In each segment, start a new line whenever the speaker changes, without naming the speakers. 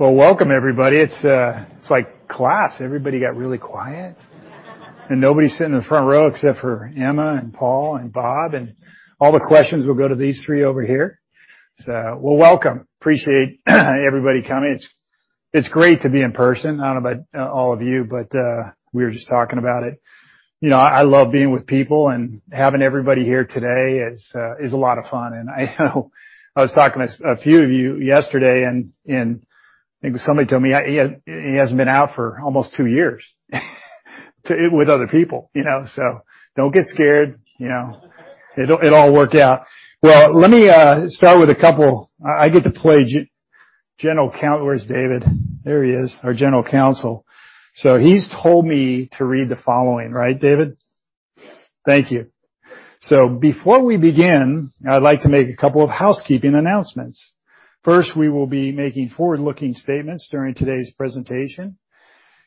Well, welcome everybody. It's like class. Everybody got really quiet. Nobody's sitting in the front row except for Emma and Paul and Bob, and all the questions will go to these three over here. Well, welcome. Appreciate everybody coming. It's great to be in person. I don't know about all of you, but we were just talking about it. You know, I love being with people and having everybody here today is a lot of fun. I know I was talking to a few of you yesterday and I think somebody told me he hasn't been out for almost two years with other people, you know. Don't get scared, you know. It'll all work out. Well, let me start with a couple. I get to play general counsel. Where's David? There he is, our general counsel. He's told me to read the following. Right, David? Thank you. Before we begin, I'd like to make a couple of housekeeping announcements. First, we will be making forward-looking statements during today's presentation,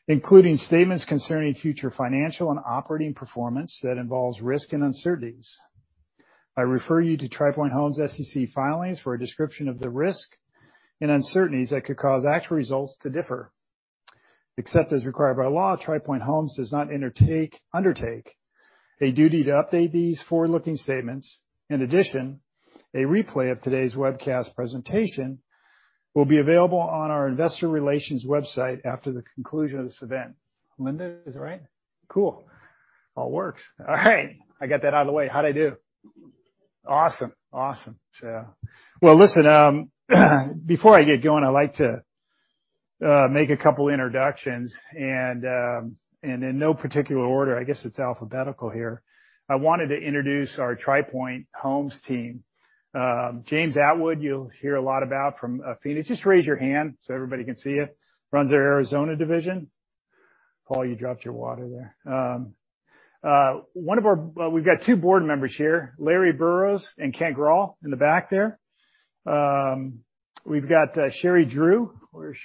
including statements concerning future financial and operating performance that involves risk and uncertainties. I refer you to Tri Pointe Homes SEC filings for a description of the risk and uncertainties that could cause actual results to differ. Except as required by law, Tri Pointe Homes does not undertake a duty to update these forward-looking statements. In addition, a replay of today's webcast presentation will be available on our investor relations website after the conclusion of this event. Linda, is that right? Cool. All works. All right, I got that out of the way. How'd I do?
Good.
Awesome. Well, listen, before I get going, I'd like to make a couple introductions and in no particular order, I guess it's alphabetical here. I wanted to introduce our Tri Pointe Homes team. James Attwood, you'll hear a lot about from Phoenix. Just raise your hand so everybody can see you. Runs our Arizona division. Paul, you dropped your water there. Well, we've got two board members here, Larry Burrows and Kent Grahl in the back there. We've got Sherri Drew.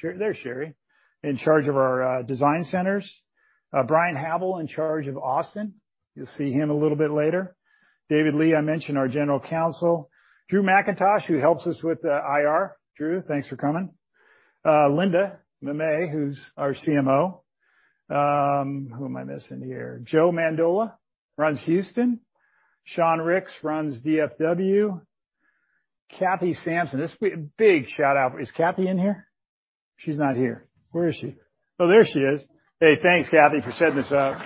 There's Sherri. In charge of our design centers. Bryan Havel in charge of Austin. You'll see him a little bit later. David Lee, I mentioned, our General Counsel. Drew Mackintosh, who helps us with IR. Drew, thanks for coming. Linda Mamet, who's our CMO. Who am I missing here? Joe Mandola runs Houston. Sean Ricks runs DFW. Kathy Sampson. Big shout out. Is Kathy in here? She's not here. Where is she? Oh, there she is. Hey, thanks, Kathy, for setting this up.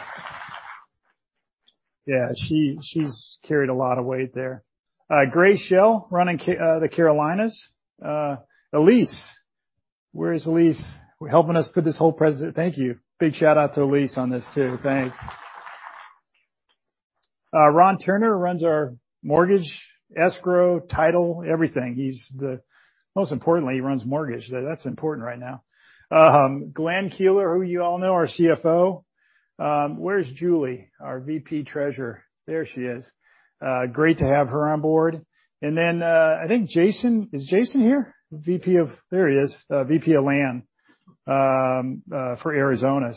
Yeah, she's carried a lot of weight there. Gray Shell, running the Carolinas. Elise. Where is Elise? Thank you. Big shout out to Elise on this, too. Thanks. Ron Turner runs our mortgage, escrow, title, everything. Most importantly, he runs mortgage. That's important right now. Glenn Keeler, who you all know, our CFO. Where's Julie, our VP Treasurer? There she is. Great to have her on board. I think Jason. Is Jason here? There he is. VP of Land for Arizona.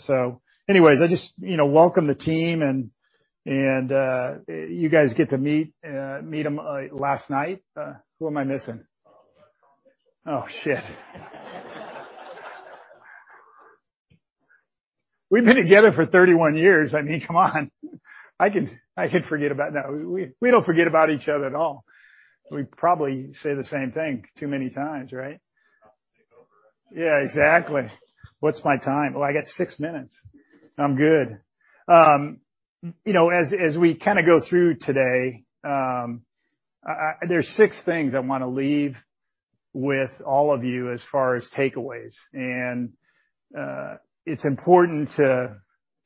Anyways, I just, you know, welcome the team and you guys get to meet them last night. Who am I missing?
Tom Mitchell.
Oh, shit. We've been together for 31 years. I mean, come on. No. We don't forget about each other at all. We probably say the same thing too many times, right?
Take over.
Yeah, exactly. What's my time? Oh, I got six minutes. I'm good. You know, as we kinda go through today, there's six things I wanna leave with all of you as far as takeaways. It's important to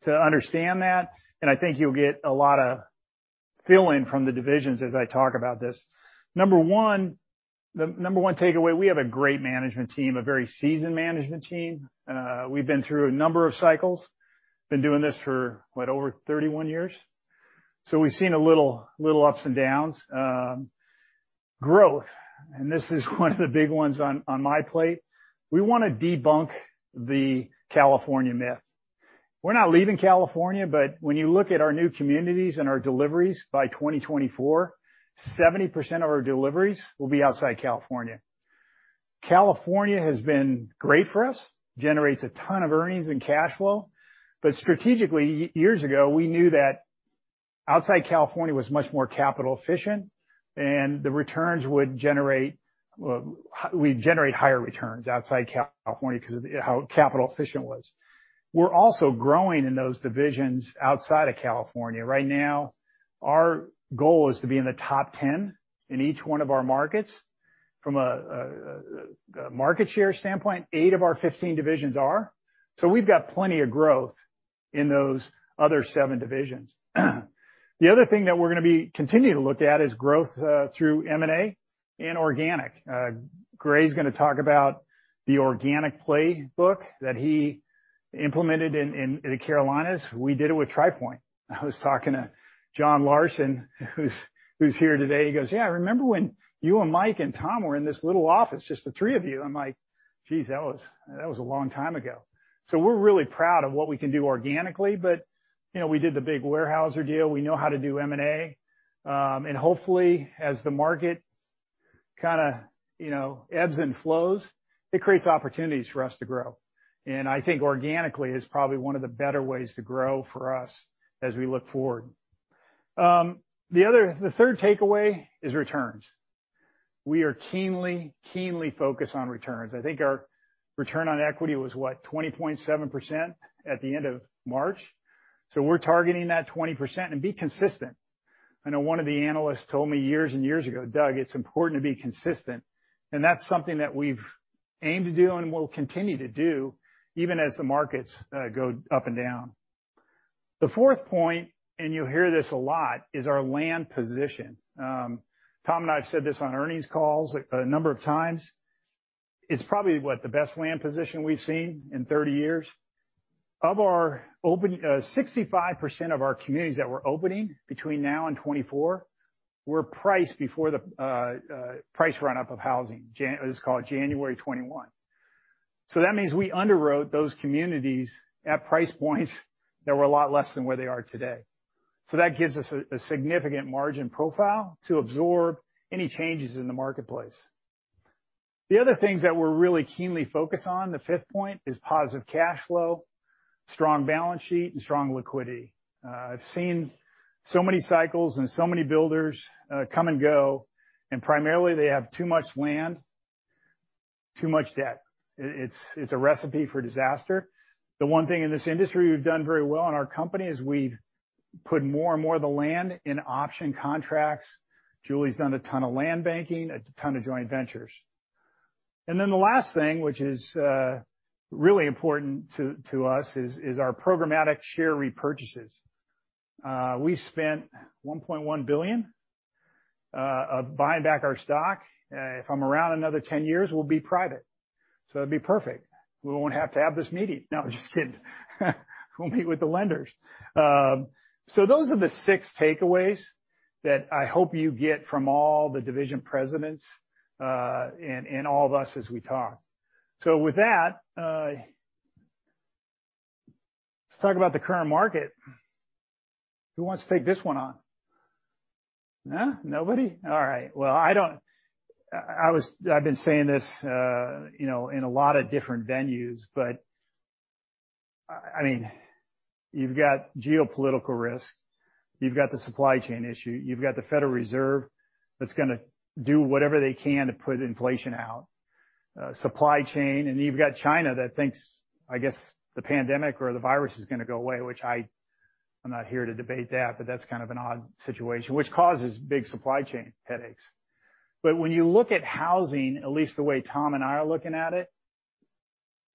understand that, and I think you'll get a lot of feeling from the divisions as I talk about this. Number one. The number one takeaway, we have a great management team, a very seasoned management team. We've been through a number of cycles. Been doing this for what? Over 31 years. So we've seen a little ups and downs. Growth, and this is one of the big ones on my plate. We wanna debunk the California myth. We're not leaving California, but when you look at our new communities and our deliveries by 2024, 70% of our deliveries will be outside California. California has been great for us, generates a ton of earnings and cash flow, but strategically, years ago, we knew that outside California was much more capital efficient and the returns would generate, we'd generate higher returns outside California 'cause of how capital efficient it was. We're also growing in those divisions outside of California. Right now, our goal is to be in the top 10 in each one of our markets. From a market share standpoint, eight of our 15 divisions are. So we've got plenty of growth in those other seven divisions. The other thing that we're gonna be continuing to look at is growth through M&A and organic. Gray's gonna talk about the organic playbook that he implemented in the Carolinas. We did it with Tri Pointe. I was talking to John Larson, who's here today. He goes, "Yeah, I remember when you and Mike and Tom were in this little office, just the three of you." I'm like, "Geez, that was a long time ago." We're really proud of what we can do organically. You know, we did the big Weyerhaeuser deal. We know how to do M&A. Hopefully, as the market kinda, you know, ebbs and flows, it creates opportunities for us to grow. I think organically is probably one of the better ways to grow for us as we look forward. The third takeaway is returns. We are keenly focused on returns. I think our return on equity was, what? 20.7% at the end of March. We're targeting that 20% and be consistent. I know one of the analysts told me years and years ago, "Doug, it's important to be consistent." That's something that we've aimed to do and will continue to do, even as the markets go up and down. The fourth point, and you'll hear this a lot, is our land position. Tom and I have said this on earnings calls a number of times. It's probably, what? The best land position we've seen in 30 years. Of our open, 65% of our communities that we're opening between now and 2024 were priced before the price run-up of housing. Let's call it January 2021. That means we underwrote those communities at price points that were a lot less than where they are today. That gives us a significant margin profile to absorb any changes in the marketplace. The other things that we're really keenly focused on, the fifth point, is positive cash flow, strong balance sheet, and strong liquidity. I've seen so many cycles and so many builders come and go, and primarily they have too much land, too much debt. It's a recipe for disaster. The one thing in this industry we've done very well in our company is we've put more and more of the land in option contracts. Julie's done a ton of land banking, a ton of joint ventures. Then the last thing, which is really important to us is our programmatic share repurchases. We spent $1.1 billion of buying back our stock. If I'm around another 10 years, we'll be private. It'll be perfect. We won't have to have this meeting. No, just kidding. We'll meet with the lenders. Those are the six takeaways that I hope you get from all the division presidents, and all of us as we talk. With that, let's talk about the current market. Who wants to take this one on? Huh? Nobody? All right. Well, I've been saying this, you know, in a lot of different venues, but, I mean, you've got geopolitical risk, you've got the supply chain issue, you've got the Federal Reserve that's gonna do whatever they can to put inflation out. Supply chain, and you've got China that thinks, I guess, the pandemic or the virus is gonna go away. I'm not here to debate that, but that's kind of an odd situation, which causes big supply chain headaches. When you look at housing, at least the way Tom and I are looking at it,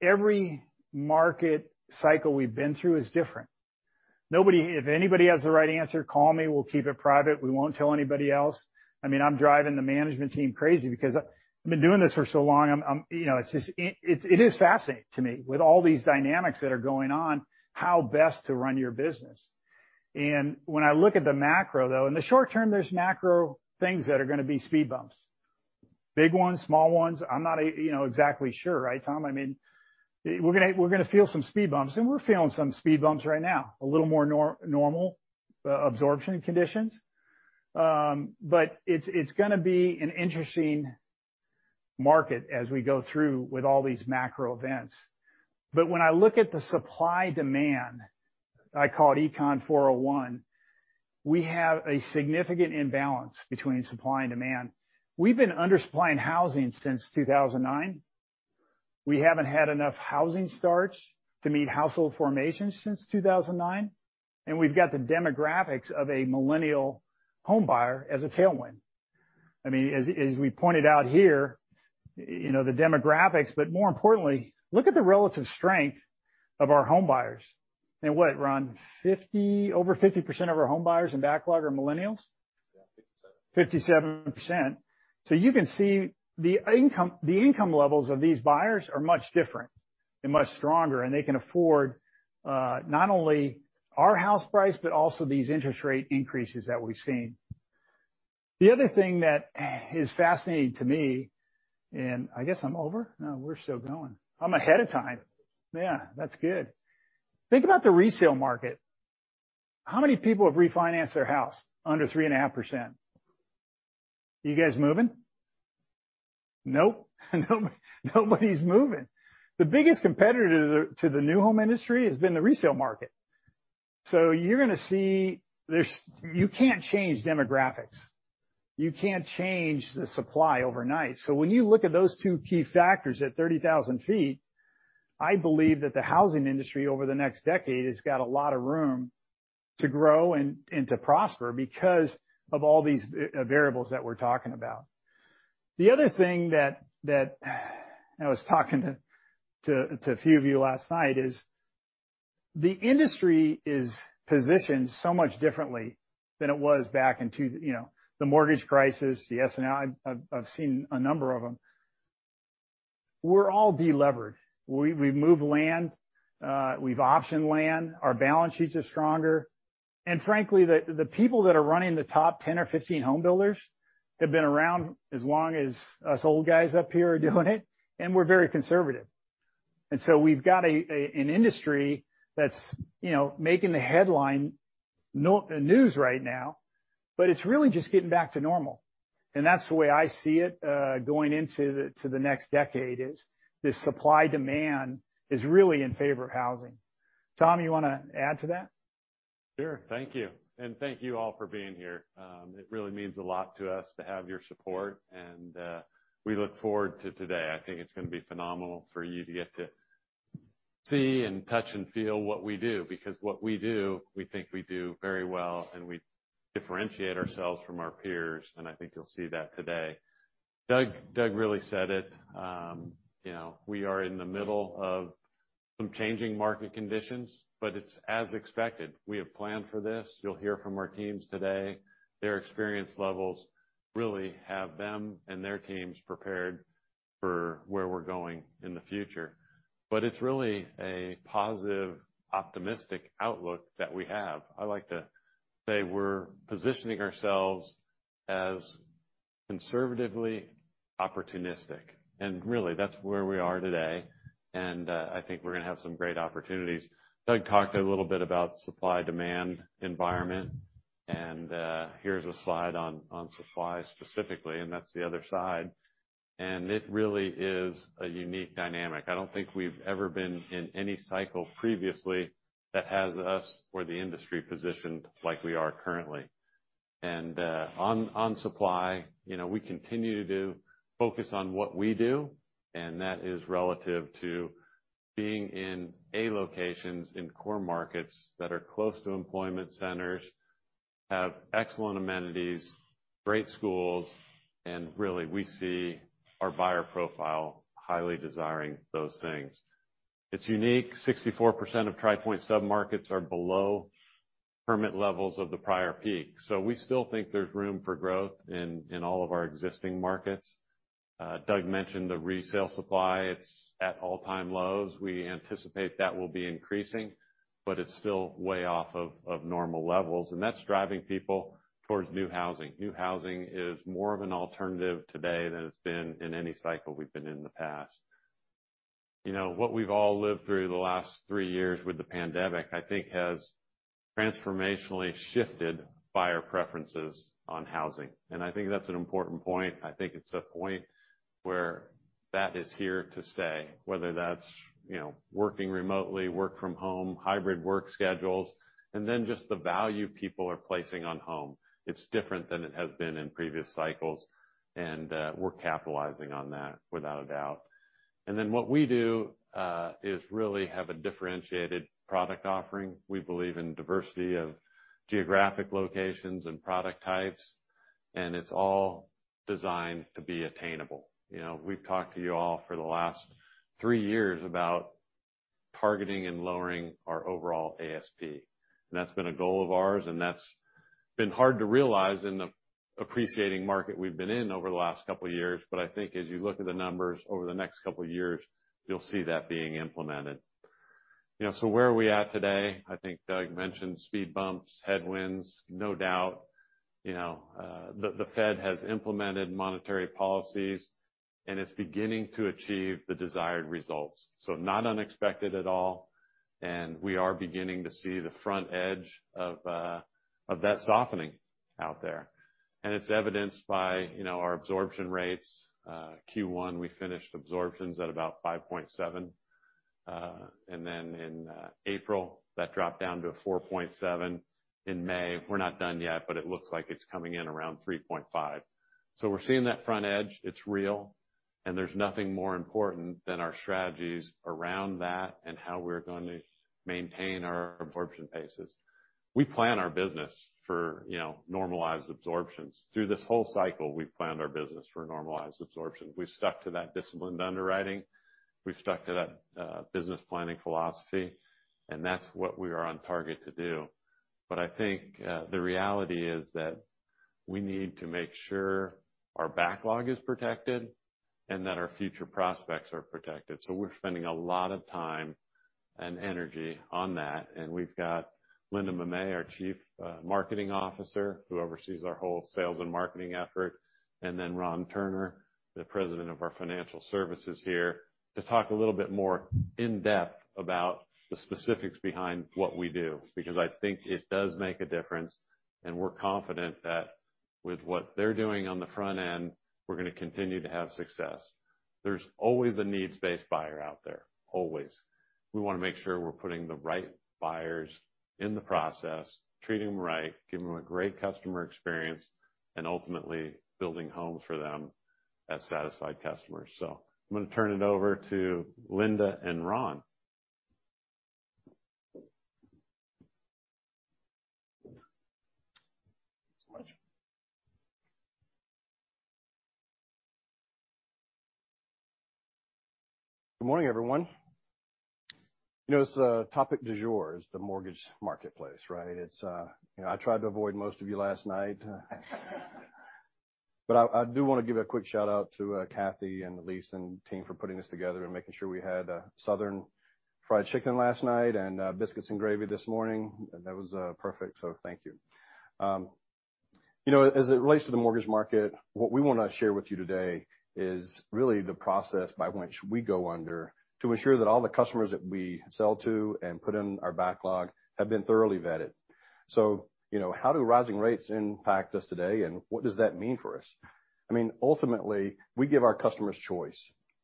every market cycle we've been through is different. If anybody has the right answer, call me, we'll keep it private, we won't tell anybody else. I mean, I'm driving the management team crazy because I've been doing this for so long, I'm you know, it's just in. It is fascinating to me, with all these dynamics that are going on, how best to run your business. When I look at the macro, though, in the short term, there's macro things that are gonna be speed bumps. Big ones, small ones, I'm not you know, exactly sure, right, Tom? I mean, we're gonna feel some speed bumps. We're feeling some speed bumps right now. A little more normal absorption conditions. It's gonna be an interesting market as we go through with all these macro events. When I look at the supply-demand, I call it Econ 401, we have a significant imbalance between supply and demand. We've been undersupplying housing since 2009. We haven't had enough housing starts to meet household formations since 2009, and we've got the demographics of a millennial homebuyer as a tailwind. I mean, as we pointed out here, you know, the demographics, but more importantly, look at the relative strength of our homebuyers. What, Ron? 50%, over 50% of our homebuyers and backlog are millennials?
Yeah, 57%.
57%. You can see the income levels of these buyers are much different and much stronger, and they can afford not only our house price, but also these interest rate increases that we've seen. The other thing that is fascinating to me, and I guess I'm over? No, we're still going. I'm ahead of time. Yeah, that's good. Think about the resale market. How many people have refinanced their house under 3.5%? You guys moving? Nope. Nobody's moving. The biggest competitor to the new home industry has been the resale market. You're gonna see there's. You can't change demographics. You can't change the supply overnight. When you look at those two key factors at 30,000 ft, I believe that the housing industry over the next decade has got a lot of room to grow and to prosper because of all these variables that we're talking about. The other thing that I was talking to a few of you last night is the industry is positioned so much differently than it was back in 2008, you know, the mortgage crisis, the S&L. I've seen a number of them. We're all de-levered. We've moved land, we've optioned land, our balance sheets are stronger. Frankly, the people that are running the top 10 or 15 home builders have been around as long as us old guys up here are doing it, and we're very conservative. We've got an industry that's, you know, making the headline news right now, but it's really just getting back to normal. That's the way I see it, going into the next decade is this supply-demand is really in favor of housing. Tom, you wanna add to that?
Sure. Thank you. Thank you all for being here. It really means a lot to us to have your support, and we look forward to today. I think it's gonna be phenomenal for you to get to see and touch and feel what we do because what we do, we think we do very well, and we differentiate ourselves from our peers, and I think you'll see that today. Doug really said it. You know, we are in the middle of some changing market conditions, it's as expected. We have planned for this. You'll hear from our teams today. Their experience levels really have them and their teams prepared for where we're going in the future. It's really a positive, optimistic outlook that we have. I like to say we're positioning ourselves as conservatively opportunistic, and really that's where we are today. I think we're gonna have some great opportunities. Doug talked a little bit about supply-demand environment, and here's a slide on supply specifically, and that's the other side. It really is a unique dynamic. I don't think we've ever been in any cycle previously that has us or the industry positioned like we are currently. On supply, you know, we continue to focus on what we do, and that is relative to being in A locations in core markets that are close to employment centers, have excellent amenities, great schools, and really, we see our buyer profile highly desiring those things. It's unique. 64% of Tri Pointe submarkets are below permit levels of the prior peak. So we still think there's room for growth in all of our existing markets. Doug mentioned the resale supply. It's at all-time lows. We anticipate that will be increasing, but it's still way off of normal levels, and that's driving people towards new housing. New housing is more of an alternative today than it's been in any cycle we've been in in the past. You know, what we've all lived through the last three years with the pandemic, I think has transformationally shifted buyer preferences on housing, and I think that's an important point. I think it's a point where that is here to stay, whether that's, you know, working remotely, work from home, hybrid work schedules, and then just the value people are placing on home. It's different than it has been in previous cycles, and we're capitalizing on that without a doubt. What we do is really have a differentiated product offering. We believe in diversity of geographic locations and product types, and it's all designed to be attainable. You know, we've talked to you all for the last three years about targeting and lowering our overall ASP, and that's been a goal of ours, and that's been hard to realize in the appreciating market we've been in over the last couple of years. But I think as you look at the numbers over the next couple of years, you'll see that being implemented. You know, so where are we at today? I think Doug mentioned speed bumps, headwinds, no doubt. You know, the Fed has implemented monetary policies, and it's beginning to achieve the desired results. So not unexpected at all, and we are beginning to see the front edge of that softening out there. It's evidenced by, you know, our absorption rates. Q1, we finished absorptions at about 5.7. In April, that dropped down to a 4.7. In May, we're not done yet, but it looks like it's coming in around 3.5. We're seeing that front edge, it's real, and there's nothing more important than our strategies around that and how we're going to maintain our absorption paces. We plan our business for, you know, normalized absorptions. Through this whole cycle, we've planned our business for normalized absorption. We've stuck to that disciplined underwriting. We've stuck to that business planning philosophy, and that's what we are on target to do. I think the reality is that we need to make sure our backlog is protected and that our future prospects are protected. We're spending a lot of time and energy on that. We've got Linda Mamet, our Chief Marketing Officer, who oversees our whole sales and marketing effort, and then Ron Turner, the President of our Financial Services here, to talk a little bit more in-depth about the specifics behind what we do because I think it does make a difference, and we're confident that with what they're doing on the front end, we're gonna continue to have success. There's always a needs-based buyer out there, always. We wanna make sure we're putting the right buyers in the process, treating them right, giving them a great customer experience, and ultimately building homes for them as satisfied customers. I'm gonna turn it over to Linda and Ron.
Good morning, everyone. You know, it's topic du jour is the mortgage marketplace, right? It's you know, I tried to avoid most of you last night. I do wanna give a quick shout-out to Kathy and Elise and team for putting this together and making sure we had southern fried chicken last night and biscuits and gravy this morning. That was perfect. Thank you. You know, as it relates to the mortgage market, what we wanna share with you today is really the process by which we underwrite to ensure that all the customers that we sell to and put in our backlog have been thoroughly vetted. You know, how do rising rates impact us today and what does that mean for us? I mean, ultimately, we give our customers choice,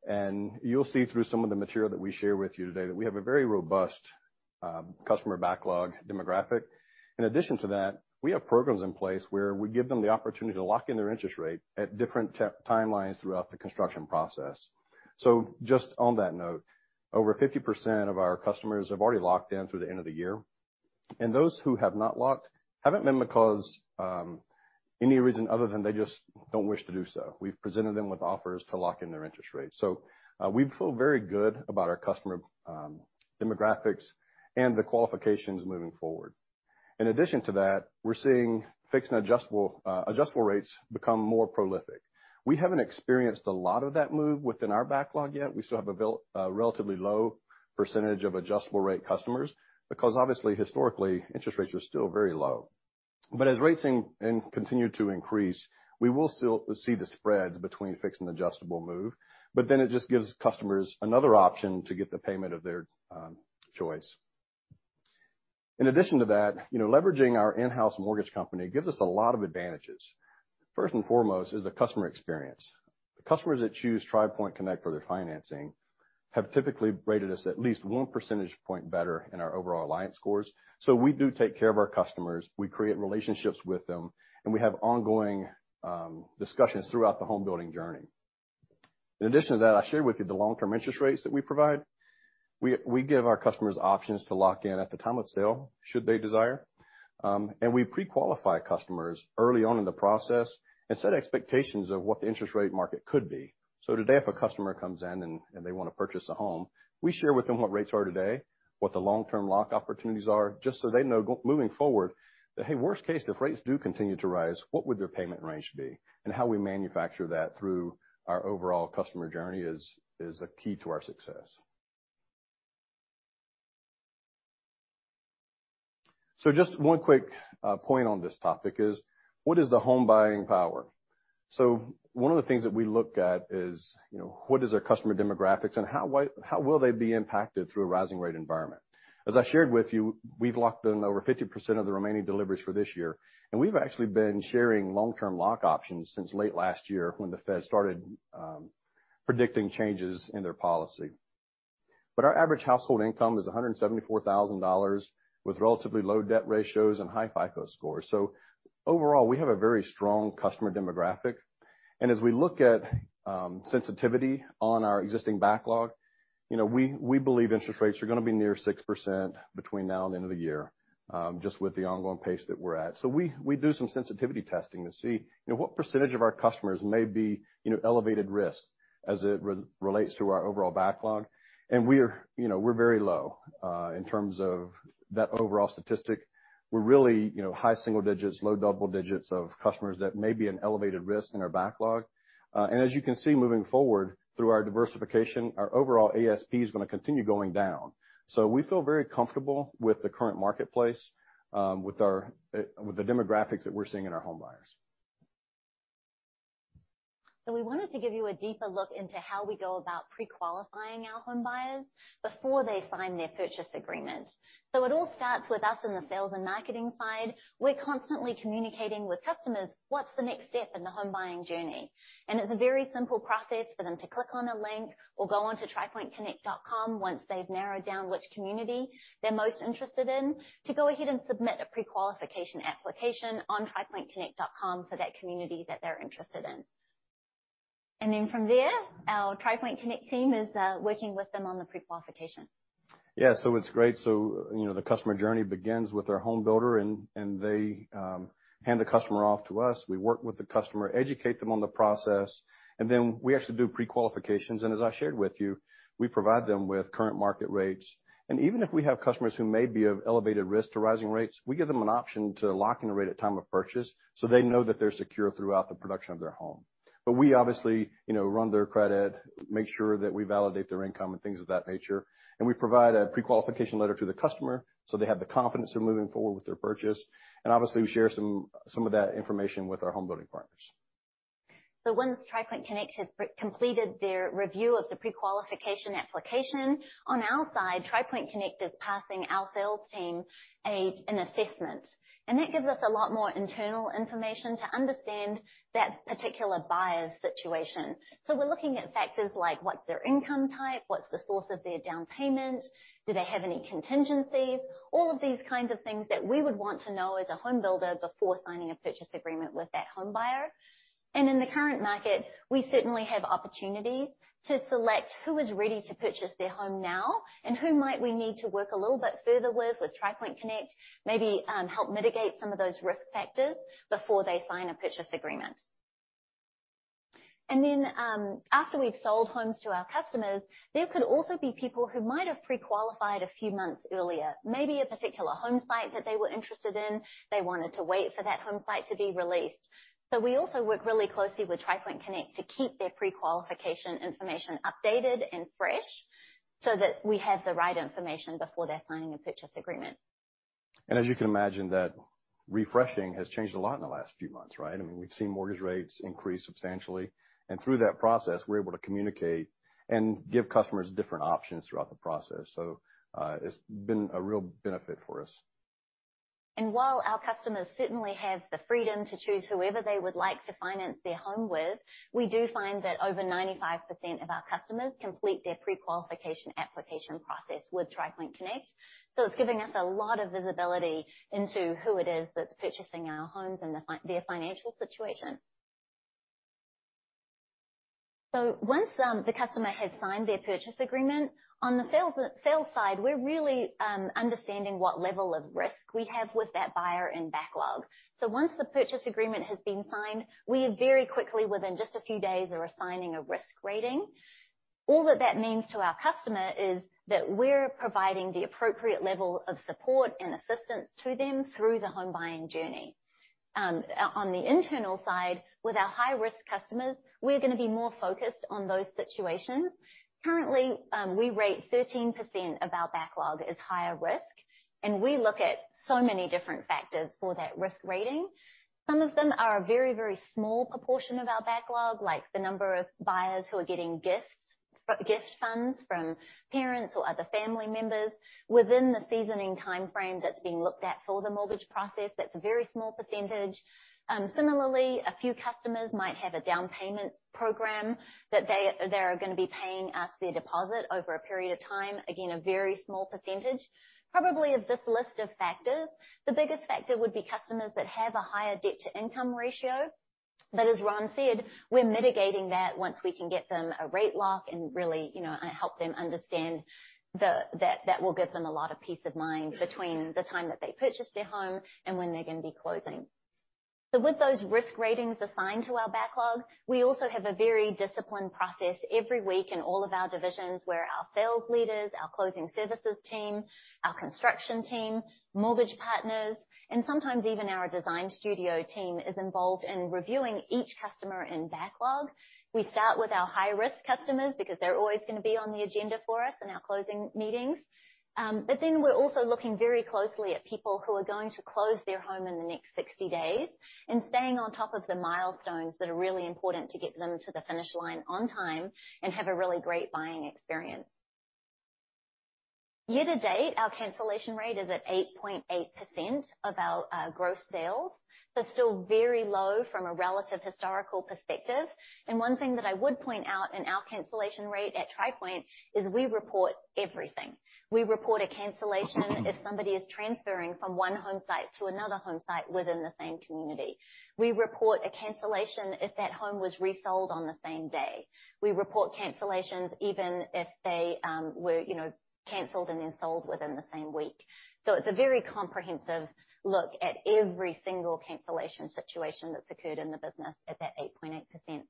and you'll see through some of the material that we share with you today that we have a very robust customer backlog demographic. In addition to that, we have programs in place where we give them the opportunity to lock in their interest rate at different timelines throughout the construction process. Just on that note, over 50% of our customers have already locked in through the end of the year, and those who have not locked haven't been because any reason other than they just don't wish to do so. We've presented them with offers to lock in their interest rate. We feel very good about our customer demographics and the qualifications moving forward. In addition to that, we're seeing fixed and adjustable rates become more prolific. We haven't experienced a lot of that move within our backlog yet. We still have a relatively low percentage of adjustable rate customers because obviously, historically, interest rates are still very low. As rates continue to increase, we will still see the spreads between fixed and adjustable move, but then it just gives customers another option to get the payment of their choice. In addition to that, you know, leveraging our in-house mortgage company gives us a lot of advantages. First and foremost is the customer experience. The customers that choose Tri Pointe Connect for their financing have typically rated us at least one percentage point better in our overall alliance scores. We do take care of our customers, we create relationships with them, and we have ongoing discussions throughout the home building journey. In addition to that, I shared with you the long-term interest rates that we provide. We give our customers options to lock in at the time of sale, should they desire. We pre-qualify customers early on in the process and set expectations of what the interest rate market could be. Today, if a customer comes in and they wanna purchase a home, we share with them what rates are today, what the long-term lock opportunities are, just so they know moving forward that, hey, worst case, if rates do continue to rise, what would their payment range be? How we manufacture that through our overall customer journey is a key to our success. Just one quick point on this topic is what is the home buying power? One of the things that we look at is, you know, what is our customer demographics and how will they be impacted through a rising rate environment? As I shared with you, we've locked in over 50% of the remaining deliveries for this year, and we've actually been sharing long-term lock options since late last year when the Fed started predicting changes in their policy. Our average household income is $174,000 with relatively low debt ratios and high FICO scores. Overall, we have a very strong customer demographic, and as we look at sensitivity on our existing backlog, you know, we believe interest rates are gonna be near 6% between now and the end of the year, just with the ongoing pace that we're at. We do some sensitivity testing to see, you know, what percentage of our customers may be, you know, elevated risk as it relates to our overall backlog. We're very low, you know, in terms of that overall statistic. We're really, you know, high single digits, low double digits of customers that may be an elevated risk in our backlog. As you can see, moving forward through our diversification, our overall ASP is gonna continue going down. We feel very comfortable with the current marketplace, with the demographics that we're seeing in our home buyers.
We wanted to give you a deeper look into how we go about pre-qualifying our home buyers before they sign their purchase agreement. It all starts with us in the sales and marketing side. We're constantly communicating with customers, what's the next step in the home buying journey? It's a very simple process for them to click on a link or go onto tripointeconnect.com once they've narrowed down which community they're most interested in to go ahead and submit a pre-qualification application on tripointeconnect.com for that community that they're interested in. Then from there, our Tri Pointe Connect team is working with them on the pre-qualification.
Yeah. It's great. You know, the customer journey begins with their home builder and they hand the customer off to us. We work with the customer, educate them on the process, and then we actually do pre-qualifications. As I shared with you, we provide them with current market rates. Even if we have customers who may be of elevated risk to rising rates, we give them an option to lock in a rate at time of purchase, so they know that they're secure throughout the production of their home. We obviously, you know, run their credit, make sure that we validate their income and things of that nature, and we provide a pre-qualification letter to the customer so they have the confidence in moving forward with their purchase. Obviously, we share some of that information with our home building partners.
Once Tri Pointe Connect has completed their review of the pre-qualification application, on our side, Tri Pointe Connect is passing our sales team an assessment. That gives us a lot more internal information to understand that particular buyer's situation. We're looking at factors like what's their income type, what's the source of their down payment, do they have any contingencies? All of these kinds of things that we would want to know as a home builder before signing a purchase agreement with that home buyer. In the current market, we certainly have opportunities to select who is ready to purchase their home now and who might we need to work a little bit further with Tri Pointe Connect, maybe, help mitigate some of those risk factors before they sign a purchase agreement. After we've sold homes to our customers, there could also be people who might have pre-qualified a few months earlier. Maybe a particular home site that they were interested in, they wanted to wait for that home site to be released. We also work really closely with Tri Pointe Connect to keep their pre-qualification information updated and fresh so that we have the right information before they're signing a purchase agreement.
As you can imagine, that refreshing has changed a lot in the last few months, right? I mean, we've seen mortgage rates increase substantially, and through that process, we're able to communicate and give customers different options throughout the process. It's been a real benefit for us.
While our customers certainly have the freedom to choose whoever they would like to finance their home with, we do find that over 95% of our customers complete their pre-qualification application process with Tri Pointe Connect. It's giving us a lot of visibility into who it is that's purchasing our homes and their financial situation. Once the customer has signed their purchase agreement, on the sales side, we're really understanding what level of risk we have with that buyer in backlog. Once the purchase agreement has been signed, we very quickly, within just a few days, are assigning a risk rating. All that means to our customer is that we're providing the appropriate level of support and assistance to them through the home buying journey. On the internal side, with our high-risk customers, we're gonna be more focused on those situations. Currently, we rate 13% of our backlog as higher risk, and we look at so many different factors for that risk rating. Some of them are a very, very small proportion of our backlog, like the number of buyers who are getting gifts, gift funds from parents or other family members within the seasoning timeframe that's being looked at for the mortgage process. That's a very small percentage. Similarly, a few customers might have a down payment program that they are gonna be paying us their deposit over a period of time. Again, a very small percentage. Probably of this list of factors, the biggest factor would be customers that have a higher debt-to-income ratio. As Ron said, we're mitigating that once we can get them a rate lock and really, you know, help them understand that that will give them a lot of peace of mind between the time that they purchase their home and when they're gonna be closing. With those risk ratings assigned to our backlog, we also have a very disciplined process every week in all of our divisions where our sales leaders, our closing services team, our construction team, mortgage partners, and sometimes even our design studio team is involved in reviewing each customer in backlog. We start with our high-risk customers because they're always gonna be on the agenda for us in our closing meetings. We're also looking very closely at people who are going to close their home in the next 60 days and staying on top of the miltones that are really important to get them to the finish line on time and have a really great buying experience. Year to date, our cancellation rate is at 8.8% of our gross sales, so still very low from a relative historical perspective. One thing that I would point out in our cancellation rate at Tri Pointe is we report everything. We report a cancellation if somebody is transferring from one home site to another home site within the same community. We report a cancellation if that home was resold on the same day. We report cancellations even if they were, you know, canceled and then sold within the same week. It's a very comprehensive look at every single cancellation situation that's occurred in the business at that 8.8%.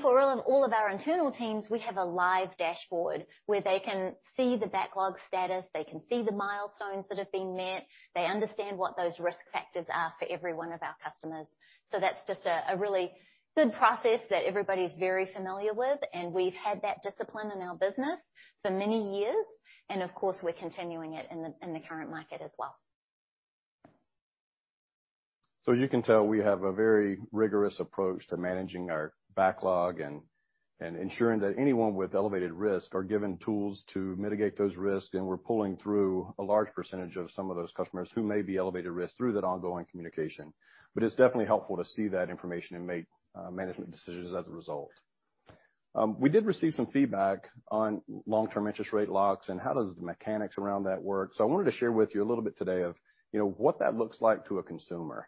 For all of our internal teams, we have a live dashboard where they can see the backlog status. They can see the miltones that have been met. They understand what those risk factors are for every one of our customers. That's just a really good process that everybody's very familiar with, and we've had that discipline in our business for many years, and of course, we're continuing it in the current market as well.
As you can tell, we have a very rigorous approach to managing our backlog and ensuring that anyone with elevated risk are given tools to mitigate those risks, and we're pulling through a large percentage of some of those customers who may be elevated risk through that ongoing communication. It's definitely helpful to see that information and make management decisions as a result. We did receive some feedback on long-term interest rate locks and how the mechanics around that work. I wanted to share with you a little bit today of, you know, what that looks like to a consumer.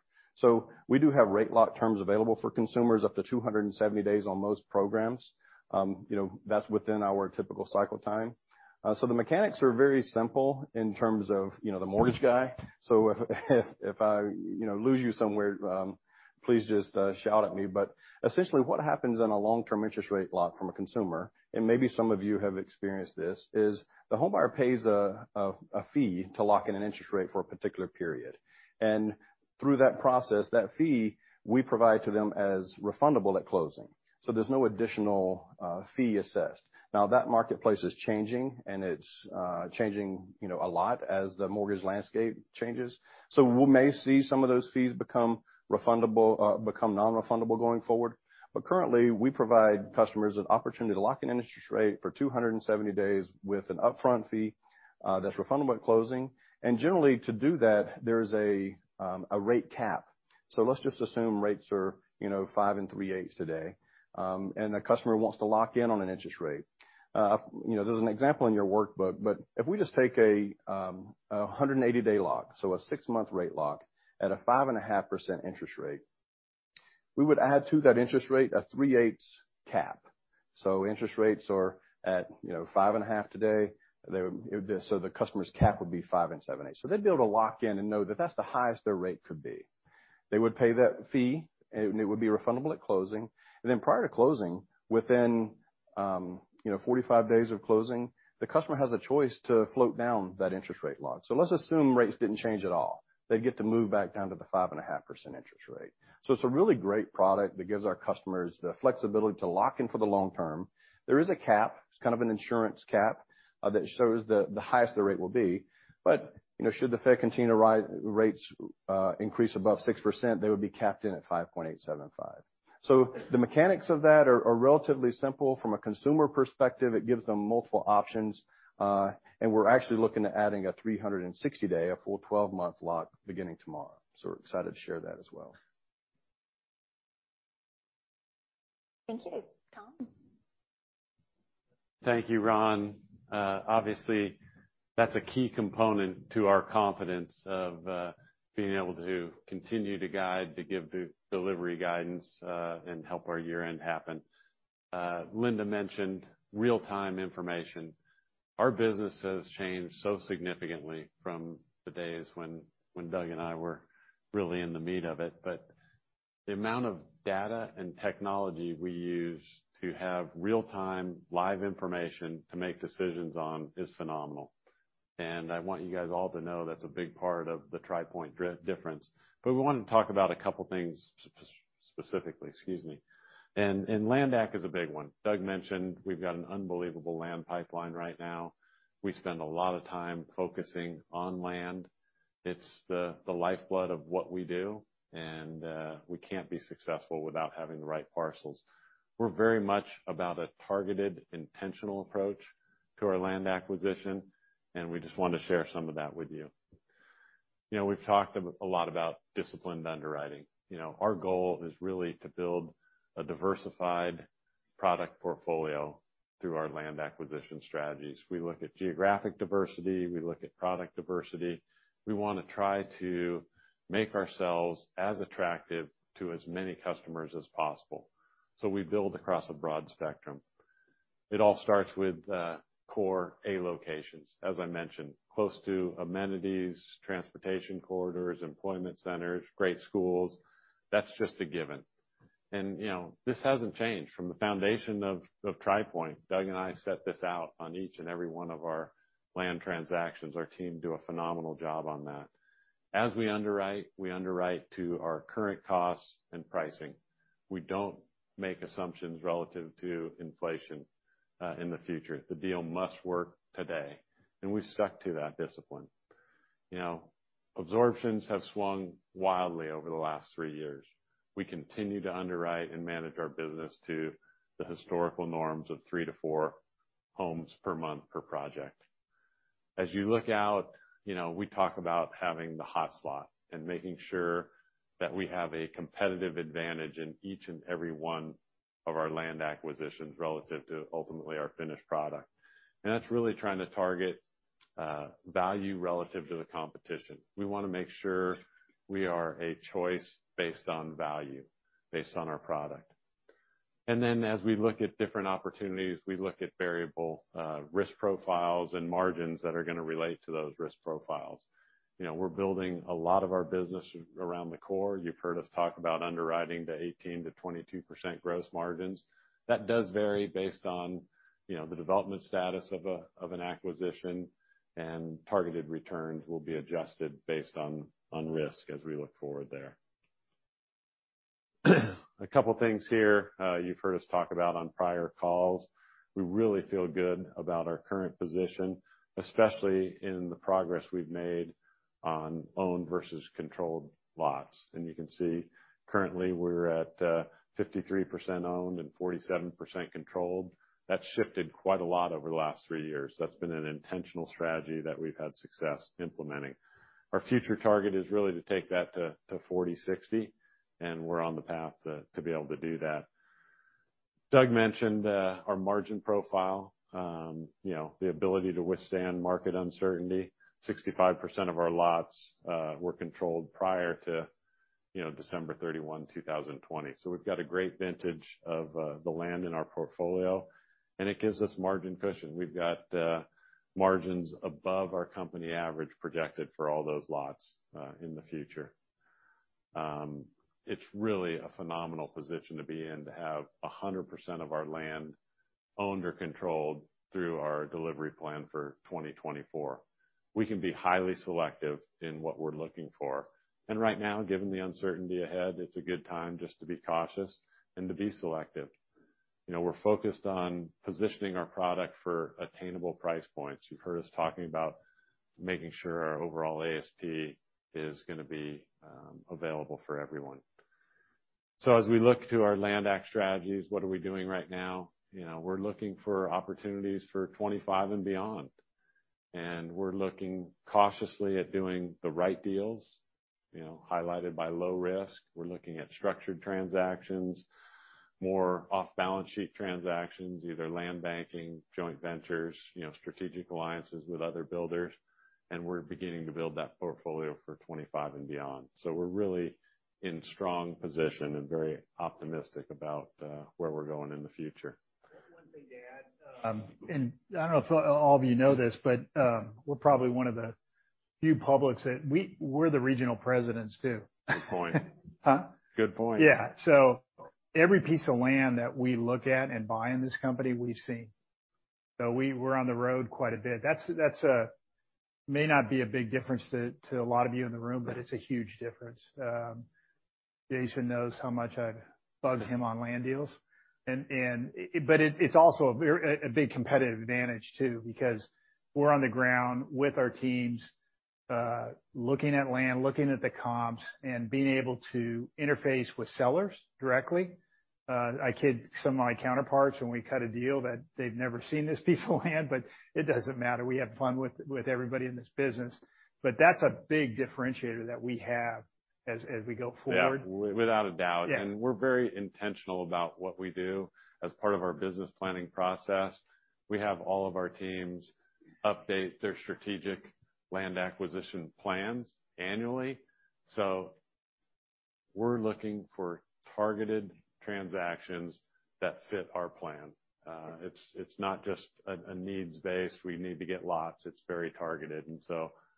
We do have rate lock terms available for consumers up to 270 days on most programs. You know, that's within our typical cycle time. The mechanics are very simple in terms of, you know, the mortgage guy. If I, you know, lose you somewhere, please just shout at me. Essentially, what happens on a long-term interest rate lock from a consumer, and maybe some of you have experienced this, is the homebuyer pays a fee to lock in an interest rate for a particular period. Through that process, that fee we provide to them as refundable at closing. There's no additional fee assessed. Now, that marketplace is changing, and it's changing, you know, a lot as the mortgage landscape changes. We may see some of those fees become refundable, become non-refundable going forward. Currently, we provide customers an opportunity to lock in an interest rate for 270 days with an upfront fee that's refundable at closing. Generally, to do that, there's a rate cap. Let's just assume rates are, you know, 5 3/8 today, and the customer wants to lock in on an interest rate. You know, there's an example in your workbook, but if we just take a 180-day lock, a six-month rate lock at a 5.5% interest rate, we would add to that interest rate a 3/8 cap. Interest rates are at, you know, 5.5% today. The customer's cap would be 5 7/8. They'd be able to lock in and know that that's the highest their rate could be. They would pay that fee, and it would be refundable at closing. Then prior to closing, within, you know, 45 days of closing, the customer has a choice to float down that interest rate lock. Let's assume rates didn't change at all. They get to move back down to the 5.5% interest rate. It's a really great product that gives our customers the flexibility to lock in for the long term. There is a cap. It's kind of an insurance cap that shows the highest the rate will be. You know, should the Fed continue to raise rates increase above 6%, they would be capped at 5.875%. The mechanics of that are relatively simple. From a consumer perspective, it gives them multiple options, and we're actually looking to adding a 360-day, a full twelve-month lock beginning tomorrow. We're excited to share that as well.
Thank you. Tom?
Thank you, Ron. Obviously, that's a key component to our confidence of being able to continue to guide, to give the delivery guidance, and help our year-end happen. Linda mentioned real-time information. Our business has changed so significantly from the days when Doug and I were really in the meat of it. The amount of data and technology we use to have real-time live information to make decisions on is phenomenal. I want you guys all to know that's a big part of the Tri Pointe difference. We wanna talk about a couple things specifically, excuse me. Land is a big one. Doug mentioned we've got an unbelievable land pipeline right now. We spend a lot of time focusing on land. It's the lifeblood of what we do, and we can't be successful without having the right parcels. We're very much about a targeted, intentional approach to our land acquisition, and we just wanna share some of that with you. You know, we've talked a lot about disciplined underwriting. You know, our goal is really to build a diversified product portfolio through our land acquisition strategies. We look at geographic diversity, we look at product diversity. We wanna try to make ourselves as attractive to as many customers as possible, so we build across a broad spectrum. It all starts with core A locations, as I mentioned, close to amenities, transportation corridors, employment centers, great schools. That's just a given. You know, this hasn't changed from the foundation of Tri Pointe. Doug and I set this out on each and every one of our land transactions. Our team do a phenomenal job on that. As we underwrite, we underwrite to our current costs and pricing. We don't make assumptions relative to inflation in the future. The deal must work today, and we've stuck to that discipline. You know, absorptions have swung wildly over the last three years. We continue to underwrite and manage our business to the historical norms of 3-4 homes per month, per project. As you look out, you know, we talk about having the hot slot and making sure that we have a competitive advantage in each and every one of our land acquisitions relative to ultimately our finished product. That's really trying to target value relative to the competition. We wanna make sure we are a choice based on value, based on our product. As we look at different opportunities, we look at variable risk profiles and margins that are gonna relate to those risk profiles. You know, we're building a lot of our business around the core. You've heard us talk about underwriting to 18%-22% gross margins. That does vary based on, you know, the development status of an acquisition, and targeted returns will be adjusted based on risk as we look forward there. A couple things here, you've heard us talk about on prior calls. We really feel good about our current position, especially in the progress we've made on owned versus controlled lots. You can see currently we're at 53% owned and 47% controlled. That's shifted quite a lot over the last three years. That's been an intentional strategy that we've had success implementing. Our future target is really to take that to 40-60, and we're on the path to be able to do that. Doug mentioned our margin profile. You know, the ability to withstand market uncertainty. 65% of our lots were controlled prior to, you know, December 31, 2020. So we've got a great vintage of the land in our portfolio, and it gives us margin cushion. We've got margins above our company average projected for all those lots in the future. It's really a phenomenal position to be in to have 100% of our land owned or controlled through our delivery plan for 2024. We can be highly selective in what we're looking for. Right now, given the uncertainty ahead, it's a good time just to be cautious and to be selective. You know, we're focused on positioning our product for attainable price points. You've heard us talking about making sure our overall ASP is gonna be available for everyone. As we look to our land acquisition strategies, what are we doing right now? You know, we're looking for opportunities for 2025 and beyond, and we're looking cautiously at doing the right deals, you know, highlighted by low risk. We're looking at structured transactions, more off-balance sheet transactions, either land banking, joint ventures, you know, strategic alliances with other builders, and we're beginning to build that portfolio for 2025 and beyond. We're really in strong position and very optimistic about where we're going in the future.
One thing to add, and I don't know if all of you know this, but we're probably one of the-
Few publics that we're the regional presidents too.
Good point.
Huh?
Good point.
Yeah. Every piece of land that we look at and buy in this company, we've seen. We're on the road quite a bit. That may not be a big difference to a lot of you in the room, but it's a huge difference. Jason knows how much I've bugged him on land deals. But it's also a big competitive advantage too, because we're on the ground with our teams, looking at land, looking at the comps and being able to interface with sellers directly. I kid some of my counterparts when we cut a deal that they've never seen this piece of land, but it doesn't matter. We have fun with everybody in this business. That's a big differentiator that we have as we go forward.
Yeah, without a doubt.
Yeah.
We're very intentional about what we do as part of our business planning process. We have all of our teams update their strategic land acquisition plans annually. We're looking for targeted transactions that fit our plan. It's not just a needs-based. We need to get lots. It's very targeted.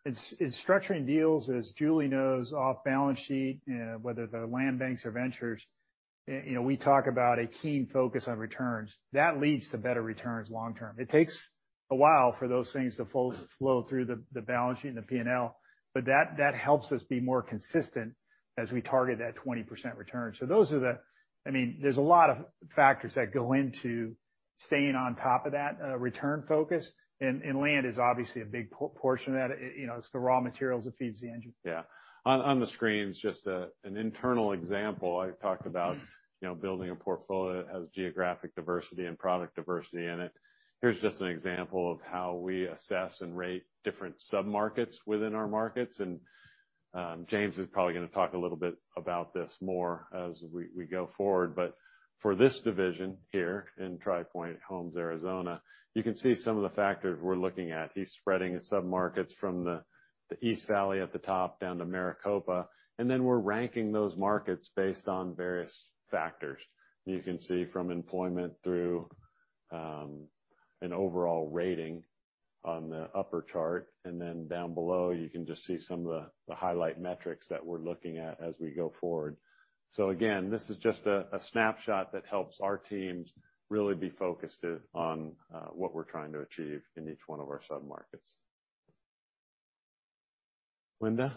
It's structuring deals, as Julie knows, off balance sheet, whether they're land banks or ventures. You know, we talk about a keen focus on returns. That leads to better returns long term. It takes a while for those things to flow through the balance sheet and the P&L, but that helps us be more consistent as we target that 20% return. Those are the. I mean, there's a lot of factors that go into staying on top of that return focus. Land is obviously a big portion of that. You know, it's the raw materials that feeds the engine.
Yeah. On the screen's just an internal example. I talked about, you know, building a portfolio that has geographic diversity and product diversity in it. Here's just an example of how we assess and rate different submarkets within our markets, and James is probably gonna talk a little bit about this more as we go forward. For this division here in Tri Pointe Homes Arizona, you can see some of the factors we're looking at. He's spreading submarkets from the East Valley at the top down to Maricopa, and then we're ranking those markets based on various factors. You can see from employment through an overall rating on the upper chart, and then down below, you can just see some of the highlight metrics that we're looking at as we go forward. Again, this is just a snapshot that helps our teams really be focused on what we're trying to achieve in each one of our submarkets. Linda.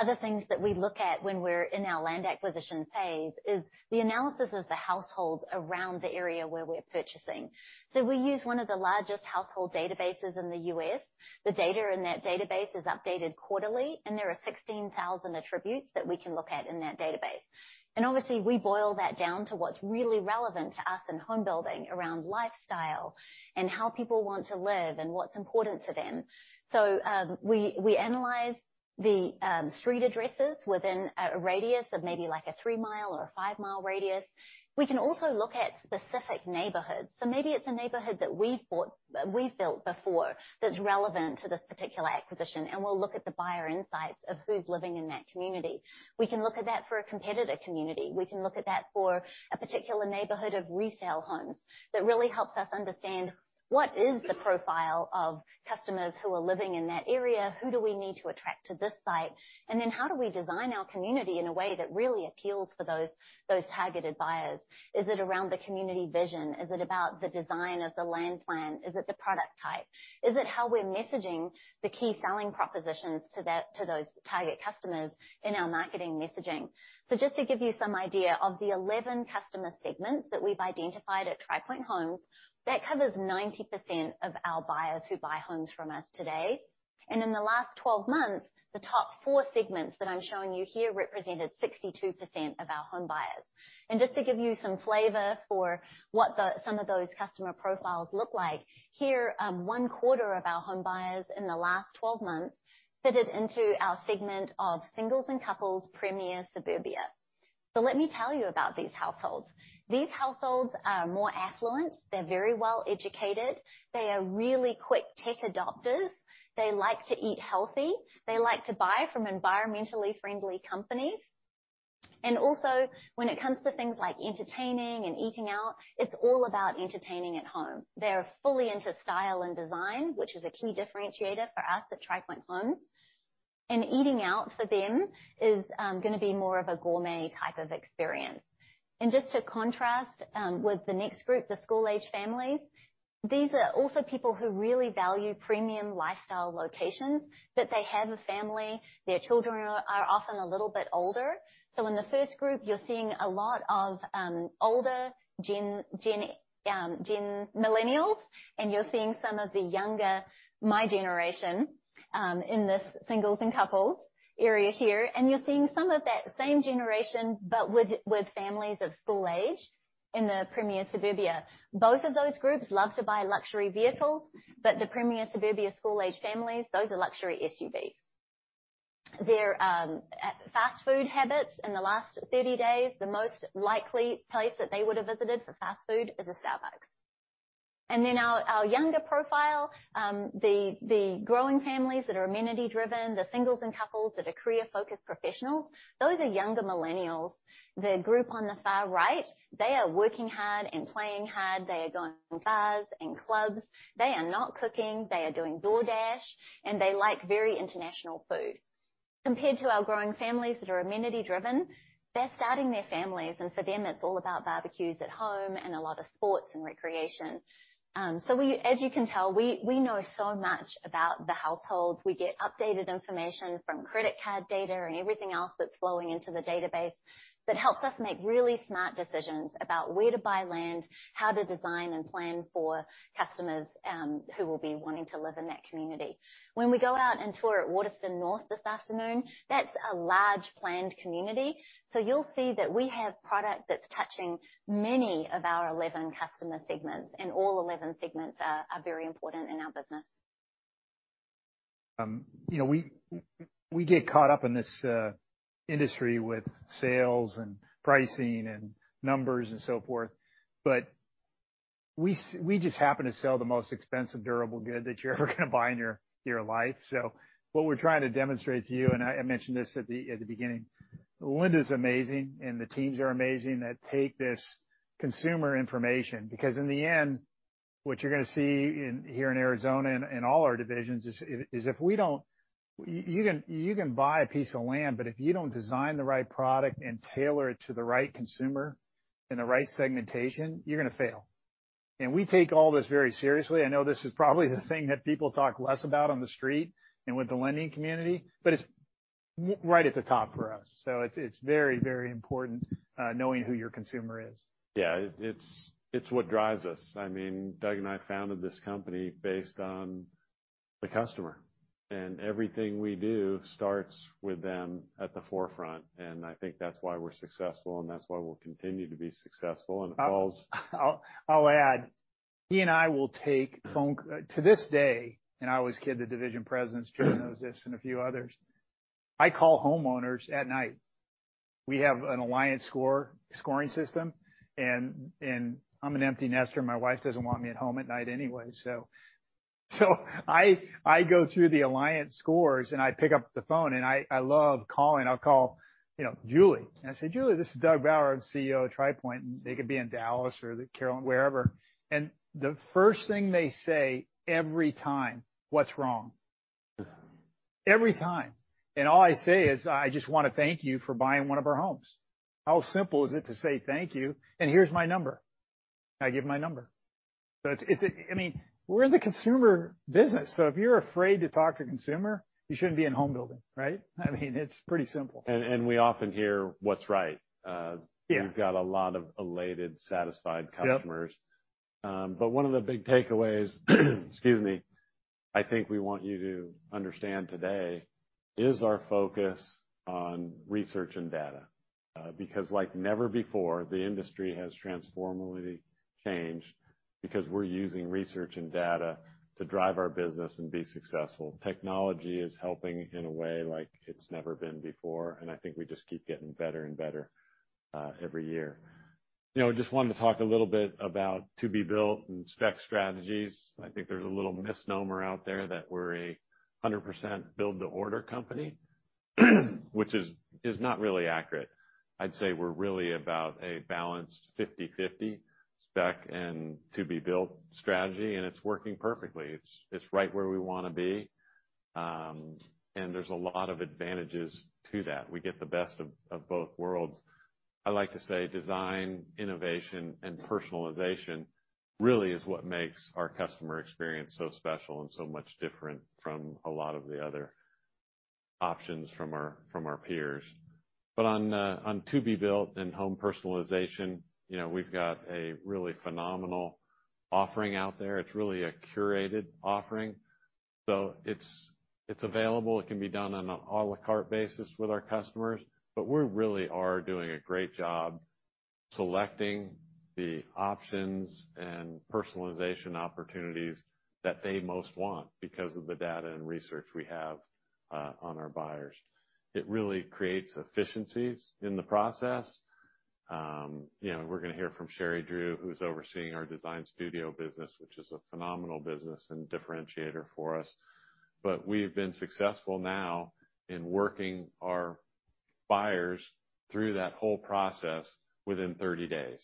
Other things that we look at when we're in our land acquisition phase is the analysis of the households around the area where we're purchasing. We use one of the largest household databases in the U.S. The data in that database is updated quarterly, and there are 16,000 attributes that we can look at in that database. Obviously, we boil that down to what's really relevant to us in home building around lifestyle and how people want to live and what's important to them. We analyze the street addresses within a radius of maybe like a 3-mil or a 5-mile radius. We can also look at specific neighborhoods. Maybe it's a neighborhood that we've built before that's relevant to this particular acquisition, and we'll look at the buyer insights of who's living in that community. We can look at that for a competitor community. We can look at that for a particular neighborhood of resale homes. That really helps us understand what is the profile of customers who are living in that area, who do we need to attract to this site, and then how do we design our community in a way that really appeals for those targeted buyers? Is it around the community vision? Is it about the design of the land plan? Is it the product type? Is it how we're messaging the key selling propositions to those target customers in our marketing messaging? Just to give you some idea of the 11 customer segments that we've identified at Tri Pointe Homes, that covers 90% of our buyers who buy homes from us today. In the last 12 months, the top four segments that I'm showing you here represented 62% of our home buyers. Just to give you some flavor for what some of those customer profiles look like, here, one quarter of our home buyers in the last 12 months fitted into our segment of singles and couples, premier suburbia. Let me tell you about these households. These households are more affluent. They're very well educated. They are really quick tech adopters. They like to eat healthy. They like to buy from environmentally friendly companies. Also, when it comes to things like entertaining and eating out, it's all about entertaining at home. They're fully into style and design, which is a key differentiator for us at Tri Pointe Homes. Eating out for them is gonna be more of a gourmet type of experience. Just to contrast with the next group, the school-age families, these are also people who really value premium lifestyle locations, but they have a family. Their children are often a little bit older. In the first group, you're seeing a lot of older gen millennials, and you're seeing some of the younger, my generation, in this singles and couples area here, and you're seeing some of that same generation, but with families of school age in the premier suburbia. Both of those groups love to buy luxury vehicles, but the premier suburbia school-age families, those are luxury SUVs. Their fast food habits in the last 30 days, the most likely place that they would have visited for fast food is a Starbucks. Our younger profile, the growing families that are amenity driven, the singles and couples that are career-focused professionals, those are younger millennials. The group on the far right, they are working hard and playing hard. They are going to bars and clubs. They are not cooking, they are doing DoorDash, and they like very international food. Compared to our growing families that are amenity driven, they're starting their families, and for them, it's all about barbecues at home and a lot of sports and recreation. As you can tell, we know so much about the households. We get updated information from credit card data and everything else that's flowing into the database that helps us make really smart decisions about where to buy land, how to design and plan for customers, who will be wanting to live in that community. When we go out and tour at Waterston North this afternoon, that's a large planned community. You'll see that we have product that's touching many of our 11 customer segments, and all 11 segments are very important in our business.
You know, we get caught up in this industry with sales and pricing and numbers and so forth, but we just happen to sell the most expensive durable good that you're ever gonna buy in your life. What we're trying to demonstrate to you, and I mentioned this at the beginning, Linda's amazing and the teams are amazing that take this consumer information because in the end, what you're gonna see in here in Arizona and all our divisions is if we don't. You can buy a piece of land, but if you don't design the right product and tailor it to the right consumer in the right segmentation, you're gonna fail. We take all this very seriously. I know this is probably the thing that people talk less about on the street and with the lending community, but it's right at the top for us. It's very, very important knowing who your consumer is.
Yeah. It's what drives us. I mean, Doug and I founded this company based on the customer, and everything we do starts with them at the forefront. I think that's why we're successful, and that's why we'll continue to be successful.
I'll add, he and I will take phone calls. To this day, I always kid the division presidents. Jim knows this and a few others. I call homeowners at night. We have an alliance score, scoring system, and I'm an empty nester, and my wife doesn't want me at home at night anyway. I go through the alliance scores, and I pick up the phone, and I love calling. I'll call, you know, Julie, and I say, "Julie, this is Doug Bauer, CEO of Tri Pointe," and they could be in Dallas or the Carolinas, wherever. The first thing they say every time, "What's wrong?" Every time. All I say is, "I just wanna thank you for buying one of our homes." How simple is it to say thank you, and here's my number? I give my number. I mean, we're in the consumer business, so if you're afraid to talk to a consumer, you shouldn't be in home building, right? I mean, it's pretty simple.
We often hear what's right.
Yeah.
We've got a lot of elated, satisfied customers.
Yep.
One of the big takeaways, excuse me, I think we want you to understand today is our focus on research and data. Because like never before, the industry has transformationally changed because we're using research and data to drive our business and be successful. Technology is helping in a way like it's never been before, and I think we just keep getting better and better every year. You know, just wanted to talk a little bit about to be built and spec strategies. I think there's a little misnomer out there that we're a 100% build to order company, which is not really accurate. I'd say we're really about a balanced 50/50 spec and to be built strategy, and it's working perfectly. It's right where we wanna be, and there's a lot of advantages to that. We get the best of both worlds. I like to say design, innovation, and personalization really is what makes our customer experience so special and so much different from a lot of the other options from our peers. On to be built and home personalization, you know, we've got a really phenomenal offering out there. It's really a curated offering. It's available, it can be done on an à la carte basis with our customers, but we really are doing a great job selecting the options and personalization opportunities that they most want because of the data and research we have on our buyers. It really creates efficiencies in the process. You know, we're gonna hear from Sherri Drew, who's overseeing our design studio business, which is a phenomenal business and differentiator for us. We've been successful now in working our buyers through that whole process within 30 days.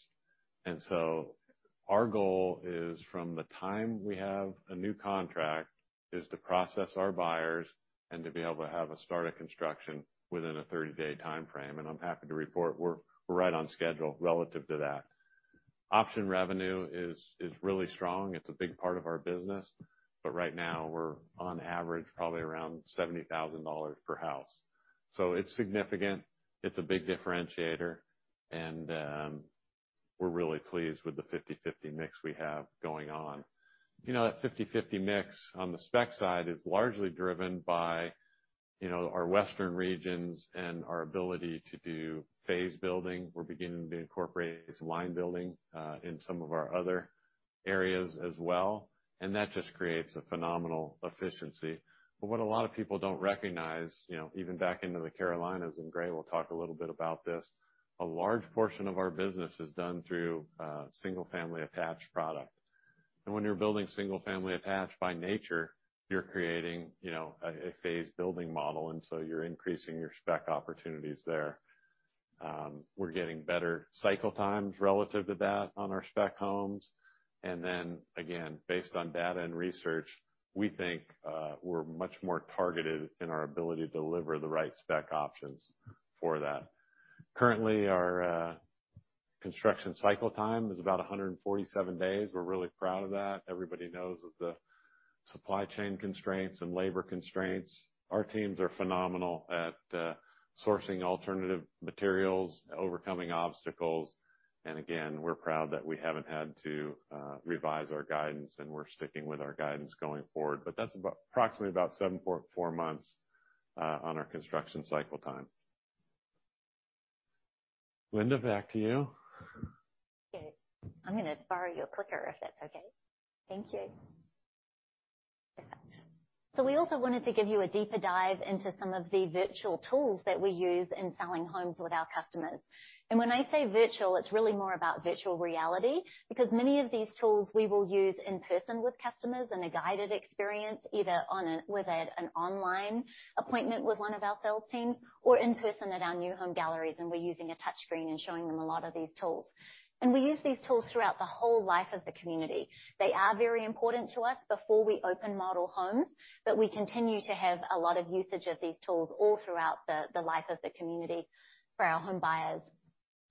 Our goal is from the time we have a new contract, is to process our buyers and to be able to have a start of construction within a 30-day timeframe. I'm happy to report we're right on schedule relative to that. Option revenue is really strong. It's a big part of our business, but right now we're on average probably around $70,000 per house. So it's significant. It's a big differentiator, and we're really pleased with the 50/50 mix we have going on. You know, that 50/50 mix on the spec side is largely driven by our western regions and our ability to do phase building. We're beginning to incorporate line building in some of our other areas as well, and that just creates a phenomenal efficiency. What a lot of people don't recognize, you know, even back into the Carolinas, and Gray will talk a little bit about this, a large portion of our business is done through a single-family attached product. When you're building single family attached by nature, you're creating, you know, a phase building model, and so you're increasing your spec opportunities there. We're getting better cycle times relative to that on our spec homes. Then again, based on data and research, we think, we're much more targeted in our ability to deliver the right spec options for that. Currently, our construction cycle time is about 147 days. We're really proud of that. Everybody knows of the supply chain constraints and labor constraints. Our teams are phenomenal at sourcing alternative materials, overcoming obstacles, and again, we're proud that we haven't had to revise our guidance and we're sticking with our guidance going forward. That's approximately 7.4 months on our construction cycle time. Linda, back to you.
Okay. I'm gonna borrow your clicker, if that's okay. Thank you. Perfect. We also wanted to give you a deeper dive into some of the virtual tools that we use in selling homes with our customers. When I say virtual, it's really more about virtual reality, because many of these tools we will use in person with customers in a guided experience, either with an online appointment with one of our sales teams or in person at our new home galleries, and we're using a touch screen and showing them a lot of these tools. We use these tools throughout the whole life of the community. They are very important to us before we open model homes, but we continue to have a lot of usage of these tools all throughout the life of the community for our home buyers.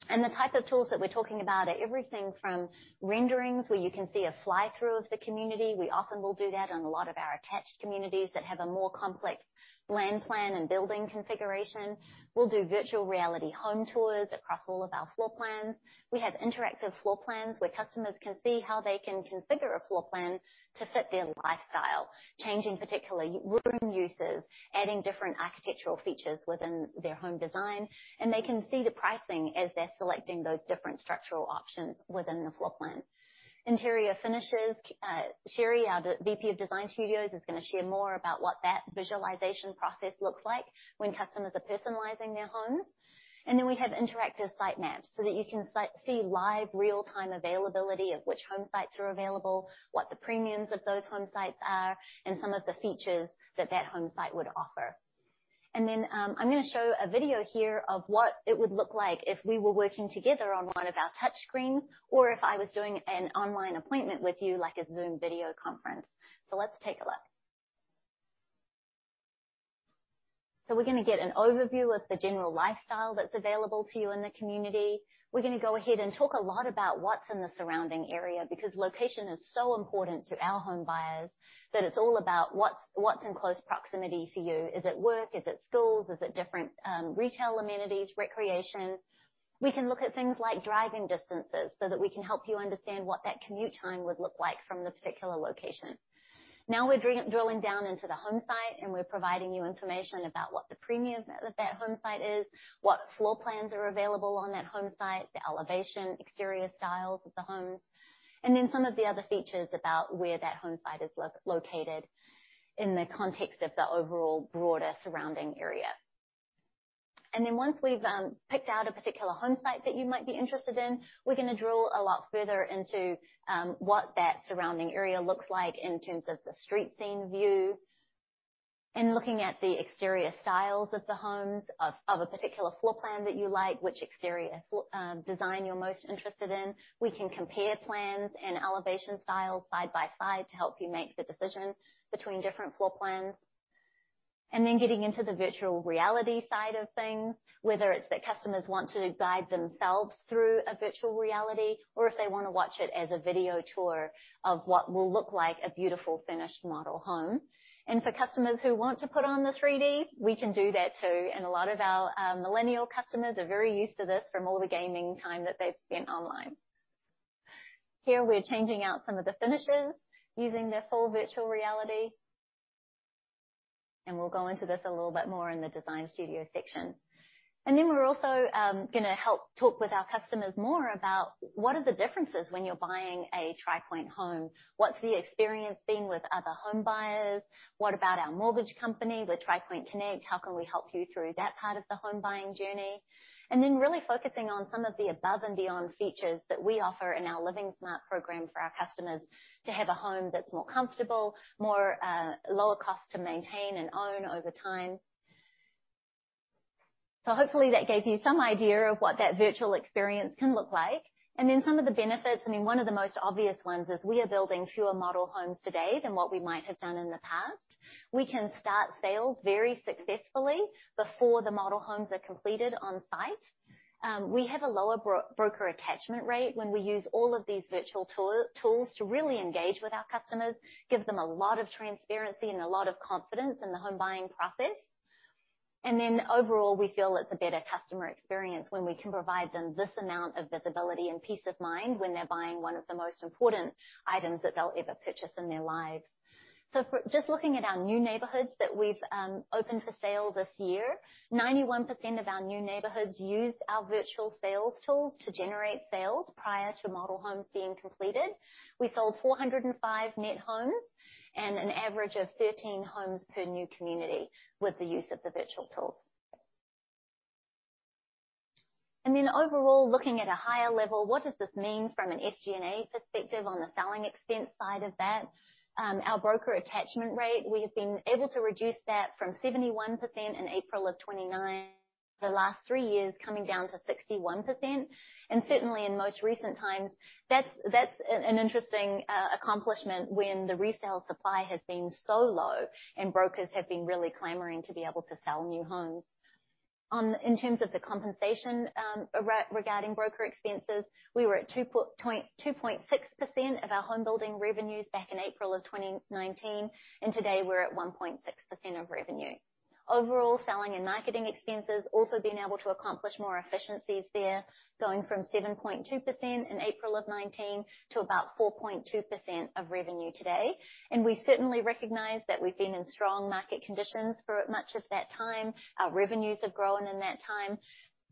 The type of tools that we're talking about are everything from renderings, where you can see a fly-through of the community. We often will do that on a lot of our attached communities that have a more complex land plan and building configuration. We'll do virtual reality home tours across all of our floor plans. We have interactive floor plans where customers can see how they can configure a floor plan to fit their lifestyle, changing particular room uses, adding different architectural features within their home design, and they can see the pricing as they're selecting those different structural options within the floor plan. Interior finishes, Sherri, our VP of Design Studios, is gonna share more about what that visualization process looks like when customers are personalizing their homes. We have interactive site maps so that you can see live real-time availability of which home sites are available, what the premiums of those home sites are, and some of the features that that home site would offer. I'm gonna show a video here of what it would look like if we were working together on one of our touch screens or if I was doing an online appointment with you like a Zoom video conference. Let's take a look. We're gonna get an overview of the general lifestyle that's available to you in the community. We're gonna go ahead and talk a lot about what's in the surrounding area, because location is so important to our home buyers that it's all about what's in close proximity for you. Is it work? Is it schools? Is it different, retail amenities, recreation? We can look at things like driving distances so that we can help you understand what that commute time would look like from the particular location. Now we're drilling down into the home site, and we're providing you information about what the premium of that home site is, what floor plans are available on that home site, the elevation, exterior styles of the homes, and then some of the other features about where that home site is located in the context of the overall broader surrounding area. Once we've picked out a particular home site that you might be interested in, we're gonna drill a lot further into what that surrounding area looks like in terms of the street scene view and looking at the exterior styles of the homes of a particular floor plan that you like, which exterior design you're most interested in. We can compare plans and elevation styles side by side to help you make the decision between different floor plans. Getting into the virtual reality side of things, whether it's that customers want to guide themselves through a virtual reality or if they wanna watch it as a video tour of what will look like a beautiful finished model home. For customers who want to put on the 3D, we can do that too. A lot of our millennial customers are very used to this from all the gaming time that they've spent online. Here, we're changing out some of the finishes using the full virtual reality. We'll go into this a little bit more in the design studio section. Then we're also gonna help talk with our customers more about what are the differences when you're buying a Tri Pointe home. What's the experience been with other home buyers? What about our mortgage company, with Tri Pointe Connect, how can we help you through that part of the home buying journey? Then really focusing on some of the above and beyond features that we offer in our LivingSmart program for our customers to have a home that's more comfortable, more lower cost to maintain and own over time. Hopefully, that gave you some idea of what that virtual experience can look like. Some of the benefits, I mean, one of the most obvious ones is we are building fewer model homes today than what we might have done in the past. We can start sales very successfully before the model homes are completed on site. We have a lower broker attachment rate when we use all of these virtual tools to really engage with our customers, give them a lot of transparency and a lot of confidence in the home buying process. Overall, we feel it's a better customer experience when we can provide them this amount of visibility and peace of mind when they're buying one of the most important items that they'll ever purchase in their lives. For just looking at our new neighborhoods that we've opened for sale this year, 91% of our new neighborhoods used our virtual sales tools to generate sales prior to model homes being completed. We sold 405 net homes and an average of 13 homes per new community with the use of the virtual tools. Overall, looking at a higher level, what does this mean from an SG&A perspective on the selling expense side of that? Our broker attachment rate, we've been able to reduce that from 71% the last three years coming down to 61%, and certainly in most recent times, that's an interesting accomplishment when the resale supply has been so low and brokers have been really clamoring to be able to sell new homes. In terms of the compensation, regarding broker expenses, we were at 2.6% of our home building revenues back in April of 2019, and today we're at 1.6% of revenue. Overall, selling and marketing expenses also been able to accomplish more efficiencies there, going from 7.2% in April of 2019 to about 4.2% of revenue today. We certainly recognize that we've been in strong market conditions for much of that time. Our revenues have grown in that time,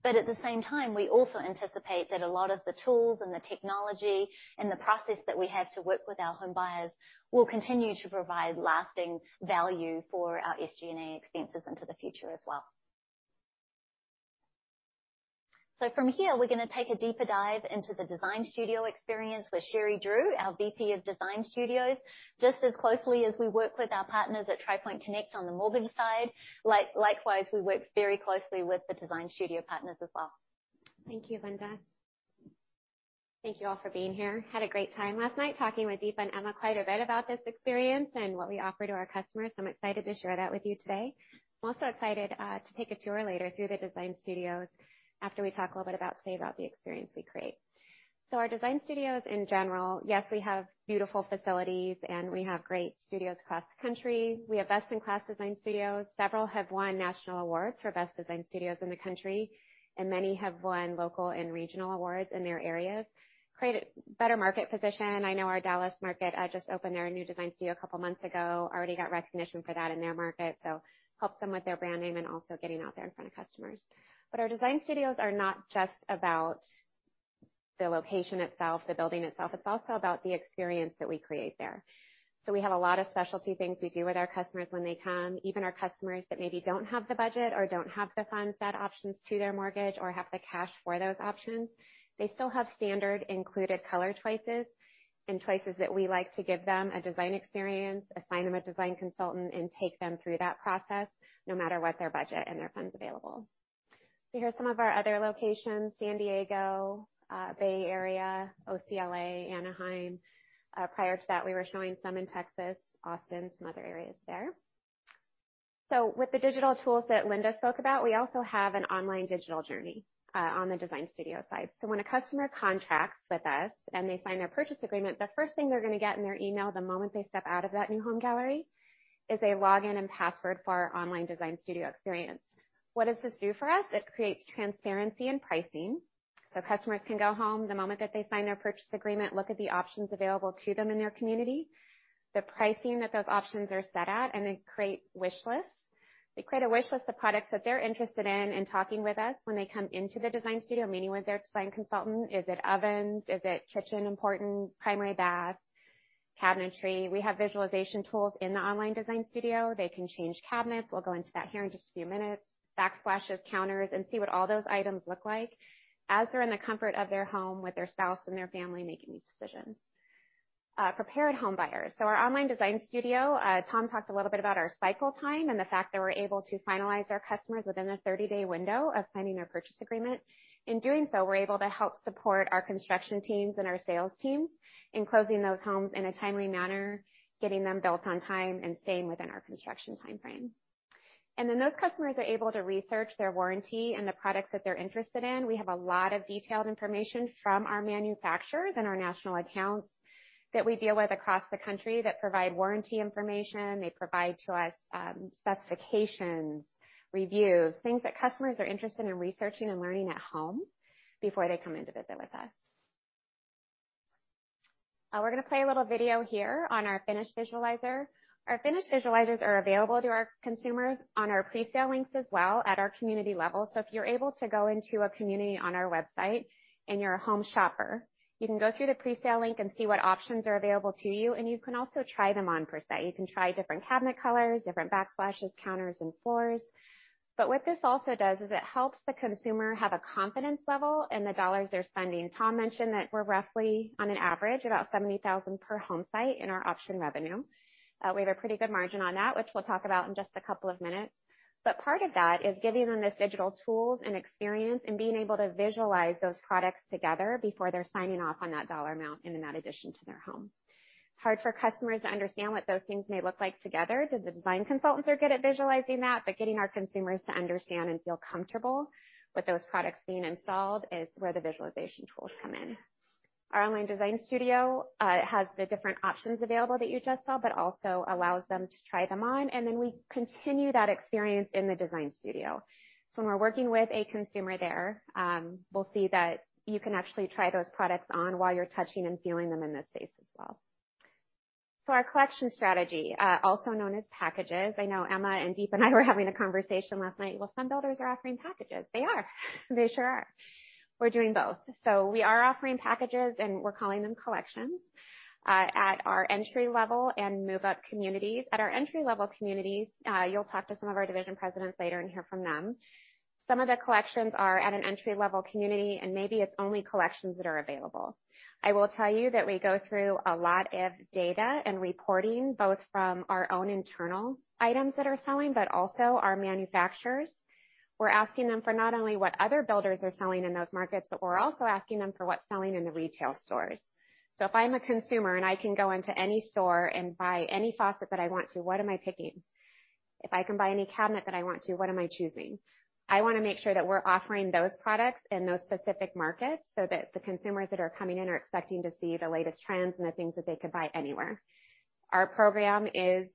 but at the same time, we also anticipate that a lot of the tools and the technology and the process that we have to work with our home buyers will continue to provide lasting value for our SG&A expenses into the future as well. From here, we're gonna take a deeper dive into the design studio experience with Sherri Drew, our VP of Design Studios. Just as closely as we work with our partners at Tri Pointe Connect on the mortgage side, likewise, we work very closely with the design studio partners as well.
Thank you, Linda. Thank you all for being here. Had a great time last night talking with Deepa and Emma quite a bit about this experience and what we offer to our customers. I'm excited to share that with you today. I'm also excited to take a tour later through the design studios after we talk a little bit about today about the experience we create. Our design studios in general, yes, we have beautiful facilities, and we have great studios across the country. We have best-in-class design studios. Several have won national awards for best design studios in the country, and many have won local and regional awards in their areas. Create a better market position. I know our Dallas market just opened their new design studio a couple months ago, already got recognition for that in their market, so helps them with their brand name and also getting out there in front of customers. Our design studios are not just about the location itself, the building itself, it's also about the experience that we create there. We have a lot of specialty things we do with our customers when they come, even our customers that maybe don't have the budget or don't have the funds to add options to their mortgage or have the cash for those options. They still have standard included color choices and choices that we like to give them a design experience, assign them a design consultant, and take them through that process no matter what their budget and their funds available. Here are some of our other locations. San Diego, Bay Area, OC/LA, Anaheim. Prior to that, we were showing some in Texas, Austin, some other areas there. With the digital tools that Linda spoke about, we also have an online digital journey on the design studio side. When a customer contracts with us and they sign their purchase agreement, the first thing they're gonna get in their email the moment they step out of that new home gallery is a login and password for our online design studio experience. What does this do for us? It creates transparency in pricing. Customers can go home the moment that they sign their purchase agreement, look at the options available to them in their community, the pricing that those options are set at, and then create wish lists. They create a wish list of products that they're interested in in talking with us when they come into the design studio, meeting with their design consultant. Is it ovens? Is the kitchen important? Primary bath, cabinetry. We have visualization tools in the online design studio. They can change cabinets. We'll go into that here in just a few minutes. Backsplashes, counters, and see what all those items look like as they're in the comfort of their home with their spouse and their family making these decisions. Prepared home buyers. Our online design studio, Tom talked a little bit about our cycle time and the fact that we're able to finalize our customers within a 30-day window of signing their purchase agreement. In doing so, we're able to help support our construction teams and our sales teams in closing those homes in a timely manner, getting them built on time, and staying within our construction timeframe. Then those customers are able to research their warranty and the products that they're interested in. We have a lot of detailed information from our manufacturers and our national accounts that we deal with across the country that provide warranty information. They provide to us, specifications, reviews, things that customers are interested in researching and learning at home before they come in to visit with us. We're gonna play a little video here on our finish visualizer. Our finish visualizers are available to our consumers on our presale links as well at our community level. If you're able to go into a community on our website and you're a home shopper, you can go through the presale link and see what options are available to you, and you can also try them on per se. You can try different cabinet colors, different backsplashes, counters, and floors. But what this also does is it helps the consumer have a confidence level in the dollars they're spending. Tom mentioned that we're roughly, on an average, about $70,000 per home site in our option revenue. We have a pretty good margin on that, which we'll talk about in just a couple of minutes. But part of that is giving them these digital tools and experience and being able to visualize those products together before they're signing off on that dollar amount and in that addition to their home. It's hard for customers to understand what those things may look like together. The design consultants are good at visualizing that, but getting our consumers to understand and feel comfortable with those products being installed is where the visualization tools come in. Our online design studio has the different options available that you just saw, but also allows them to try them on, and then we continue that experience in the design studio. When we're working with a consumer there, we'll see that you can actually try those products on while you're touching and feeling them in this space as well. Our collection strategy also known as packages. I know Emma and Deepa and I were having a conversation last night. Well, some builders are offering packages. They are. They sure are. We're doing both. We are offering packages, and we're calling them collections at our entry-level and move-up communities. At our entry-level communities, you'll talk to some of our division presidents later and hear from them. Some of the collections are at an entry-level community, and maybe it's only collections that are available. I will tell you that we go through a lot of data and reporting, both from our own internal items that are selling, but also our manufacturers. We're asking them for not only what other builders are selling in those markets, but we're also asking them for what's selling in the retail stores. If I'm a consumer and I can go into any store and buy any faucet that I want to, what am I picking? If I can buy any cabinet that I want to, what am I choosing? I wanna make sure that we're offering those products in those specific markets so that the consumers that are coming in are expecting to see the latest trends and the things that they could buy anywhere. Our program is,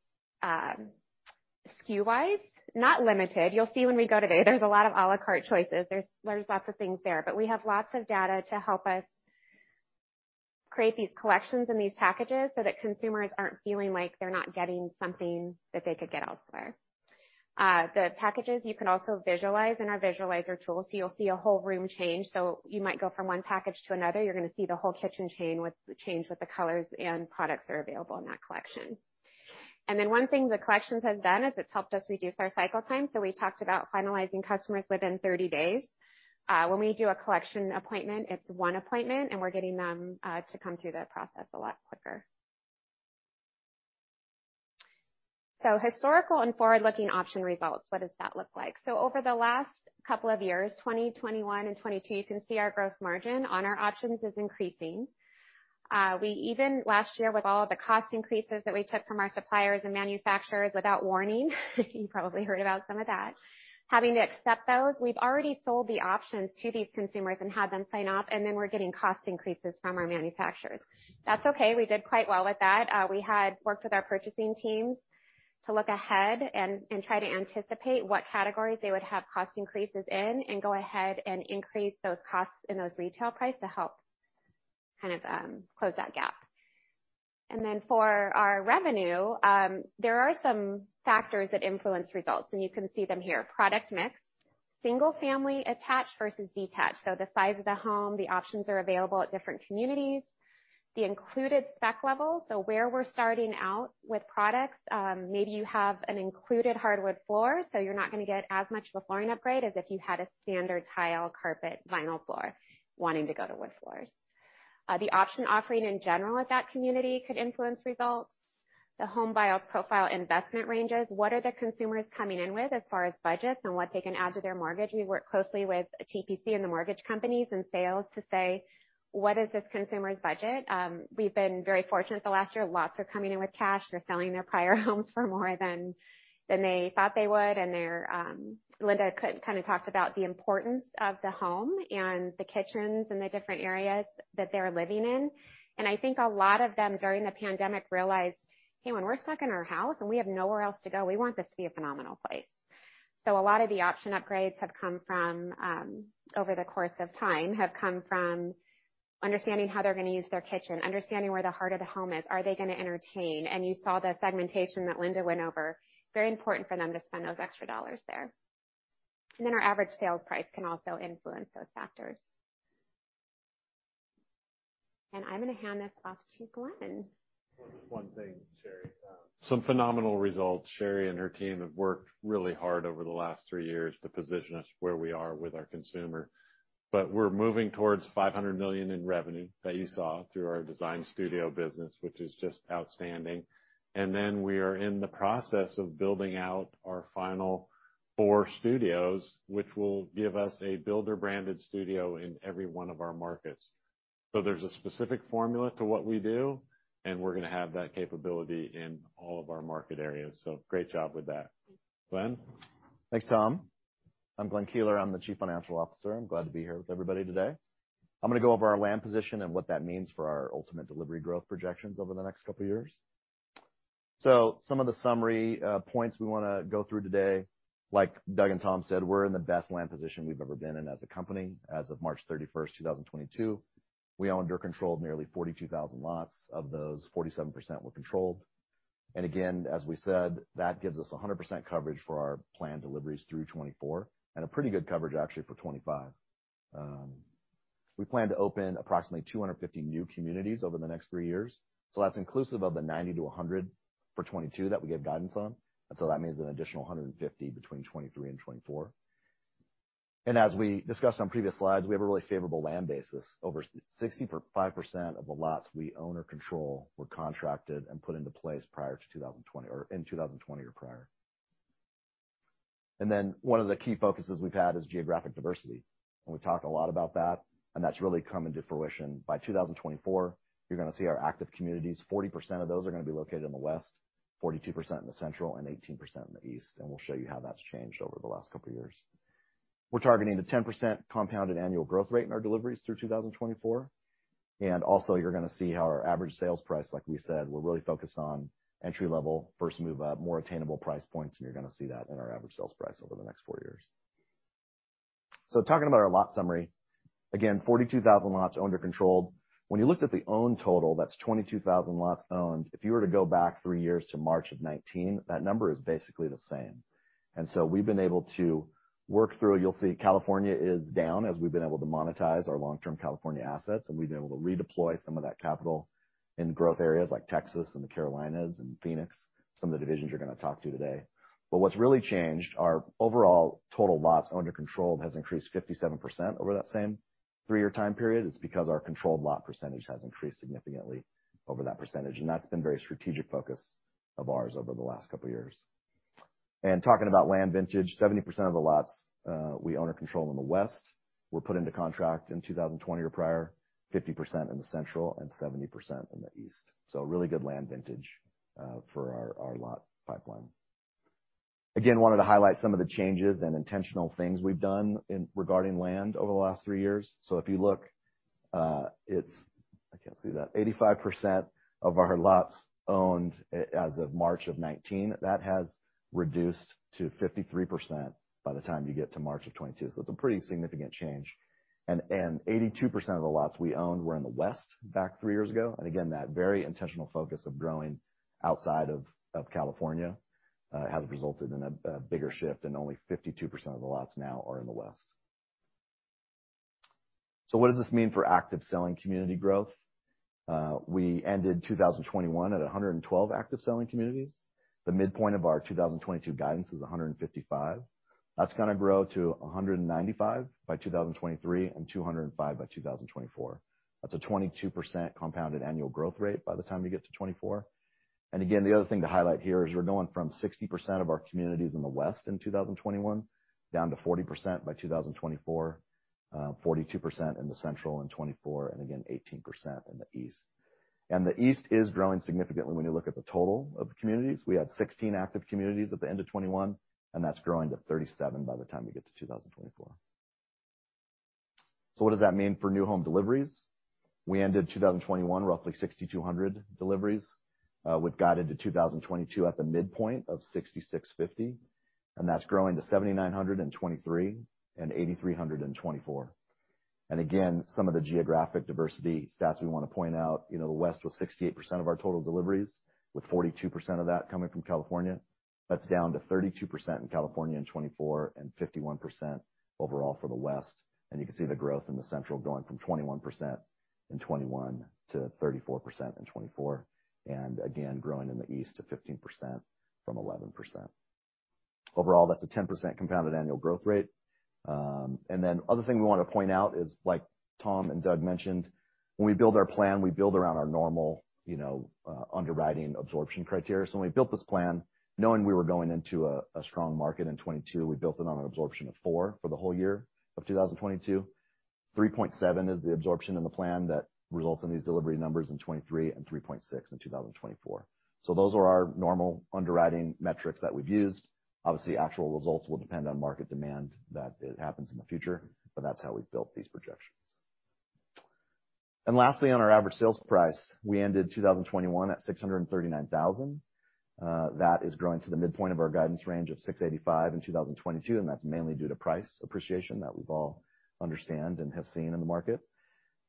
SKU-wise, not limited. You'll see when we go today, there's a lot of à la carte choices. There's lots of things there, but we have lots of data to help us create these collections and these packages so that consumers aren't feeling like they're not getting something that they could get elsewhere. The packages you can also visualize in our visualizer tool, so you'll see a whole room change. You might go from one package to another. You're gonna see the whole kitchen change with the colors and products that are available in that collection. One thing the collections have done is it's helped us reduce our cycle time. We talked about finalizing customers within 30 days. When we do a collection appointment, it's one appointment, and we're getting them to come through the process a lot quicker. Historical and forward-looking option results, what does that look like? Over the last couple of years, 2020, 2021, and 2022, you can see our gross margin on our options is increasing. We even last year, with all of the cost increases that we took from our suppliers and manufacturers without warning, you probably heard about some of that. Having to accept those, we've already sold the options to these consumers and had them sign off, and then we're getting cost increases from our manufacturers. That's okay. We did quite well with that. We had worked with our purchasing teams to look ahead and try to anticipate what categories they would have cost increases in and go ahead and increase those costs in those retail price to help kind of close that gap. For our revenue, there are some factors that influence results, and you can see them here. Product mix, single-family attached versus detached, so the size of the home, the options are available at different communities. The included spec level, so where we're starting out with products, maybe you have an included hardwood floor, so you're not gonna get as much of a flooring upgrade as if you had a standard tile carpet vinyl floor wanting to go to wood floors. The option offering in general at that community could influence results. The home buyer profile investment ranges. What are the consumers coming in with as far as budgets and what they can add to their mortgage? We work closely with TPC and the mortgage companies and sales to say, "What is this consumer's budget?" We've been very fortunate the last year. Lots are coming in with cash. They're selling their prior homes for more than they thought they would, and they're Linda kinda talked about the importance of the home and the kitchens and the different areas that they're living in. I think a lot of them, during the pandemic, realized, "Hey, when we're stuck in our house and we have nowhere else to go, we want this to be a phenomenal place." A lot of the option upgrades have come from over the course of time understanding how they're gonna use their kitchen, understanding where the heart of the home is. Are they gonna entertain? You saw the segmentation that Linda went over. Very important for them to spend those extra dollars there. Then our average sales price can also influence those factors. I'm gonna hand this off to Glenn.
One thing, Sherri, some phenomenal results. Sherri and her team have worked really hard over the last three years to position us where we are with our consumer. We're moving towards $500 million in revenue that you saw through our design studio business, which is just outstanding. We are in the process of building out our final four studios, which will give us a builder-branded studio in every one of our markets. There's a specific formula to what we do, and we're gonna have that capability in all of our market areas. Great job with that. Glenn?
Thanks, Tom. I'm Glenn Keeler, I'm the Chief Financial Officer. I'm glad to be here with everybody today. I'm gonna go over our land position and what that means for our ultimate delivery growth projections over the next couple of years. Some of the summary points we wanna go through today, like Doug and Tom said, we're in the best land position we've ever been in as a company. As of March 31, 2022, we owned or controlled nearly 42,000 lots. Of those, 47% were controlled. Again, as we said, that gives us 100% coverage for our planned deliveries through 2024 and a pretty good coverage actually for 2025. We plan to open approximately 250 new communities over the next three years. That's inclusive of the 90-100 for 2022 that we gave guidance on. That means an additional 150 between 2023 and 2024. As we discussed on previous slides, we have a really favorable land basis. Over 65% of the lots we own or control were contracted and put into place prior to 2020 or in 2020 or prior. One of the key focuses we've had is geographic diversity, and we've talked a lot about that, and that's really coming to fruition. By 2024, you're gonna see our active communities, 40% of those are gonna be located in the West, 42% in the Central, and 18% in the East, and we'll show you how that's changed over the last couple of years. We're targeting the 10% compounded annual growth rate in our deliveries through 2024. You're gonna see how our average sales price, like we said, we're really focused on entry-level, first move up, more attainable price points, and you're gonna see that in our average sales price over the next four years. Talking about our lot summary. Again, 42,000 lots owned or controlled. When you looked at the owned total, that's 22,000 lots owned. If you were to go back three years to March of 2019, that number is basically the same. We've been able to work through. You'll see California is down as we've been able to monetize our long-term California assets, and we've been able to redeploy some of that capital in growth areas like Texas and the Carolinas and Phoenix, some of the divisions you're gonna talk to today. What's really changed, our overall total lots under control has increased 57% over that same three-year time period. It's because our controlled lot percentage has increased significantly over that percentage, and that's been a very strategic focus of ours over the last couple of years. Talking about land vintage, 70% of the lots we own or control in the West were put into contract in 2020 or prior, 50% in the Central and 70% in the East. A really good land vintage for our lot pipeline. Again, wanted to highlight some of the changes and intentional things we've done regarding land over the last three years. If you look, I can't see that. 85% of our lots owned as of March 2019, that has reduced to 53% by the time you get to March 2022. It's a pretty significant change. 82% of the lots we owned were in the West back three years ago. That very intentional focus of growing outside of California has resulted in a bigger shift, and only 52% of the lots now are in the West. What does this mean for active selling community growth? We ended 2021 at 112 active selling communities. The midpoint of our 2022 guidance is 155. That's gonna grow to 195 by 2023 and 205 by 2024. That's a 22% compounded annual growth rate by the time you get to 2024. Again, the other thing to highlight here is we're going from 60% of our communities in the West in 2021 down to 40% by 2024, 42% in the Central in 2024, and again, 18% in the East. The East is growing significantly when you look at the total of the communities. We had 16 active communities at the end of 2021, and that's growing to 37 by the time we get to 2024. What does that mean for new home deliveries? We ended 2021 roughly 6,200 deliveries. We've guided to 2022 at the midpoint of 6,650, and that's growing to 7,900 in 2023 and 8,300 in 2024. Again, some of the geographic diversity stats we wanna point out, you know, the West was 68% of our total deliveries, with 42% of that coming from California. That's down to 32% in California in 2024 and 51% overall for the West. You can see the growth in the Central going from 21% in 2021 to 34% in 2024, and again, growing in the East to 15% from 11%. Overall, that's a 10% compounded annual growth rate. Then other thing we wanna point out is like Tom and Doug mentioned, when we build our plan, we build around our normal, you know, underwriting absorption criteria. When we built this plan, knowing we were going into a strong market in 2022, we built it on an absorption of 4 for the whole year of 2022. 3.7 is the absorption in the plan that results in these delivery numbers in 2023 and 3.6 in 2024. Those are our normal underwriting metrics that we've used. Obviously, actual results will depend on market demand that happens in the future, but that's how we've built these projections. Lastly, on our average sales price, we ended 2021 at $639,000. That is growing to the midpoint of our guidance range of $685,000 in 2022, and that's mainly due to price appreciation that we all understand and have seen in the market.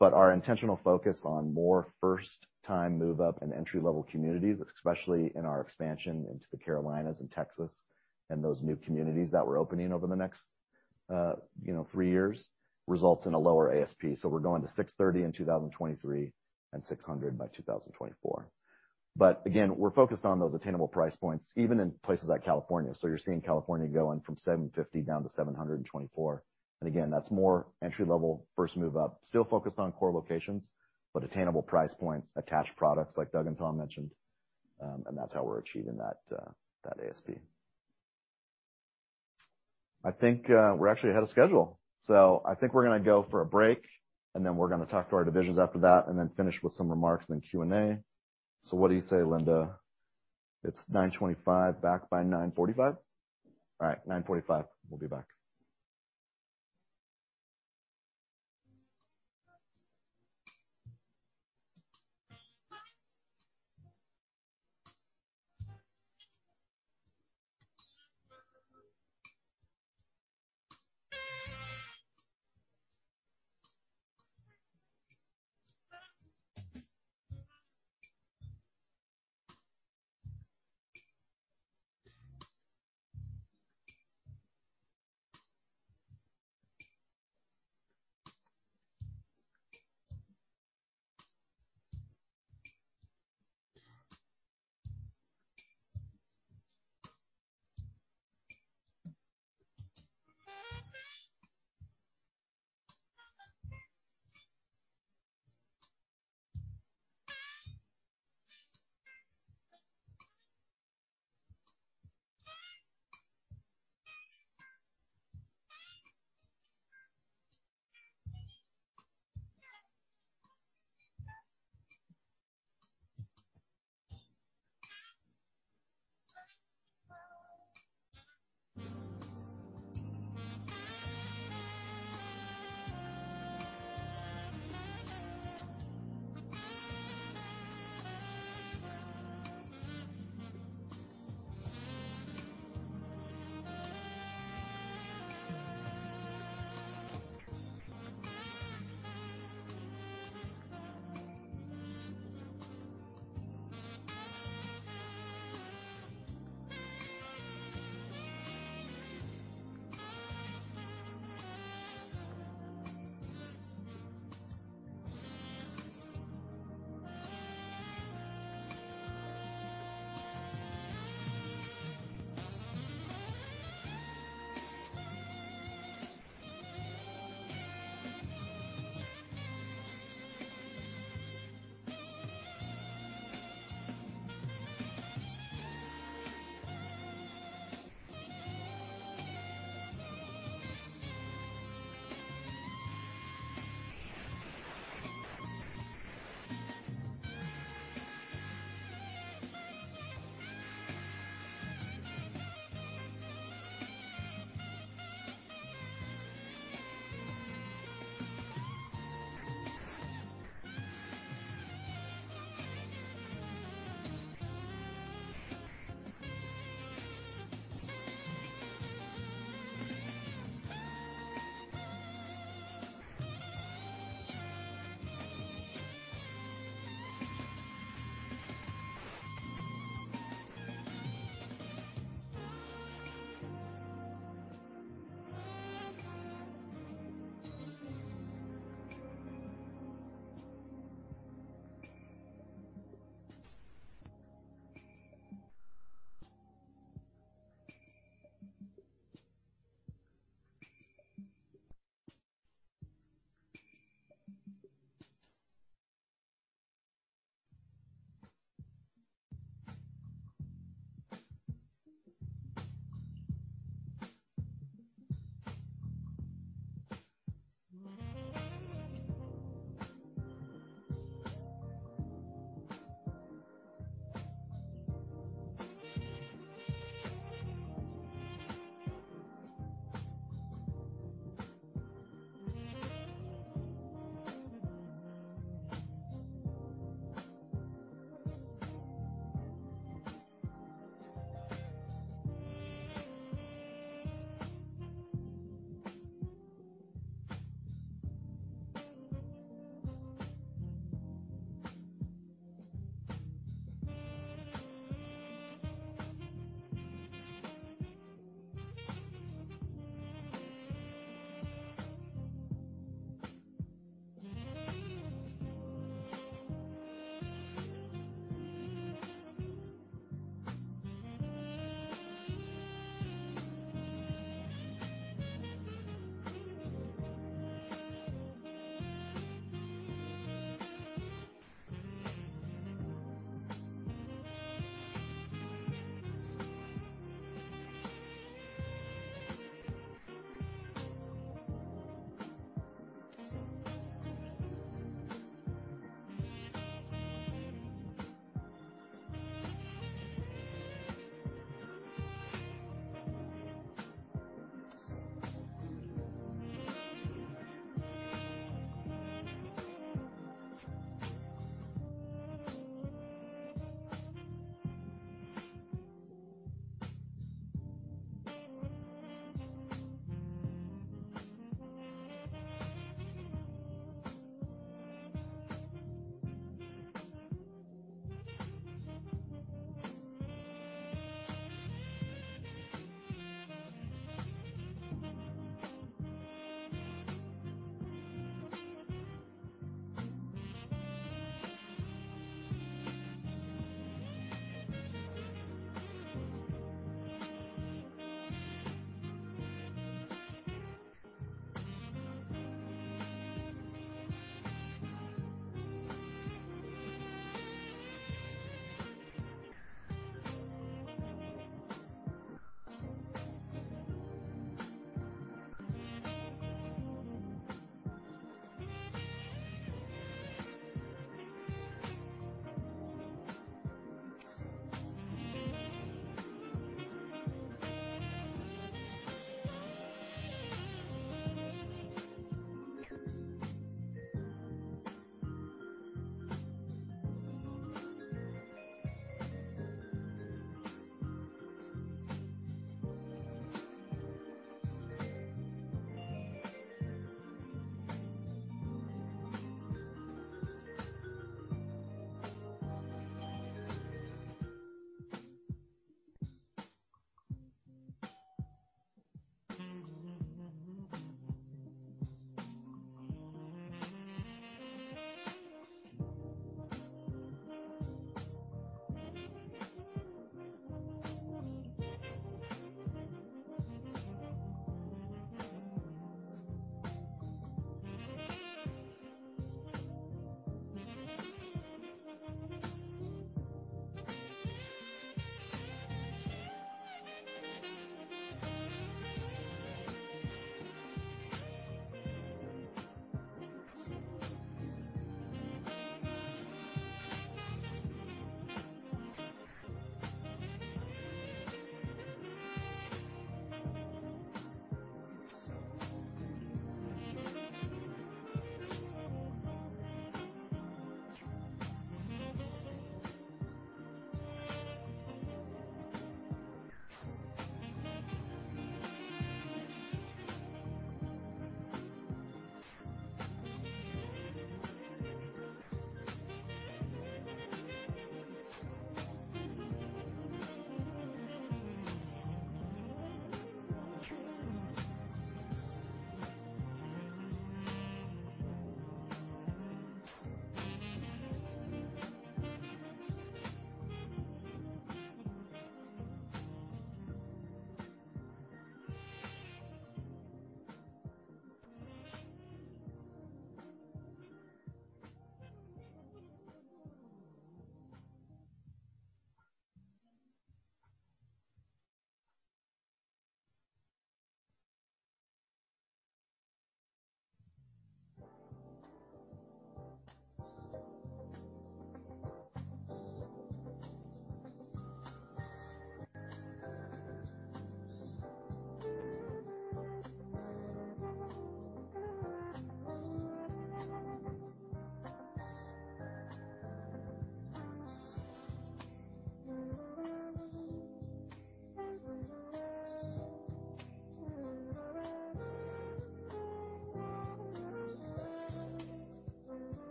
Our intentional focus on more first time move up and entry-level communities, especially in our expansion into the Carolinas and Texas and those new communities that we're opening over the next, you know, three years, results in a lower ASP. We're going to $630 in 2023 and $600 by 2024. Again, we're focused on those attainable price points, even in places like California. You're seeing California going from $750 down to $700 in 2024. Again, that's more entry-level, first move up, still focused on core locations, but attainable price points, attached products like Doug and Tom mentioned. That's how we're achieving that ASP. I think, we're actually ahead of schedule. I think we're gonna go for a break, and then we're gonna talk to our divisions after that and then finish with some remarks in Q&A. What do you say, Linda? It's 9:25 A.M., back by 9:45 A.M.? All right, 9:45 A.M., we'll be back.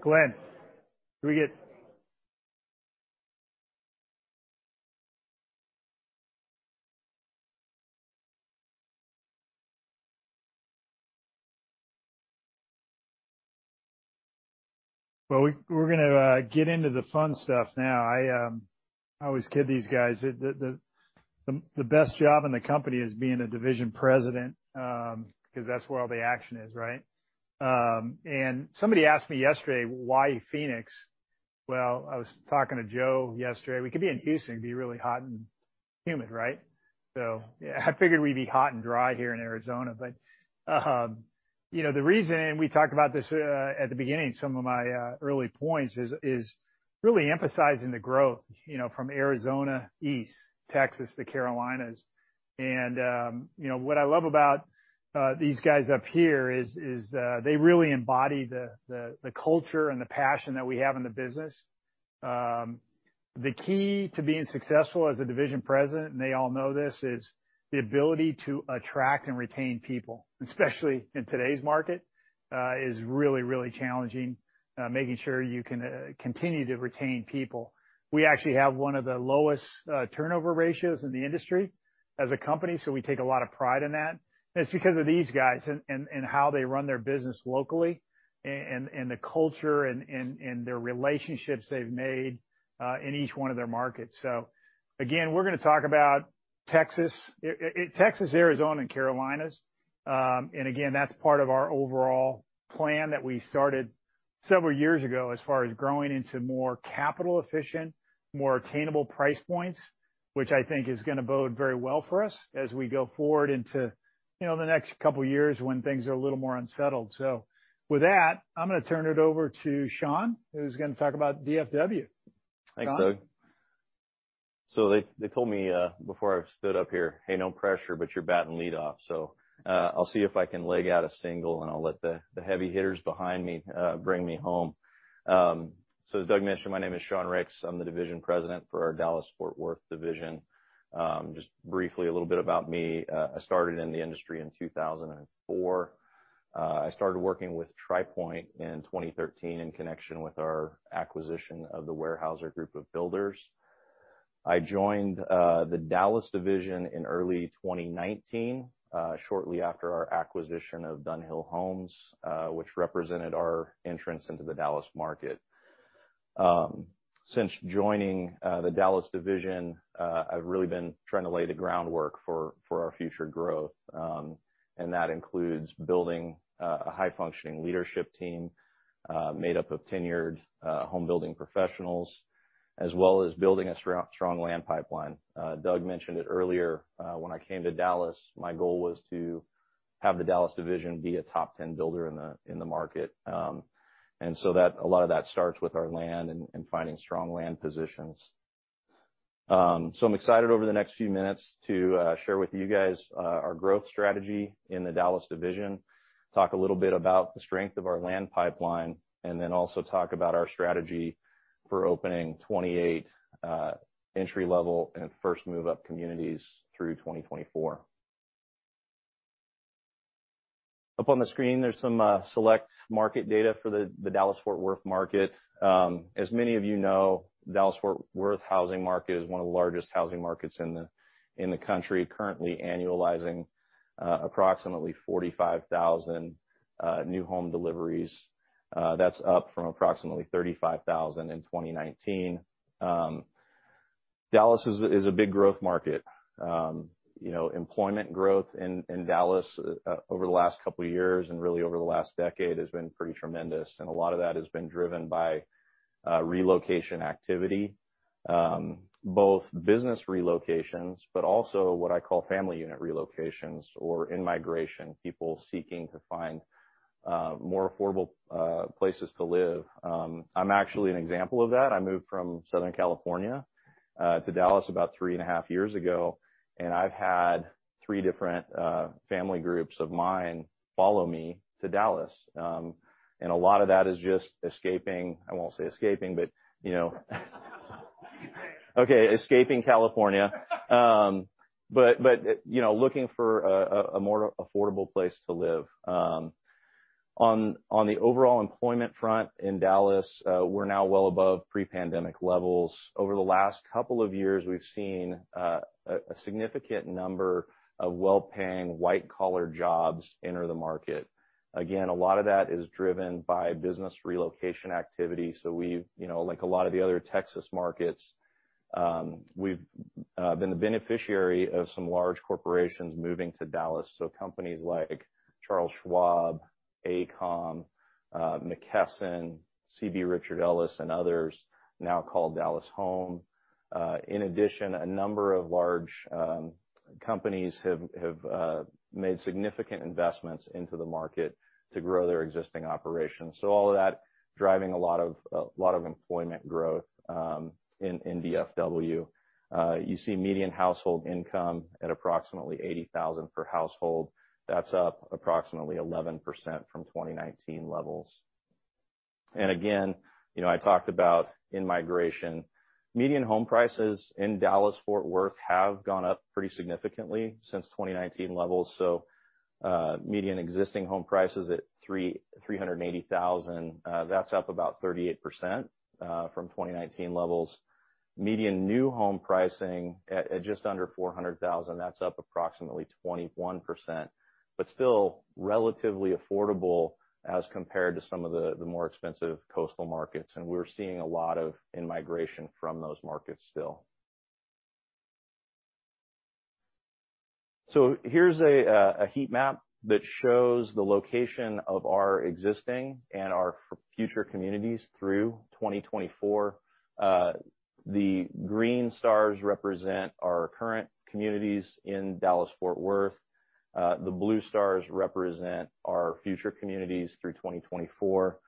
Glenn, can we get- Well, we're gonna get into the fun stuff now. I always kid these guys that the best job in the company is being a division president, because that's where all the action is, right? Somebody asked me yesterday, why Phoenix? I was talking to Joe yesterday. We could be in Houston and be really hot and humid, right? Yeah, I figured we'd be hot and dry here in Arizona. You know, the reason we talked about this at the beginning, some of my early points is really emphasizing the growth, you know, from Arizona, East Texas to Carolinas. You know, what I love about these guys up here is they really embody the culture and the passion that we have in the business. The key to being successful as a division president, and they all know this, is the ability to attract and retain people, especially in today's market is really, really challenging, making sure you can continue to retain people. We actually have one of the lowest turnover ratios in the industry as a company, so we take a lot of pride in that. It's because of these guys and how they run their business locally and the culture and their relationships they've made in each one of their markets. Again, we're gonna talk about Texas, Arizona and Carolinas. Again, that's part of our overall plan that we started several years ago as far as growing into more capital efficient, more attainable price points, which I think is gonna bode very well for us as we go forward into, you know, the next couple of years when things are a little more unsettled. With that, I'm gonna turn it over to Sean, who's gonna talk about DFW. Sean?
Thanks, Doug. They told me before I stood up here, "Hey, no pressure, but you're batting lead off." I'll see if I can leg out a single, and I'll let the heavy hitters behind me bring me home. As Doug mentioned, my name is Sean Ricks. I'm the Division President for our Dallas-Fort Worth division. Just briefly a little bit about me. I started in the industry in 2004. I started working with Tri Pointe in 2013 in connection with our acquisition of the Weyerhaeuser group of builders. I joined the Dallas division in early 2019, shortly after our acquisition of Dunhill Homes, which represented our entrance into the Dallas market. Since joining the Dallas division, I've really been trying to lay the groundwork for our future growth, and that includes building a high functioning leadership team made up of tenured home building professionals, as well as building a strong land pipeline. Doug mentioned it earlier, when I came to Dallas, my goal was to have the Dallas division be a top 10 builder in the market. That a lot of that starts with our land and finding strong land positions. I'm excited over the next few minutes to share with you guys our growth strategy in the Dallas division, talk a little bit about the strength of our land pipeline, and then also talk about our strategy for opening 28 entry-level and first move-up communities through 2024. Up on the screen, there's some select market data for the Dallas-Fort Worth market. As many of you know, Dallas-Fort Worth housing market is one of the largest housing markets in the country, currently annualizing approximately 45,000 new home deliveries. That's up from approximately 35,000 in 2019. Dallas is a big growth market. You know, employment growth in Dallas over the last couple of years and really over the last decade has been pretty tremendous, and a lot of that has been driven by relocation activity, both business relocations, but also what I call family unit relocations or in-migration, people seeking to find more affordable places to live. I'm actually an example of that. I moved from Southern California to Dallas about three and a half years ago, and I've had three different family groups of mine follow me to Dallas. A lot of that is just escaping. I won't say escaping, but you know.
You can say it.
Okay, escaping California. You know looking for a more affordable place to live. On the overall employment front in Dallas, we're now well above pre-pandemic levels. Over the last couple of years, we've seen a significant number of well-paying white-collar jobs enter the market. Again, a lot of that is driven by business relocation activity. We've you know like a lot of the other Texas markets been the beneficiary of some large corporations moving to Dallas. Companies like Charles Schwab, AECOM, McKesson, CBRE, and others now call Dallas home. In addition, a number of large companies have made significant investments into the market to grow their existing operations. All of that driving a lot of employment growth in DFW. You see median household income at approximately $80,000 per household. That's up approximately 11% from 2019 levels. Again, you know, I talked about in-migration. Median home prices in Dallas-Fort Worth have gone up pretty significantly since 2019 levels. Median existing home prices at $380,000, that's up about 38% from 2019 levels. Median new home pricing at just under $400,000, that's up approximately 21%. But still relatively affordable as compared to some of the more expensive coastal markets, and we're seeing a lot of in-migration from those markets still. Here's a heat map that shows the location of our existing and our future communities through 2024. The green stars represent our current communities in Dallas-Fort Worth. The blue stars represent our future communities through 2024.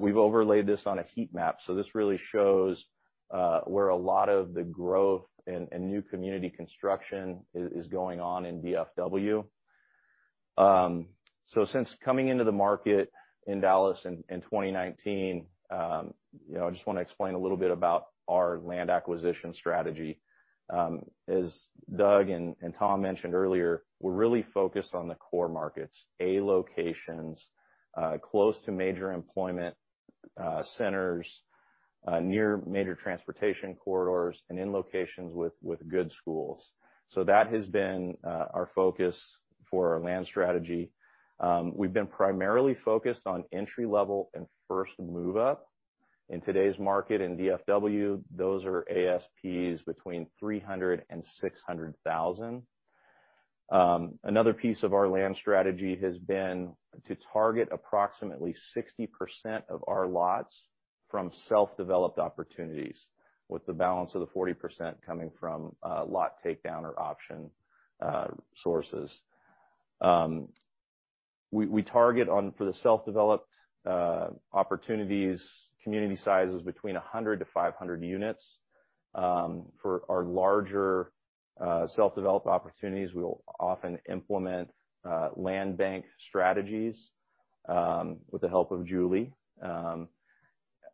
We've overlaid this on a heat map, so this really shows where a lot of the growth and new community construction is going on in DFW. Since coming into the market in Dallas in 2019, you know, I just wanna explain a little bit about our land acquisition strategy. As Doug and Tom mentioned earlier, we're really focused on the core markets, A locations, close to major employment centers, near major transportation corridors and in locations with good schools. That has been our focus for our land strategy. We've been primarily focused on entry-level and first move-up. In today's market in DFW, those are ASPs between $300,000-$600,000. Another piece of our land strategy has been to target approximately 60% of our lots from self-developed opportunities, with the balance of the 40% coming from lot takedown or option sources. We target for the self-developed opportunities, community sizes between 100-500 units. For our larger self-developed opportunities, we will often implement land bank strategies with the help of Julie.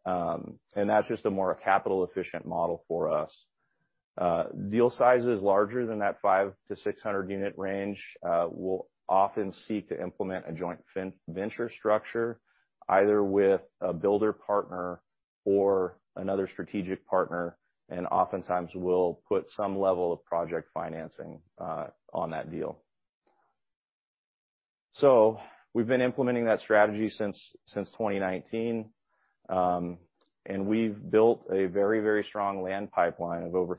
That's just a more capital efficient model for us. Deal sizes larger than that 500-600 unit range, we'll often seek to implement a joint venture structure, either with a builder partner or another strategic partner, and oftentimes we'll put some level of project financing on that deal. We've been implementing that strategy since 2019. We've built a very strong land pipeline of over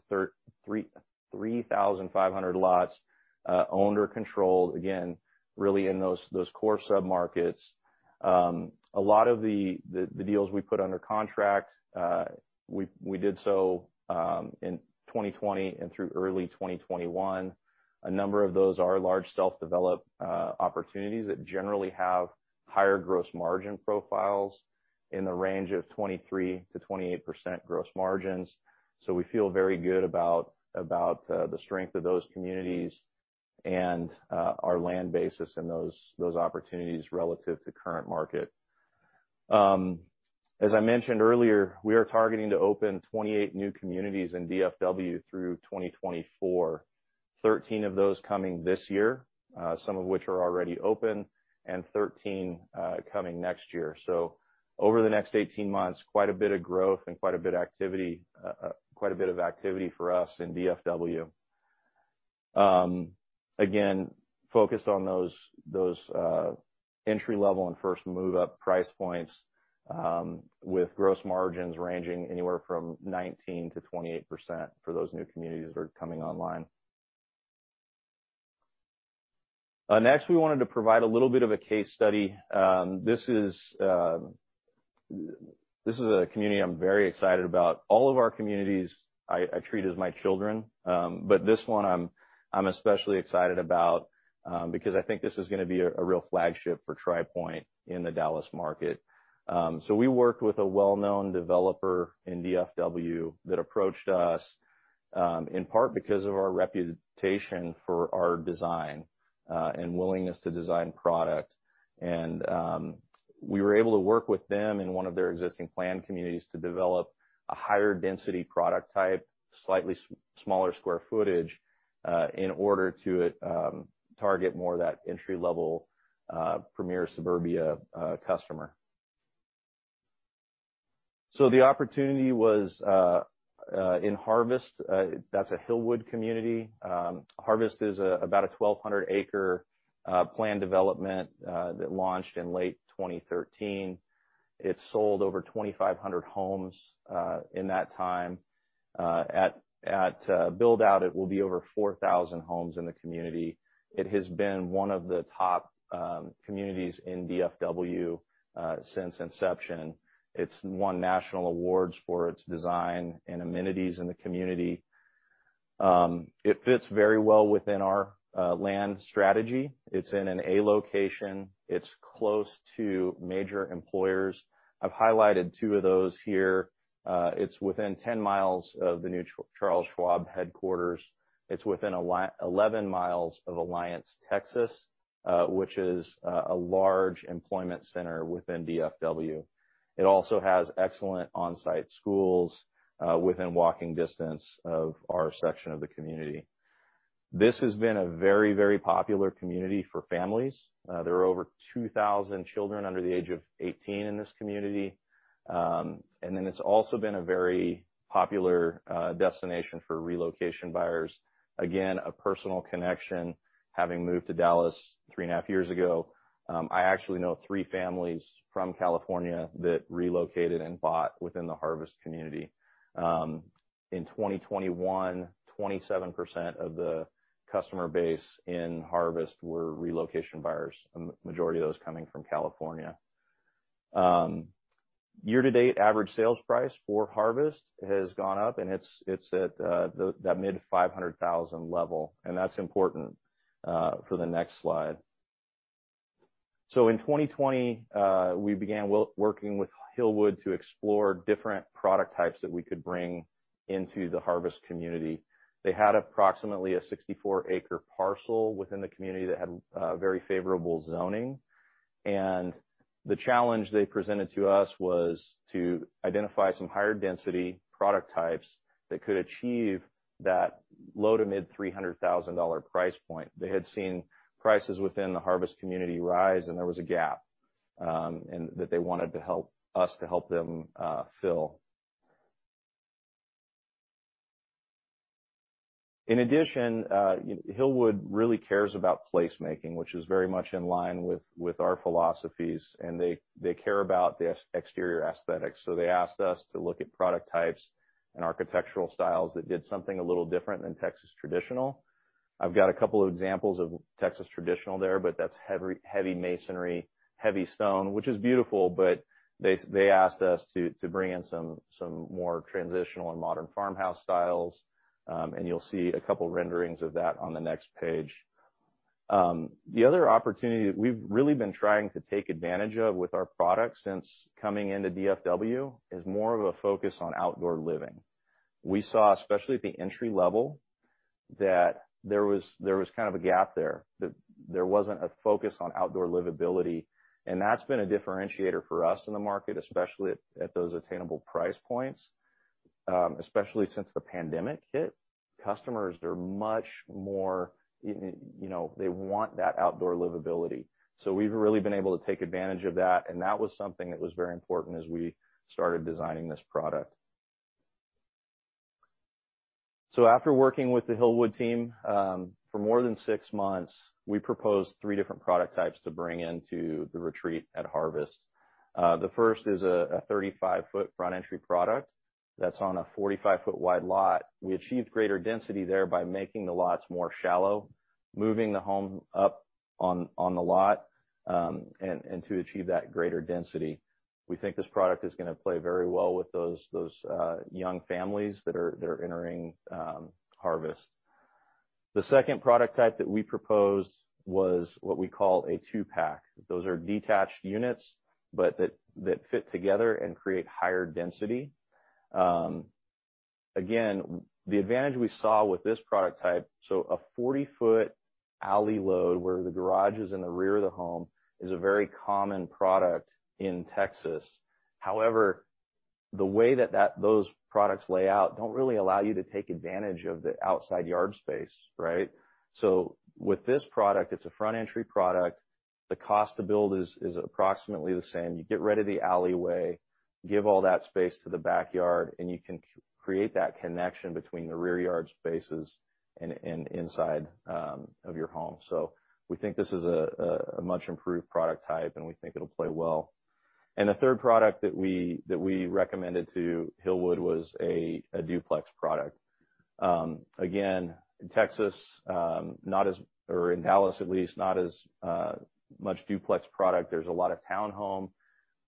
3,500 lots owned or controlled, again, really in those core submarkets. A lot of the deals we put under contract, we did so in 2020 and through early 2021. A number of those are large self-developed opportunities that generally have higher gross margin profiles in the range of 23%-28% gross margins. We feel very good about the strength of those communities and our land basis and those opportunities relative to current market. As I mentioned earlier, we are targeting to open 28 new communities in DFW through 2024. 13 of those coming this year, some of which are already open, and 13 coming next year. Over the next 18 months, quite a bit of growth and quite a bit of activity for us in DFW. Again, focused on those entry-level and first move up price points, with gross margins ranging anywhere from 19%-28% for those new communities that are coming online. Next, we wanted to provide a little bit of a case study. This is a community I'm very excited about. All of our communities I treat as my children, but this one I'm especially excited about, because I think this is gonna be a real flagship for Tri Pointe in the Dallas market. We worked with a well-known developer in DFW that approached us, in part because of our reputation for our design, and willingness to design product. We were able to work with them in one of their existing planned communities to develop a higher density product type, slightly smaller square ftage, in order to target more of that entry-level premier suburbia customer. The opportunity was in Harvest. That's a Hillwood community. Harvest is about a 1,200-acre planned development that launched in late 2013. It sold over 2,500 homes in that time. At build-out, it will be over 4,000 homes in the community. It has been one of the top communities in DFW since inception. It's won national awards for its design and amenities in the community. It fits very well within our land strategy. It's in an A location. It's close to major employers. I've highlighted two of those here. It's within 10 mil of the new Charles Schwab headquarters. It's within 11 mil of AllianceTexas, which is a large employment center within DFW. It also has excellent on-site schools within walking distance of our section of the community. This has been a very popular community for families. There are over 2,000 children under the age of 18 in this community. It's also been a very popular destination for relocation buyers. Again, a personal connection, having moved to Dallas three and a half years ago. I actually know three families from California that relocated and bought within the Harvest community. In 2021, 27% of the customer base in Harvest were relocation buyers, a majority of those coming from California. Year-to-date average sales price for Harvest has gone up, and it's at that mid-$500,000 level, and that's important for the next slide. In 2020, we began working with Hillwood to explore different product types that we could bring into the Harvest community. They had approximately a 64-acre parcel within the community that had very favorable zoning. The challenge they presented to us was to identify some higher density product types that could achieve that low to mid $300,000 price point. They had seen prices within the Harvest community rise, and there was a gap, and that they wanted to help us to help them fill. In addition, Hillwood really cares about placemaking, which is very much in line with our philosophies, and they care about the exterior aesthetics. They asked us to look at product types and architectural styles that did something a little different than Texas traditional. I've got a couple of examples of Texas traditional there, but that's heavy masonry, heavy stone, which is beautiful, but they asked us to bring in some more transitional and modern farmhouse styles, and you'll see a couple renderings of that on the next page. The other opportunity that we've really been trying to take advantage of with our products since coming into DFW is more of a focus on outdoor living. We saw, especially at the entry level, that there was kind of a gap there, that there wasn't a focus on outdoor livability, and that's been a differentiator for us in the market, especially at those attainable price points. Especially since the pandemic hit, customers are much more, you know, they want that outdoor livability. We've really been able to take advantage of that, and that was something that was very important as we started designing this product. After working with the Hillwood team, for more than six months, we proposed three different product types to bring into the Retreat at Harvest. The first is a 35-ft front entry product that's on a 45-ft wide lot. We achieved greater density there by making the lots more shallow, moving the home up on the lot, and to achieve that greater density. We think this product is gonna play very well with those young families that are entering Harvest. The second product type that we proposed was what we call a two-pack. Those are detached units, but that fit together and create higher density. Again, the advantage we saw with this product type, so a 40-ft alley-loaded where the garage is in the rear of the home is a very common product in Texas. However, the way that those products lay out don't really allow you to take advantage of the outside yard space, right? With this product, it's a front entry product. The cost to build is approximately the same. You get rid of the alleyway, give all that space to the backyard, and you can create that connection between the rear yard spaces inside of your home. We think this is a much improved product type, and we think it'll play well. The third product that we recommended to Hillwood was a duplex product. Again, in Texas, or in Dallas at least, not as much duplex product. There's a lot of town home.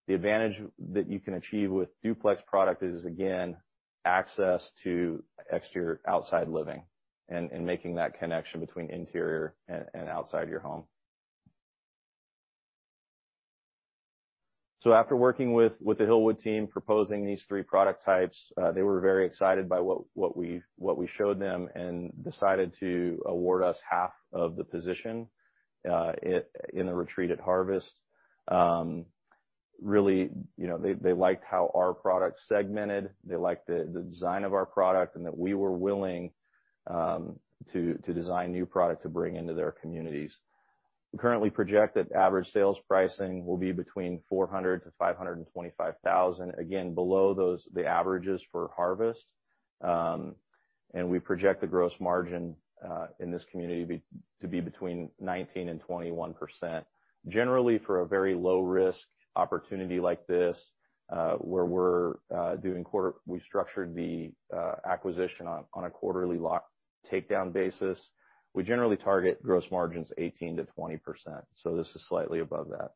The advantage that you can achieve with duplex product is, again, access to exterior outside living and making that connection between interior and outside your home. After working with the Hillwood team, proposing these three product types, they were very excited by what we showed them and decided to award us half of the position in the Retreat at Harvest. Really, you know, they liked how our product segmented. They liked the design of our product and that we were willing to design new product to bring into their communities. We currently project that average sales pricing will be between $400,000-$525,000, again, below the averages for Harvest. We project the gross margin in this community to be 19%-21%. Generally, for a very low risk opportunity like this, where we're doing quarter—we structured the acquisition on a quarterly lot takedown basis, we generally target gross margins 18%-20%. This is slightly above that.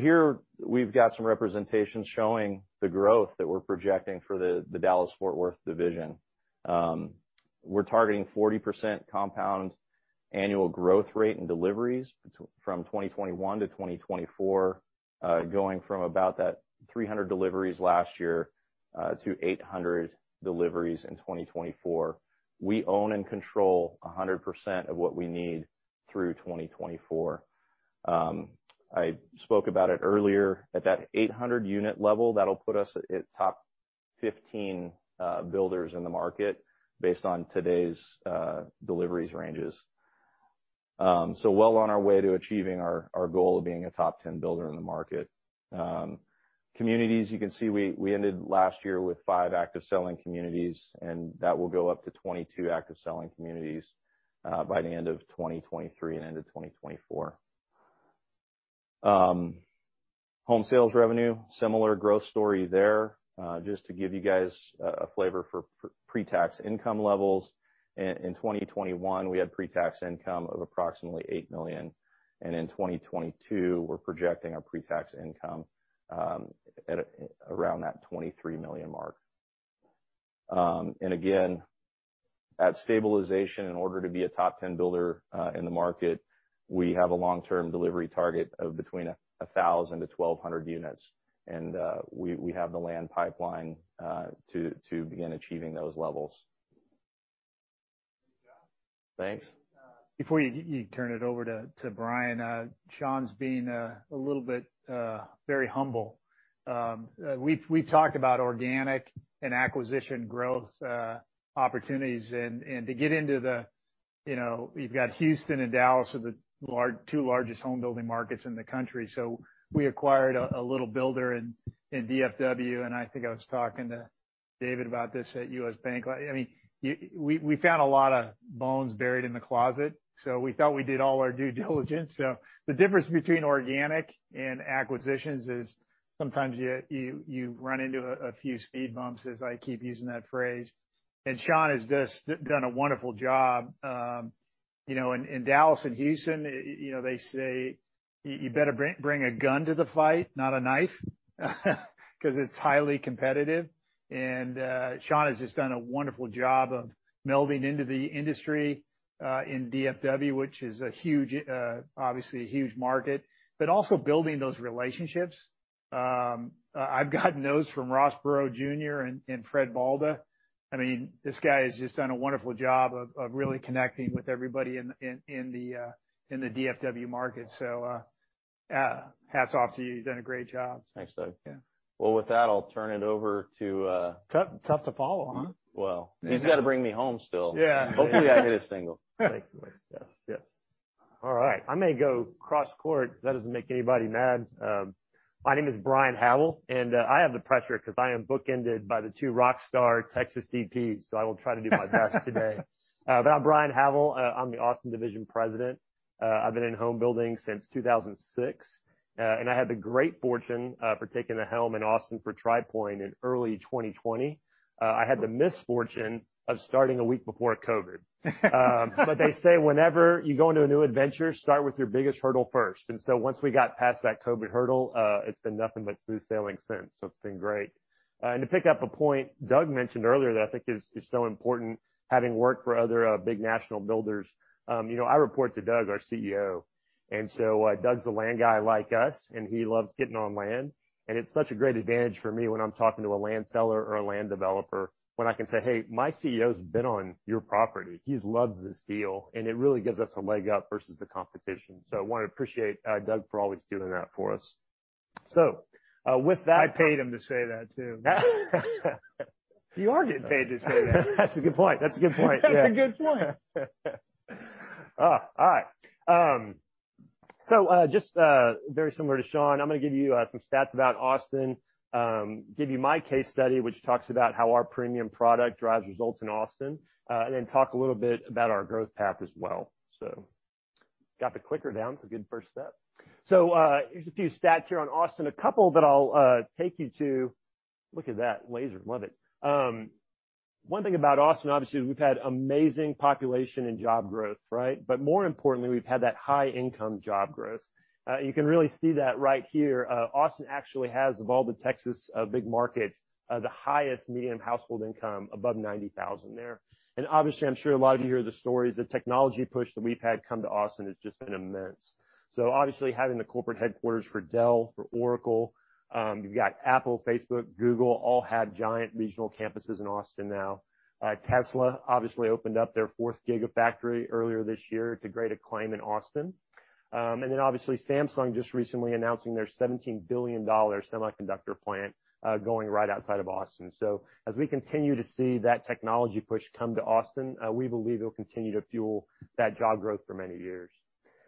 Here we've got some representations showing the growth that we're projecting for the Dallas-Fort Worth division. We're targeting 40% compound annual growth rate in deliveries from 2021 to 2024, going from about that 300 deliveries last year to 800 deliveries in 2024. We own and control 100% of what we need through 2024. I spoke about it earlier. At that 800 unit level, that'll put us at top 15 builders in the market based on today's deliveries ranges. Well on our way to achieving our goal of being a top 10 builder in the market. Communities, you can see we ended last year with five active selling communities, and that will go up to 22 active selling communities by the end of 2023 and end of 2024. Home sales revenue, similar growth story there. Just to give you guys a flavor for pretax income levels. In 2021, we had pretax income of approximately $8 million, and in 2022, we're projecting our pretax income at around that $23 million mark. Again, at stabilization, in order to be a top 10 builder in the market, we have a long-term delivery target of between 1,000-1,200 units. We have the land pipeline to begin achieving those levels.
Good job.
Thanks.
Before you turn it over to Bryan, Sean's been a little bit very humble. We've talked about organic and acquisition growth opportunities and to get into the, you know, you've got Houston and Dallas, the two largest home building markets in the country. We acquired a little builder in DFW, and I think I was talking to David about this at U.S. Bank. Like, I mean, we found a lot of bones buried in the closet, so we thought we did all our due diligence. The difference between organic and acquisitions is sometimes you run into a few speed bumps, as I keep using that phrase. Sean has just done a wonderful job. You know, in Dallas and Houston, you know, they say you better bring a gun to the fight, not a knife, because it's highly competitive. Sean has just done a wonderful job of melding into the industry in DFW, which is a huge, obviously a huge market, but also building those relationships. I've gotten notes from Ross Perot Jr. and Fred Balda. I mean, this guy has just done a wonderful job of really connecting with everybody in the DFW market. Yeah, hats off to you. You've done a great job.
Thanks, Doug.
Yeah.
Well, with that, I'll turn it over to.
Tough to follow, huh?
Well, he's got to bring me home still.
Yeah.
Hopefully, I hit a single.
Thanks. Yes. Yes.
All right, I may go cross court if that doesn't make anybody mad. My name is Bryan Howell, and I have the pressure 'cause I am bookended by the two rock star Texas VPs, so I will try to do my best today. But I'm Bryan Howell. I'm the Austin division president. I've been in home building since 2006. I had the great fortune for taking the helm in Austin for Tri Pointe in early 2020. I had the misfortune of starting a week before COVID. But they say whenever you go into a new adventure, start with your biggest hurdle first. Once we got past that COVID hurdle, it's been nothing but smooth sailing since, so it's been great. To pick up a point Doug mentioned earlier that I think is so important, having worked for other big national builders, you know, I report to Doug, our CEO. Doug's a land guy like us, and he loves getting on land. It's such a great advantage for me when I'm talking to a land seller or a land developer when I can say, "Hey, my CEO's been on your property. He loves this deal." It really gives us a leg up versus the competition. I wanna appreciate Doug for always doing that for us. With that. I paid him to say that too. You are getting paid to say that. That's a good point. Yeah. Oh, all right. Just very similar to Sean, I'm gonna give you some stats about Austin, give you my case study, which talks about how our premium product drives results in Austin, and then talk a little bit about our growth path as well. Got the clicker down. It's a good first step. Here's a few stats here on Austin. A couple that I'll take you to. Look at that. Laser. Love it. One thing about Austin, obviously, is we've had amazing population and job growth, right? More importantly, we've had that high income job growth. You can really see that right here. Austin actually has, of all the Texas big markets, the highest median household income above 90,000 there. Obviously, I'm sure a lot of you hear the stories. The technology push that we've had come to Austin has just been immense. Obviously, having the corporate headquarters for Dell, for Oracle, you've got Apple, Facebook, Google, all have giant regional campuses in Austin now. Tesla obviously opened up their fourth Gigafactory earlier this year to great acclaim in Austin. Obviously, Samsung just recently announcing their $17 billion semiconductor plant, going right outside of Austin. As we continue to see that technology push come to Austin, we believe it'll continue to fuel that job growth for many years.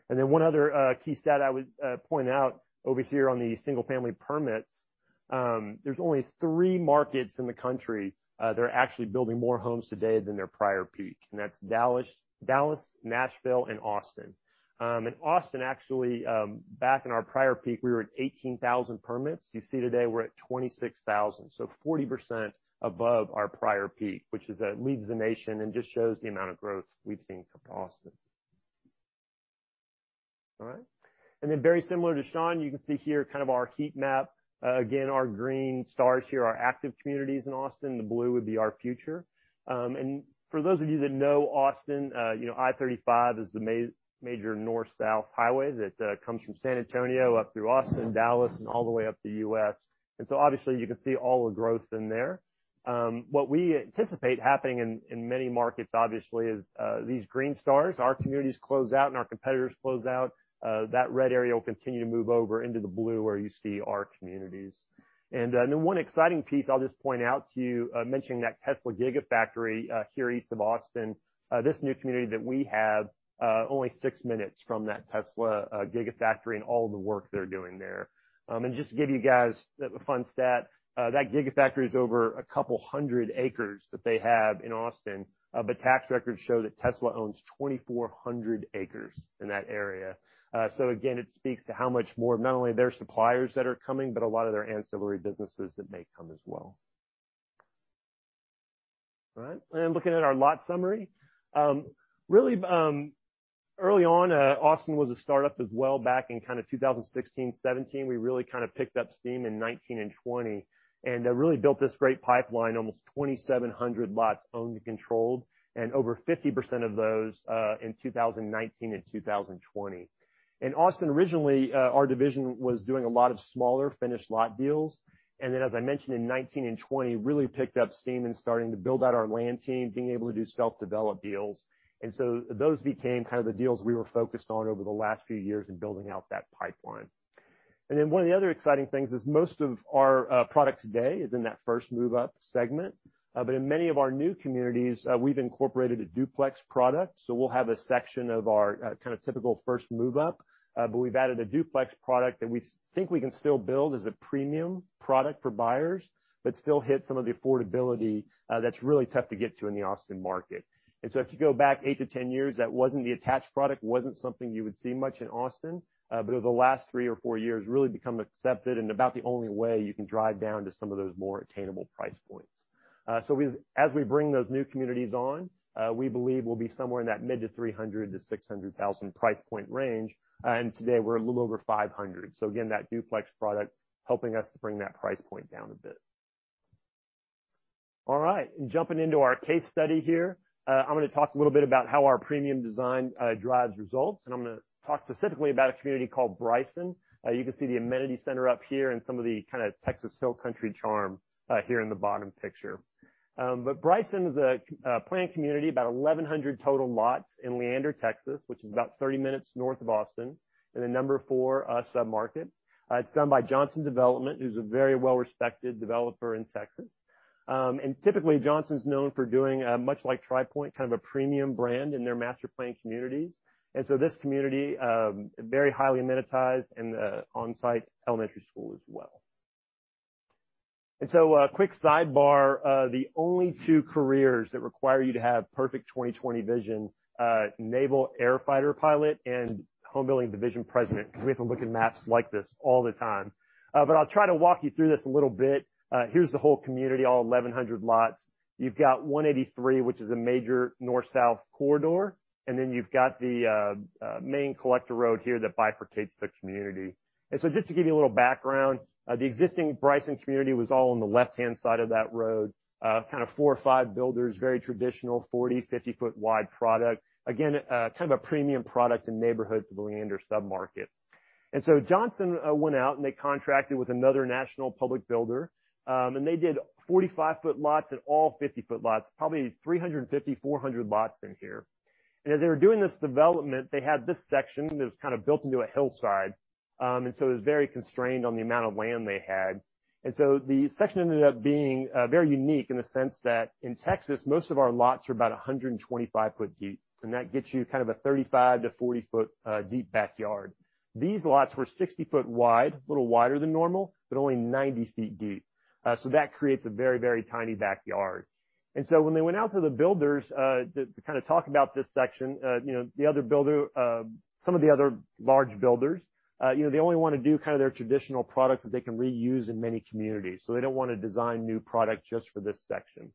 One other key stat I would point out over here on the single-family permits, there's only three markets in the country that are actually building more homes today than their prior peak, and that's Dallas, Nashville, and Austin. Austin, actually, back in our prior peak, we were at 18,000 permits. You see today we're at 26,000, so 40% above our prior peak, which leads the nation and just shows the amount of growth we've seen from Austin. All right. Then very similar to Sean, you can see here kind of our heat map. Again, our green stars here are active communities in Austin. The blue would be our future. For those of you that know Austin, you know I-35 is the major north-south highway that comes from San Antonio up through Austin, Dallas, and all the way up the U.S. Obviously, you can see all the growth in there. What we anticipate happening in many markets, obviously, is these green stars, our communities close out and our competitors close out. That red area will continue to move over into the blue where you see our communities. One exciting piece I'll just point out to you, mentioning that Tesla Gigafactory here east of Austin, this new community that we have, only six minutes from that Tesla Gigafactory and all the work they're doing there. Just to give you guys a fun stat, that Gigafactory is over 200 acres that they have in Austin, but tax records show that Tesla owns 2,400 acres in that area. Again, it speaks to how much more, not only their suppliers that are coming, but a lot of their ancillary businesses that may come as well. All right. Looking at our lot summary, really, early on, Austin was a startup as well back in kind of 2016, 2017. We really kind of picked up steam in 2019 and 2020 and, really built this great pipeline, almost 2,700 lots owned and controlled, and over 50% of those in 2019 and 2020. In Austin, originally, our division was doing a lot of smaller finished lot deals. As I mentioned in 2019 and 2020, really picked up steam in starting to build out our land team, being able to do self-developed deals. Those became kind of the deals we were focused on over the last few years in building out that pipeline. One of the other exciting things is most of our product today is in that first move up segment. But in many of our new communities, we've incorporated a duplex product. We'll have a section of our kinda typical first move up, but we've added a duplex product that we think we can still build as a premium product for buyers, but still hit some of the affordability that's really tough to get to in the Austin market. If you go back 8-10 years, that wasn't the attached product, wasn't something you would see much in Austin, but over the last three or four years really become accepted and about the only way you can drive down to some of those more attainable price points. As we bring those new communities on, we believe we'll be somewhere in that mid- to $300,000-$600,000 price point range. Today we're a little over $500,000. Again, that duplex product helping us to bring that price point down a bit. All right, jumping into our case study here, I'm gonna talk a little bit about how our premium design drives results, and I'm gonna talk specifically about a community called Bryson. You can see the amenity center up here and some of the kinda Texas Hill Country charm here in the bottom picture. Bryson is a planned community, about 1,100 total lots in Leander, Texas, which is about 30 minutes north of Austin, and the number four sub-market. It's done by Johnson Development, who's a very well-respected developer in Texas. Typically, Johnson's known for doing much like Tri Pointe, kind of a premium brand in their master planned communities. This community very highly amenitized and onsite elementary school as well. Quick sidebar, the only two careers that require you to have perfect 20/20 vision, Naval air fighter pilot and home building division president, because we have to look at maps like this all the time. I'll try to walk you through this a little bit. Here's the whole community, all 1,100 lots. You've got 183, which is a major north-south corridor, and then you've got the main collector road here that bifurcates the community. Just to give you a little background, the existing Bryson community was all on the left-hand side of that road, kind of four or five builders, very traditional, 40, 50 ft wide product. Again, kind of a premium product in neighborhoods, the Leander submarket. Johnson went out and they contracted with another national public builder, and they did 45 ft lots and all 50 ft lots, probably 350, 400 lots in here. As they were doing this development, they had this section that was kind of built into a hillside, and so it was very constrained on the amount of land they had. The section ended up being very unique in the sense that in Texas, most of our lots are about 125 ft deep, and that gets you kind of a 35 to 40-ft deep backyard. These lots were 60 ft wide, a little wider than normal, but only 90 ft deep. So that creates a very, very tiny backyard. When they went out to the builders to kind of talk about this section, you know, the other builder, some of the other large builders, you know, they only wanna do kind of their traditional product that they can reuse in many communities. They don't wanna design new product just for this section.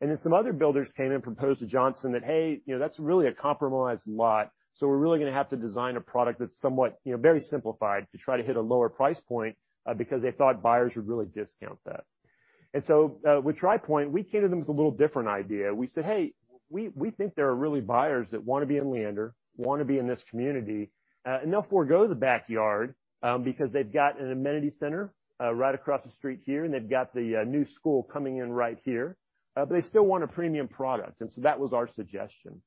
Then some other builders came and proposed to Johnson that, hey, you know, that's really a compromised lot, so we're really gonna have to design a product that's somewhat, you know, very simplified to try to hit a lower price point, because they thought buyers would really discount that. With Tri Pointe, we came to them with a little different idea. We said, "Hey, we think there are really buyers that wanna be in Leander, wanna be in this community, and they'll forego the backyard, because they've got an amenity center, right across the street here, and they've got the new school coming in right here." But they still want a premium product, and that was our suggestion.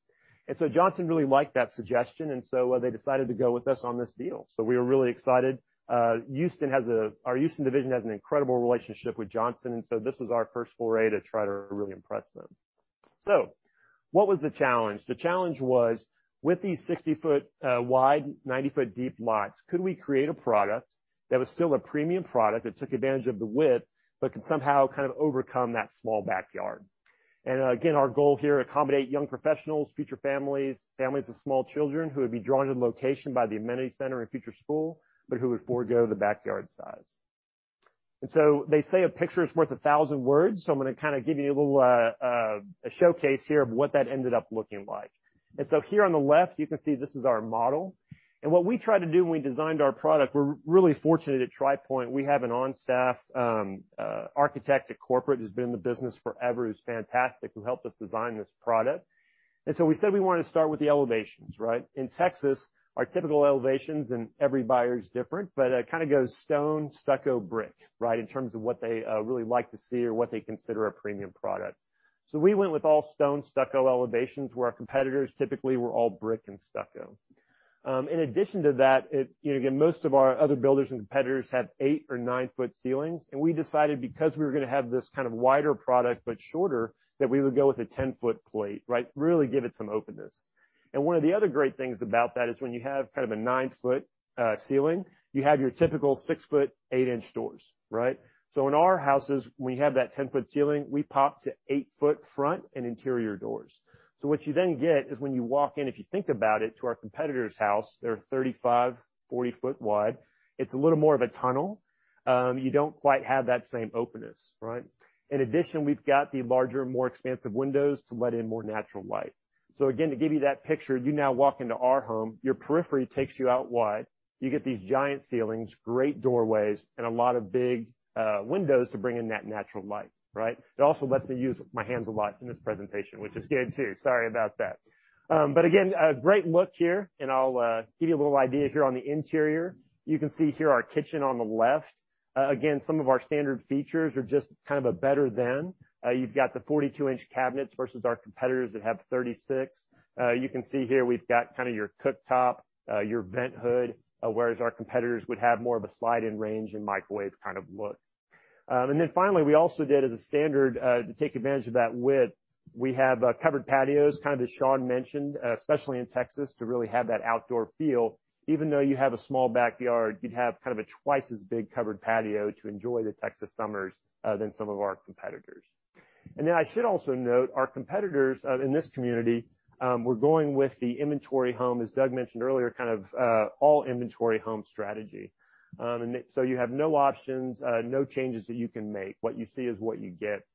Johnson really liked that suggestion, and so, they decided to go with us on this deal. We were really excited. Houston has. Our Houston division has an incredible relationship with Johnson, and so this was our first foray to try to really impress them. What was the challenge? The challenge was, with these 60-ft wide, 90-ft deep lots, could we create a product that was still a premium product that took advantage of the width, but could somehow kind of overcome that small backyard? Again, our goal here, accommodate young professionals, future families with small children who would be drawn to the location by the amenity center and future school, but who would forego the backyard size. They say a picture is worth 1,000 words, so I'm gonna kind of give you a little a showcase here of what that ended up looking like. Here on the left, you can see this is our model. What we tried to do when we designed our product, we're really fortunate at Tri Pointe, we have an on staff architect at corporate who's been in the business forever, who's fantastic, who helped us design this product. We said we wanted to start with the elevations, right? In Texas, our typical elevations and every buyer is different, but it kind of goes stone, stucco, brick, right? In terms of what they really like to see or what they consider a premium product. We went with all stone stucco elevations, where our competitors typically were all brick and stucco. In addition to that, you know, again, most of our other builders and competitors have 8 or 9-ft ceilings. We decided because we were gonna have this kind of wider product, but shorter, that we would go with a 10-ft plate, right? Really give it some openness. One of the other great things about that is when you have kind of a 9-ft ceiling, you have your typical 6 ft 8 inch doors, right? In our houses, when you have that 10 ft ceiling, we pop to 8 ft front and interior doors. What you then get is when you walk in, if you think about it, to our competitor's house, they're 35-40 ft wide. It's a little more of a tunnel. You don't quite have that same openness, right? In addition, we've got the larger, more expansive windows to let in more natural light. Again, to give you that picture, you now walk into our home, your periphery takes you out wide. You get these giant ceilings, great doorways, and a lot of big windows to bring in that natural light, right? It also lets me use my hands a lot in this presentation, which is good too. Sorry about that. Again, a great look here, and I'll give you a little idea here on the interior. You can see here our kitchen on the left. Again, some of our standard features are just kind of a better than. You've got the 42-inch cabinets versus our competitors that have 36. You can see here we've got kind of your cooktop, your vent hood, whereas our competitors would have more of a slide-in range and microwave kind of look. Finally, we also did as a standard, to take advantage of that width, we have covered patios, kind of as Sean mentioned, especially in Texas, to really have that outdoor feel. Even though you have a small backyard, you'd have kind of a twice as big covered patio to enjoy the Texas summers, than some of our competitors. I should also note, our competitors in this community were going with the inventory home, as Doug mentioned earlier, kind of all inventory home strategy. You have no options, no changes that you can make. What you see is what you get.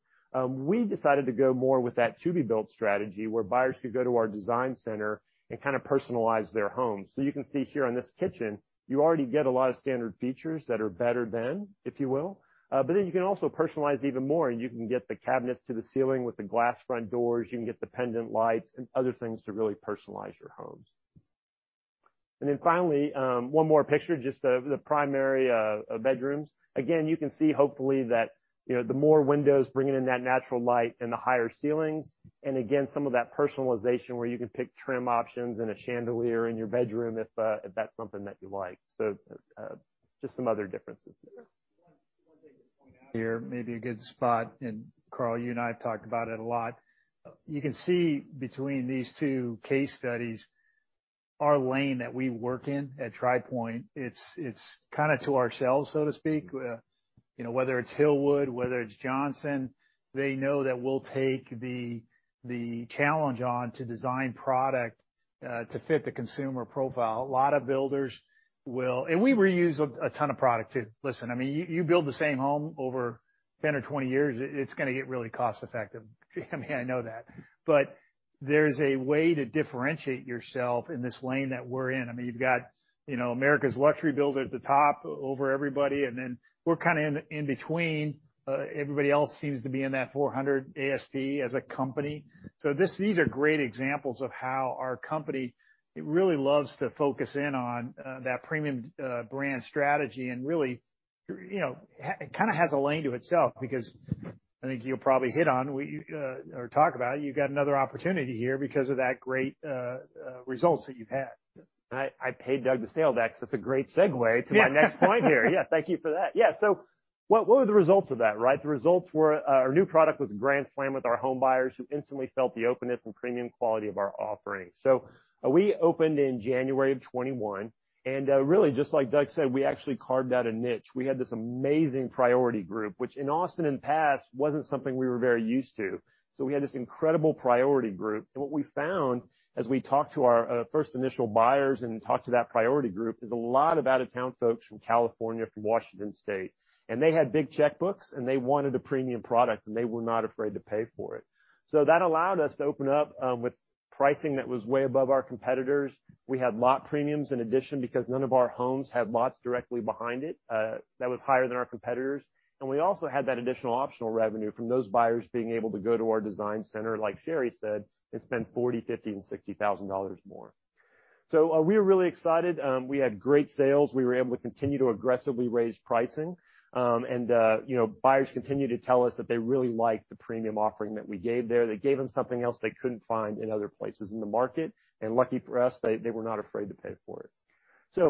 We decided to go more with that to-be-built strategy, where buyers could go to our design center and kind of personalize their homes. You can see here on this kitchen, you already get a lot of standard features that are better than, if you will. Then you can also personalize even more. You can get the cabinets to the ceiling with the glass front doors. You can get the pendant lights and other things to really personalize your homes. Finally, one more picture, just of the primary bedrooms. Again, you can see hopefully that, you know, the more windows bringing in that natural light and the higher ceilings, and again, some of that personalization where you can pick trim options and a chandelier in your bedroom if that's something that you like. Just some other differences there.
One thing to point out here, maybe a good spot, and Carl, you and I have talked about it a lot. You can see between these two case studies. Our lane that we work in at Tri Pointe, it's kinda to ourselves, so to speak. You know, whether it's Hillwood, whether it's Johnson, they know that we'll take the challenge on to design product to fit the consumer profile. A lot of builders will. We reuse a ton of product too. Listen, I mean, you build the same home over 10 or 20 years, it's gonna get really cost effective. I mean, I know that. There's a way to differentiate yourself in this lane that we're in. I mean, you've got, you know, America's luxury builder at the top over everybody, and then we're kinda in between. Everybody else seems to be in that 400 ASP as a company. These are great examples of how our company, it really loves to focus in on that premium brand strategy and really, you know, it kinda has a lane to itself because I think you'll probably hit on we or talk about, you've got another opportunity here because of that great results that you've had.
I played Doug the sales back, so it's a great segue to my next point here. Yeah, thank you for that. Yeah, so what were the results of that, right? The results were, our new product was a grand slam with our home buyers who instantly felt the openness and premium quality of our offering. We opened in January of 2021, and really, just like Doug said, we actually carved out a niche. We had this amazing priority group, which in Austin in the past wasn't something we were very used to. We had this incredible priority group, and what we found as we talked to our first initial buyers and talked to that priority group is a lot of out-of-town folks from California, from Washington State, and they had big checkbooks, and they wanted a premium product, and they were not afraid to pay for it. That allowed us to open up with pricing that was way above our competitors. We had lot premiums in addition, because none of our homes had lots directly behind it that was higher than our competitors'. We also had that additional optional revenue from those buyers being able to go to our design center, like Sherry said, and spend $40,000, $50,000, and $60,000 more. We're really excited. We had great sales. We were able to continue to aggressively raise pricing. You know, buyers continue to tell us that they really like the premium offering that we gave there. That gave them something else they couldn't find in other places in the market. Lucky for us, they were not afraid to pay for it.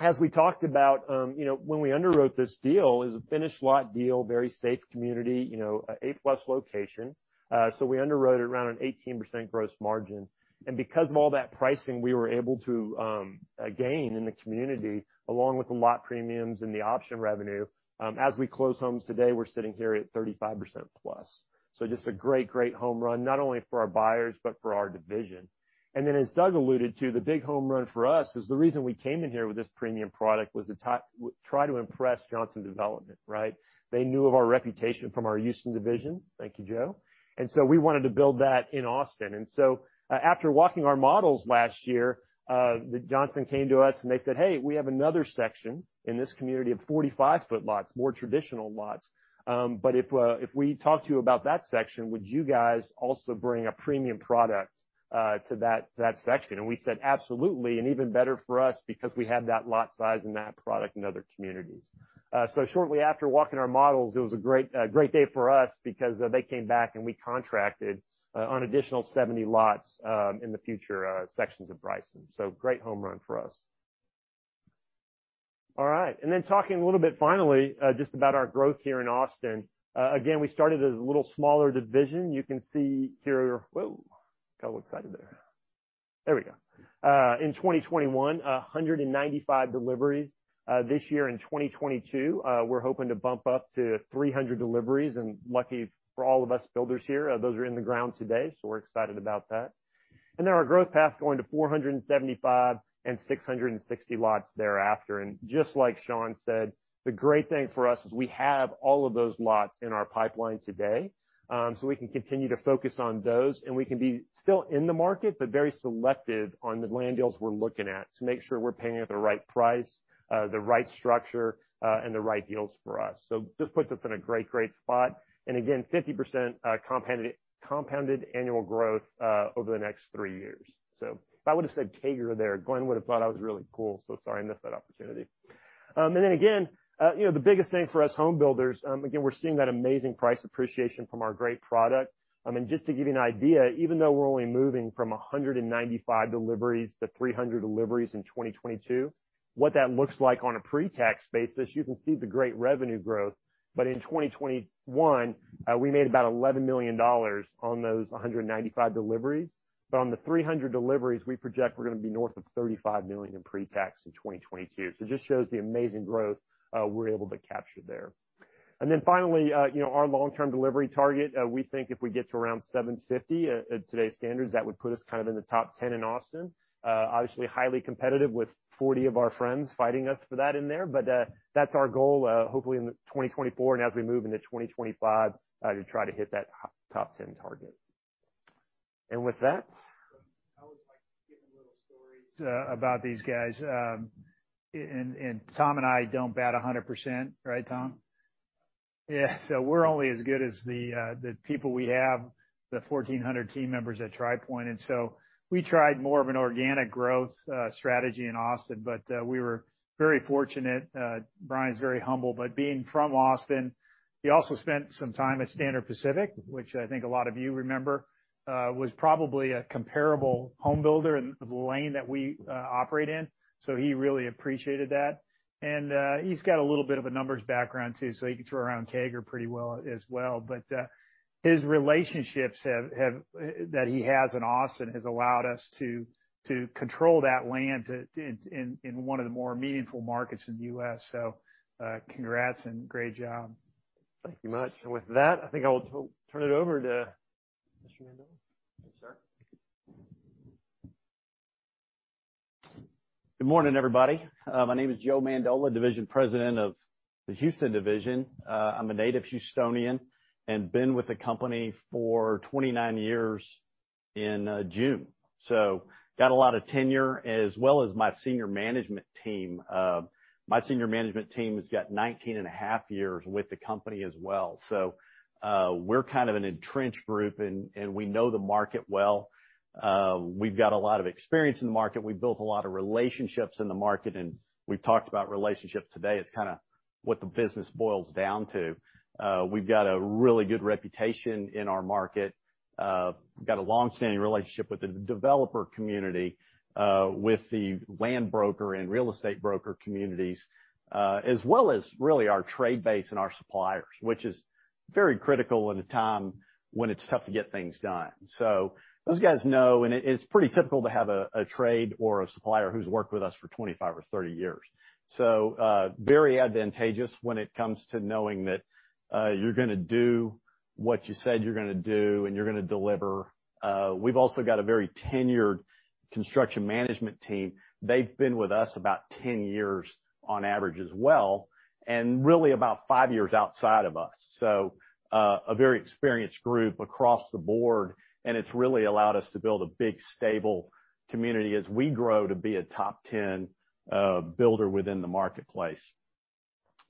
As we talked about, you know, when we underwrote this deal, it was a finished lot deal, very safe community, you know, an A+ location. We underwrote it around an 18% gross margin. Because of all that pricing, we were able to, again, in the community, along with the lot premiums and the option revenue, as we close homes today, we're sitting here at 35%+. Just a great home run, not only for our buyers, but for our division. As Doug alluded to, the big home run for us is the reason we came in here with this premium product was to try to impress Johnson Development, right? They knew of our reputation from our Houston division. Thank you, Joe. We wanted to build that in Austin. After walking our models last year, Johnson came to us and they said, "Hey, we have another section in this community of 45-ft lots, more traditional lots. But if we talk to you about that section, would you guys also bring a premium product to that section?" And we said, "Absolutely," and even better for us because we had that lot size and that product in other communities. Shortly after walking our models, it was a great day for us because they came back and we contracted on additional 70 lots in the future sections of Bryson. Great home run for us. All right. Talking a little bit finally just about our growth here in Austin. Again, we started as a little smaller division. You can see here. In 2021, 195 deliveries. This year in 2022, we're hoping to bump up to 300 deliveries. Lucky for all of us builders here, those are in the ground today, so we're excited about that. Our growth path going to 475 and 660 lots thereafter. Just like Sean said, the great thing for us is we have all of those lots in our pipeline today, so we can continue to focus on those, and we can be still in the market, but very selective on the land deals we're looking at to make sure we're paying at the right price, the right structure, and the right deals for us. So just puts us in a great spot. Again, 50% compounded annual growth over the next three years. So if I would have said CAGR there, Glenn would have thought I was really cool, so sorry I missed that opportunity. Then again, you know, the biggest thing for us home builders, again, we're seeing that amazing price appreciation from our great product. I mean, just to give you an idea, even though we're only moving from 195 deliveries to 300 deliveries in 2022, what that looks like on a pre-tax basis, you can see the great revenue growth. In 2021, we made about $11 million on those 195 deliveries. On the 300 deliveries, we project we're gonna be north of $35 million in pre-tax in 2022. It just shows the amazing growth we're able to capture there. Then finally, you know, our long-term delivery target, we think if we get to around 750, at today's standards, that would put us kind of in the top ten in Austin. Obviously highly competitive with 40 of our friends fighting us for that in there. That's our goal, hopefully in 2024 and as we move into 2025, to try to hit that top 10 target. With that-
I always like giving little stories about these guys, and Tom and I don't bat 100%, right, Tom? Yeah, we're only as good as the people we have, the 1,400 team members at Tri Pointe. We tried more of an organic growth strategy in Austin, but we were very fortunate. Bryan's very humble, but being from Austin, he also spent some time at Standard Pacific, which I think a lot of you remember was probably a comparable home builder in the lane that we operate in. He really appreciated that. He's got a little bit of a numbers background too, so he can throw around CAGR pretty well as well. His relationships have that he has in Austin has allowed us to control that land in one of the more meaningful markets in the U.S. Congrats and great job.
Thank you much. With that, I think I will turn it over to Mr. Mandola.
Yes, sir. Good morning, everybody. My name is Joe Mandola, Division President of the Houston division. I'm a native Houstonian and been with the company for 29 years in June. Got a lot of tenure as well as my senior management team. My senior management team has got 19.5 years with the company as well. We're kind of an entrenched group and we know the market well. We've got a lot of experience in the market. We've built a lot of relationships in the market, and we've talked about relationships today. It's kinda what the business boils down to. We've got a really good reputation in our market. Got a long-standing relationship with the developer community, with the land broker and real estate broker communities, as well as really our trade base and our suppliers, which is very critical at a time when it's tough to get things done. Those guys know, and it is pretty typical to have a trade or a supplier who's worked with us for 25 or 30 years. Very advantageous when it comes to knowing that you're gonna do what you said you're gonna do, and you're gonna deliver. We've also got a very tenured construction management team. They've been with us about 10 years on average as well, and really about five years outside of us. A very experienced group across the board, and it's really allowed us to build a big, stable community as we grow to be a top ten builder within the marketplace.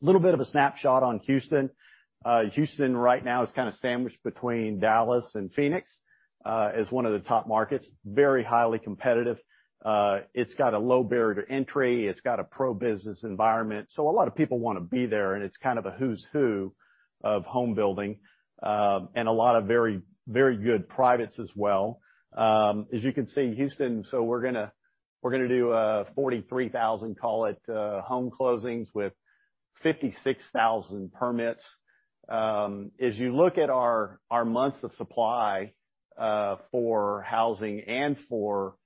Little bit of a snapshot on Houston. Houston right now is kinda sandwiched between Dallas and Phoenix as one of the top markets. Very highly competitive. It's got a low barrier to entry. It's got a pro-business environment, so a lot of people wanna be there, and it's kind of a who's who of home building, and a lot of very, very good privates as well. As you can see, Houston, we're gonna do 43,000, call it, home closings with 56,000 permits. As you look at our months of supply for housing and for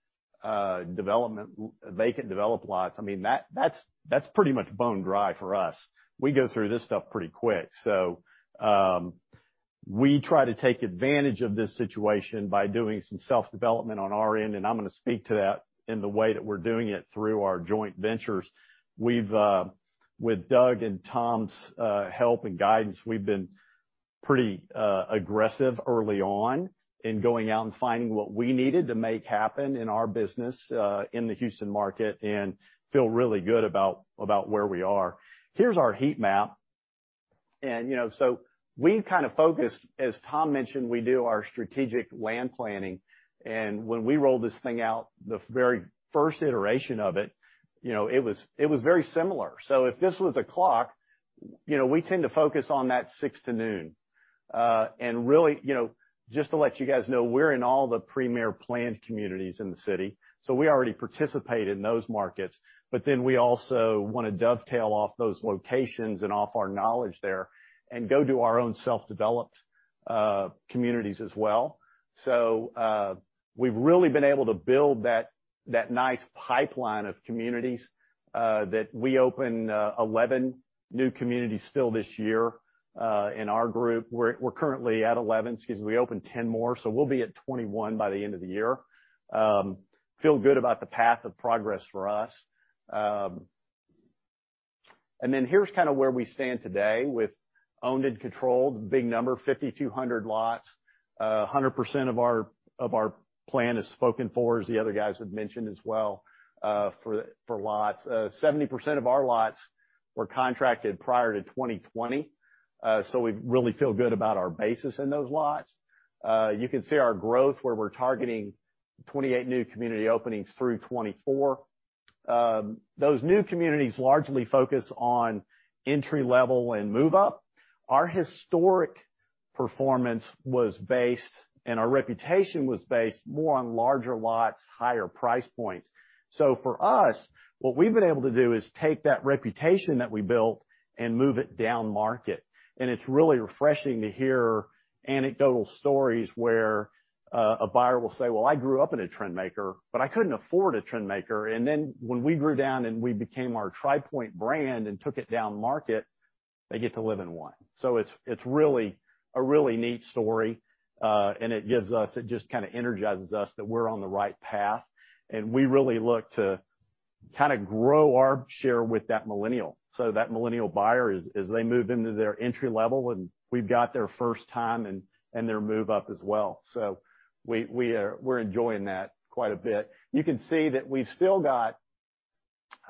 development, vacant developed lots, I mean, that's pretty much bone dry for us. We go through this stuff pretty quick. We try to take advantage of this situation by doing some self-development on our end, and I'm gonna speak to that in the way that we're doing it through our joint ventures. We've with Doug and Tom's help and guidance, we've been pretty aggressive early on in going out and finding what we needed to make happen in our business in the Houston market and feel really good about where we are. Here's our heat map. You know, we've kind of focused, as Tom mentioned, we do our strategic land planning, and when we rolled this thing out, the very first iteration of it, you know, it was very similar. If this was a clock, you know, we tend to focus on that six to noon. And really, you know, just to let you guys know, we're in all the premier planned communities in the city, so we already participate in those markets, but then we also wanna dovetail off those locations and off our knowledge there and go do our own self-developed communities as well. We've really been able to build that nice pipeline of communities that we opened 11 new communities still this year in our group. We're currently at 11 'cause we opened 10 more, so we'll be at 21 by the end of the year. Feel good about the path of progress for us. Here's kinda where we stand today with owned and controlled, big number, 5,200 lots. 100% of our plan is spoken for, as the other guys have mentioned as well, for lots. 70% of our lots were contracted prior to 2020, so we really feel good about our basis in those lots. You can see our growth, where we're targeting 28 new community openings through 2024. Those new communities largely focus on entry-level and move-up. Our historic performance was based, and our reputation was based more on larger lots, higher price points. For us, what we've been able to do is take that reputation that we built and move it downmarket. It's really refreshing to hear anecdotal stories where a buyer will say, "Well, I grew up in a Trendmaker, but I couldn't afford a Trendmaker." Then when we grew down and we became our Tri Pointe brand and took it downmarket, they get to live in one. It's really a really neat story, and it gives us, it just kinda energizes us that we're on the right path, and we really look to kinda grow our share with that millennial. That millennial buyer, as they move into their entry level, and we've got their first time and their move-up as well. We're enjoying that quite a bit. You can see that we've still got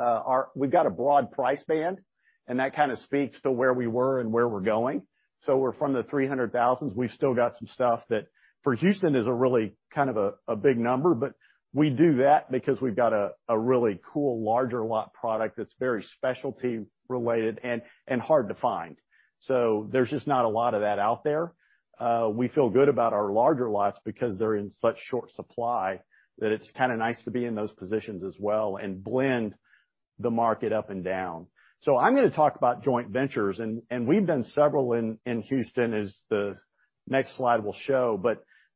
our. We've got a broad price band, and that kinda speaks to where we were and where we're going. We're from the $300,000s. We've still got some stuff that, for Houston, is a really kind of a big number, but we do that because we've got a really cool larger lot product that's very specialty related and hard to find. There's just not a lot of that out there. We feel good about our larger lots because they're in such short supply that it's kinda nice to be in those positions as well and blend the market up and down. I'm gonna talk about joint ventures and we've done several in Houston, as the next slide will show.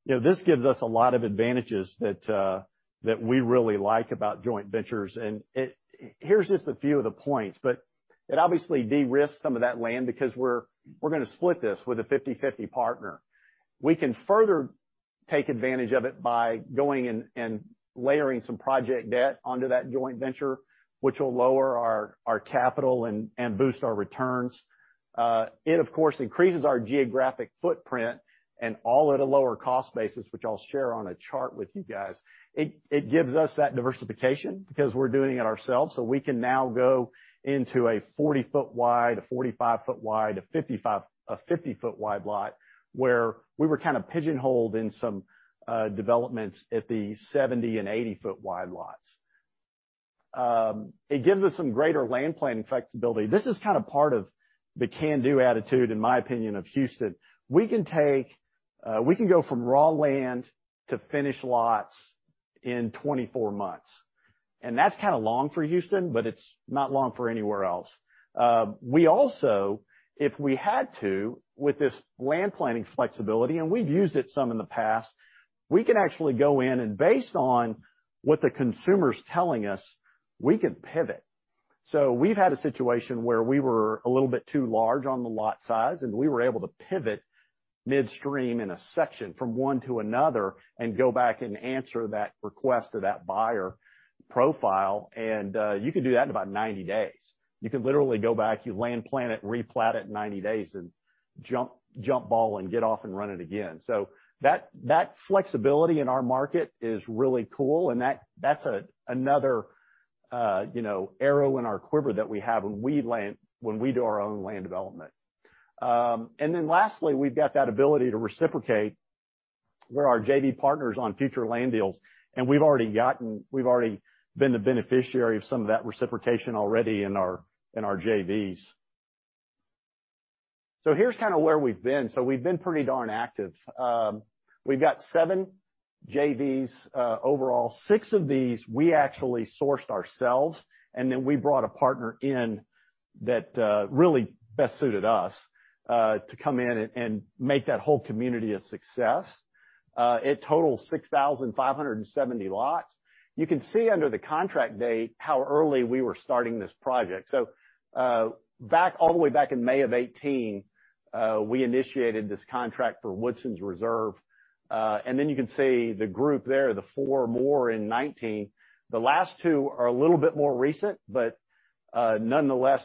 You know, this gives us a lot of advantages that we really like about joint ventures. Here's just a few of the points, but it obviously de-risks some of that land because we're gonna split this with a 50/50 partner. We can further take advantage of it by going and layering some project debt onto that joint venture, which will lower our capital and boost our returns. It, of course, increases our geographic footprint and all at a lower cost basis, which I'll share on a chart with you guys. It gives us that diversification because we're doing it ourselves, so we can now go into a 40-ft wide, a 45-ft wide, a 55- a 50-ft wide lot, where we were kind of pigeonholed in some developments at the 70-ft- and 80-ft wide lots. It gives us some greater land planning flexibility. This is kind of part of the can-do attitude, in my opinion, of Houston. We can go from raw land to finished lots in 24 months, and that's kind of long for Houston, but it's not long for anywhere else. We also, if we had to, with this land planning flexibility, and we've used it some in the past, can actually go in and, based on what the consumer's telling us, pivot. We've had a situation where we were a little bit too large on the lot size, and we were able to pivot midstream in a section from one to another and go back and answer that request or that buyer profile, and you can do that in about 90 days. You can literally go back, you land plan it, replat it in 90 days, and jump ball and get off and run it again. That flexibility in our market is really cool, and that's another, you know, arrow in our quiver that we have when we do our own land development. Then lastly, we've got that ability to reciprocate with our JV partners on future land deals, and we've already been the beneficiary of some of that reciprocation already in our JVs. Here's kind of where we've been. We've been pretty darn active. We've got seven JVs overall. Six of these we actually sourced ourselves, and then we brought a partner in that really best suited us to come in and make that whole community a success. It totals 6,570 lots. You can see under the contract date how early we were starting this project. Back, all the way back in May of 2018, we initiated this contract for Woodson's Reserve. Then you can see the group there, the four more in 2019. The last two are a little bit more recent, but nonetheless,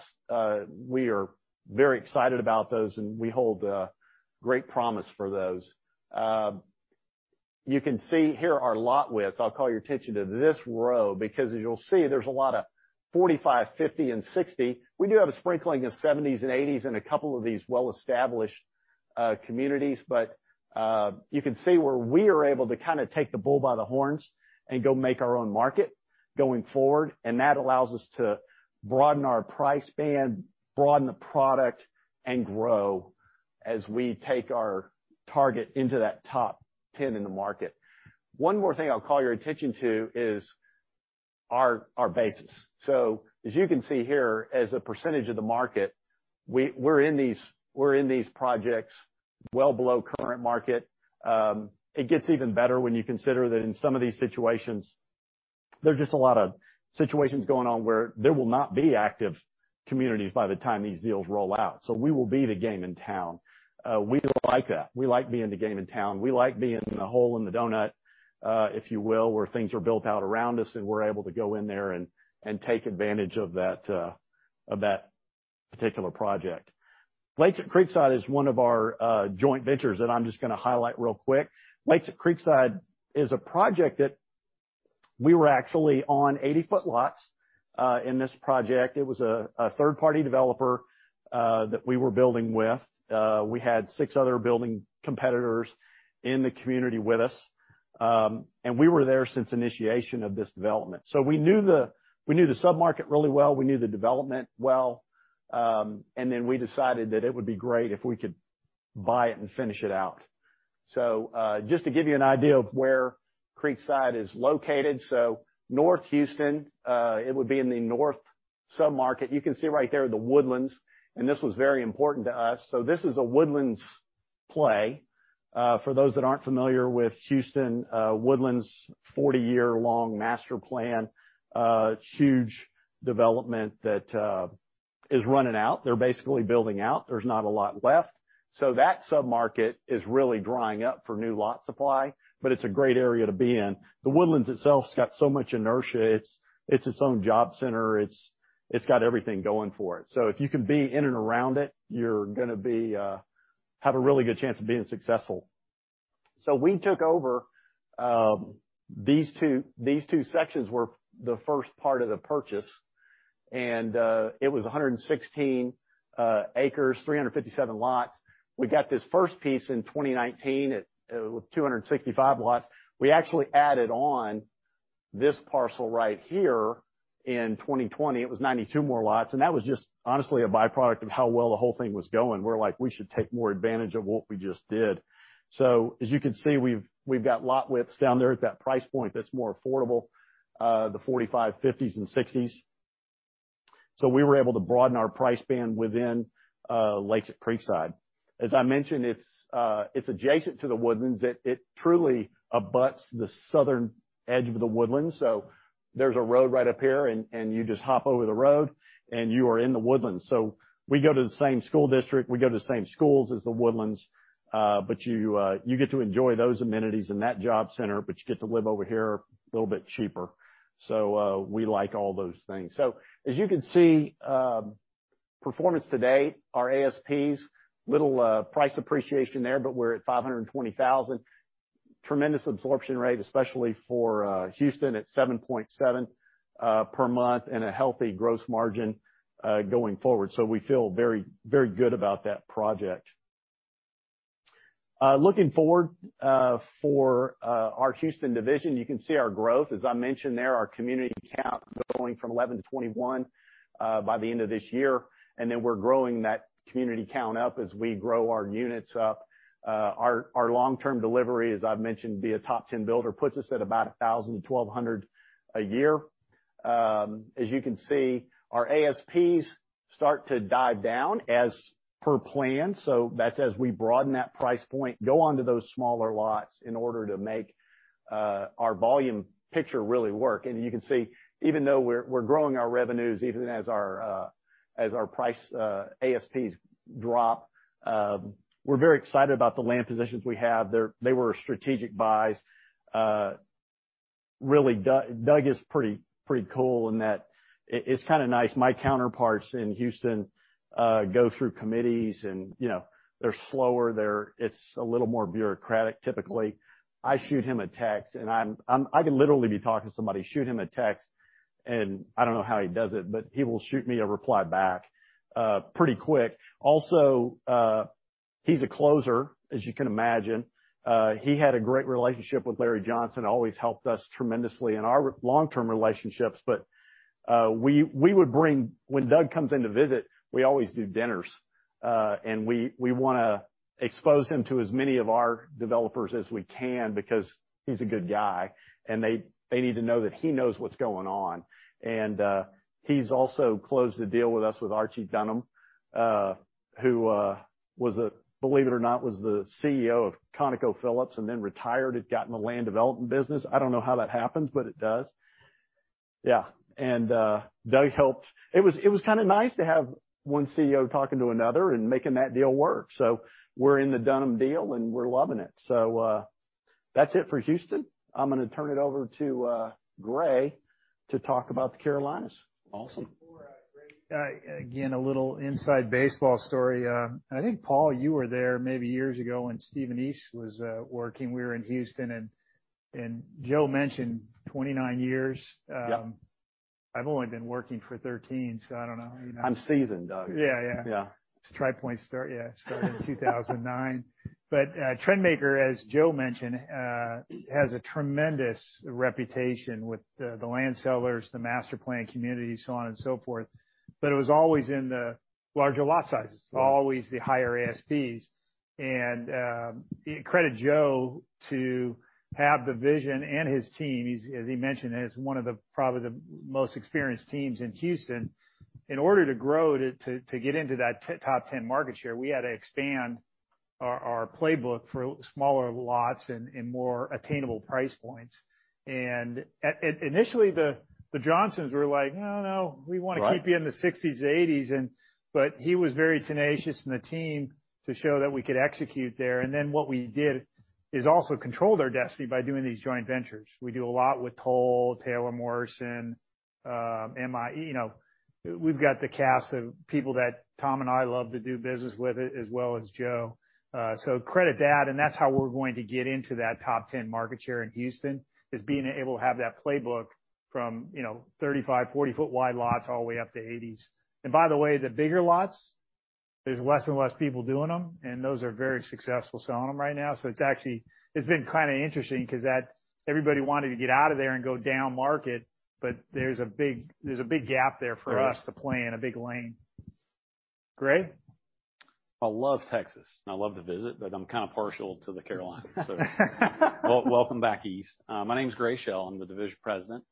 we are very excited about those and we hold great promise for those. You can see here our lot widths. I'll call your attention to this row because as you'll see, there's a lot of 45, 50, and 60. We do have a sprinkling of 70s and 80s in a couple of these well-established communities. You can see where we are able to kind of take the bull by the horns and go make our own market going forward, and that allows us to broaden our price band, broaden the product, and grow as we take our target into that top ten in the market. One more thing I'll call your attention to is our basis. So as you can see here, as a percentage of the market, we're in these projects well below current market. It gets even better when you consider that in some of these situations, there are just a lot of situations going on where there will not be active communities by the time these deals roll out. So we will be the game in town. We like that. We like being the game in town. We like being the hole in the donut, if you will, where things are built out around us, and we're able to go in there and take advantage of that particular project. Lakes at Creekside is one of our joint ventures that I'm just gonna highlight real quick. Lakes at Creekside is a project that we were actually on 80-ft lots in this project. It was a third-party developer that we were building with. We had six other building competitors in the community with us, and we were there since initiation of this development. We knew the sub-market really well, we knew the development well, and then we decided that it would be great if we could buy it and finish it out. Just to give you an idea of where Creekside is located, North Houston, it would be in the north sub-market. You can see right there, The Woodlands, and this was very important to us. This is a Woodlands play. For those that aren't familiar with Houston, Woodlands' 40-year-long master plan, huge development that is running out. They're basically building out. There's not a lot left. That sub-market is really drying up for new lot supply, but it's a great area to be in. The Woodlands itself's got so much inertia. It's its own job center. It's got everything going for it. If you can be in and around it, you're gonna be have a really good chance of being successful. We took over. These two sections were the first part of the purchase, and it was 116 acres, 357 lots. We got this first piece in 2019 with 265 lots. We actually added on this parcel right here in 2020. It was 92 more lots, and that was just honestly a byproduct of how well the whole thing was going. We're like, "We should take more advantage of what we just did." As you can see, we've got lot widths down there at that price point that's more affordable, the 45, 50s, and 60s. We were able to broaden our price band within Lakes at Creekside. As I mentioned, it's adjacent to The Woodlands. It truly abuts the southern edge of The Woodlands. There's a road right up here, and you just hop over the road, and you are in The Woodlands. We go to the same school district, we go to the same schools as The Woodlands, but you get to enjoy those amenities and that job center, but you get to live over here a little bit cheaper. We like all those things. As you can see, performance to date, our ASPs, little price appreciation there, but we're at $520,000. Tremendous absorption rate, especially for Houston at 7.7 per month, and a healthy gross margin going forward. We feel very, very good about that project. Looking forward, for our Houston division, you can see our growth. As I mentioned there, our community count is going from 11 to 21 by the end of this year, and then we're growing that community count up as we grow our units up. Our long-term delivery, as I've mentioned, to be a top ten builder, puts us at about 1,000 to 1,200 a year. As you can see, our ASPs start to dive down as per plan, so that's as we broaden that price point, go onto those smaller lots in order to make our volume picture really work. You can see, even though we're growing our revenues, even as our price ASPs drop, we're very excited about the land positions we have. They were strategic buys. Really Doug is pretty cool in that it's kinda nice. My counterparts in Houston go through committees and, you know, they're slower, it's a little more bureaucratic typically. I shoot him a text, and I could literally be talking to somebody, shoot him a text, and I don't know how he does it, but he will shoot me a reply back pretty quick. Also, he's a closer, as you can imagine. He had a great relationship with Larry Johnson, always helped us tremendously in our long-term relationships. When Doug comes in to visit, we always do dinners, and we wanna expose him to as many of our developers as we can because he's a good guy, and they need to know that he knows what's going on. He's also closed a deal with us with Archie Dunham, who, believe it or not, was the CEO of ConocoPhillips and then retired and got in the land development business. I don't know how that happens, but it does. Yeah. Doug helped. It was kinda nice to have one CEO talking to another and making that deal work. We're in the Dunham deal, and we're loving it. That's it for Houston. I'm gonna turn it over to Gray Shell to talk about the Carolinas.
Awesome.
Before Gray. Again, a little inside baseball story. I think, Paul, you were there maybe years ago when Stephen East was working. We were in Houston, and Joe mentioned 29 years.
Yep.
I've only been working for 13, so I don't know. You know?
I'm seasoned, Doug.
Yeah, yeah.
Yeah.
Since Tri Pointe started in 2009. Trendmaker, as Joe mentioned, has a tremendous reputation with the land sellers, the master plan community, so on and so forth. It was always in the larger lot sizes.
Yeah.
Always the higher ASPs. Credit to Joe to have the vision, and his team. He, as he mentioned, has one of probably the most experienced teams in Houston. In order to grow to get into that top 10 market share, we had to expand our playbook for smaller lots and more attainable price points. Initially, the Johnsons were like, "Oh, no, we wanna keep you in the $60s, $80s." He was very tenacious, and the team to show that we could execute there. What we did was also control our destiny by doing these joint ventures. We do a lot with Toll Brothers, Taylor Morrison, M/I Homes. We've got the cast of people that Tom and I love to do business with, as well as Joe. Credit to that, and that's how we're going to get into that top 10 market share in Houston, is being able to have that playbook from, you know, 35-ft, 40-ft wide lots all the way up to 80s. By the way, the bigger lots, there's less and less people doing them, and those are very successful selling them right now. It's actually. It's been kinda interesting because that everybody wanted to get out of there and go down market, but there's a big gap there for us to play in, a big lane. Gray?
I love Texas, and I love to visit, but I'm kind of partial to the Carolinas. Welcome, welcome back East. My name's Gray Shell. I'm the Division President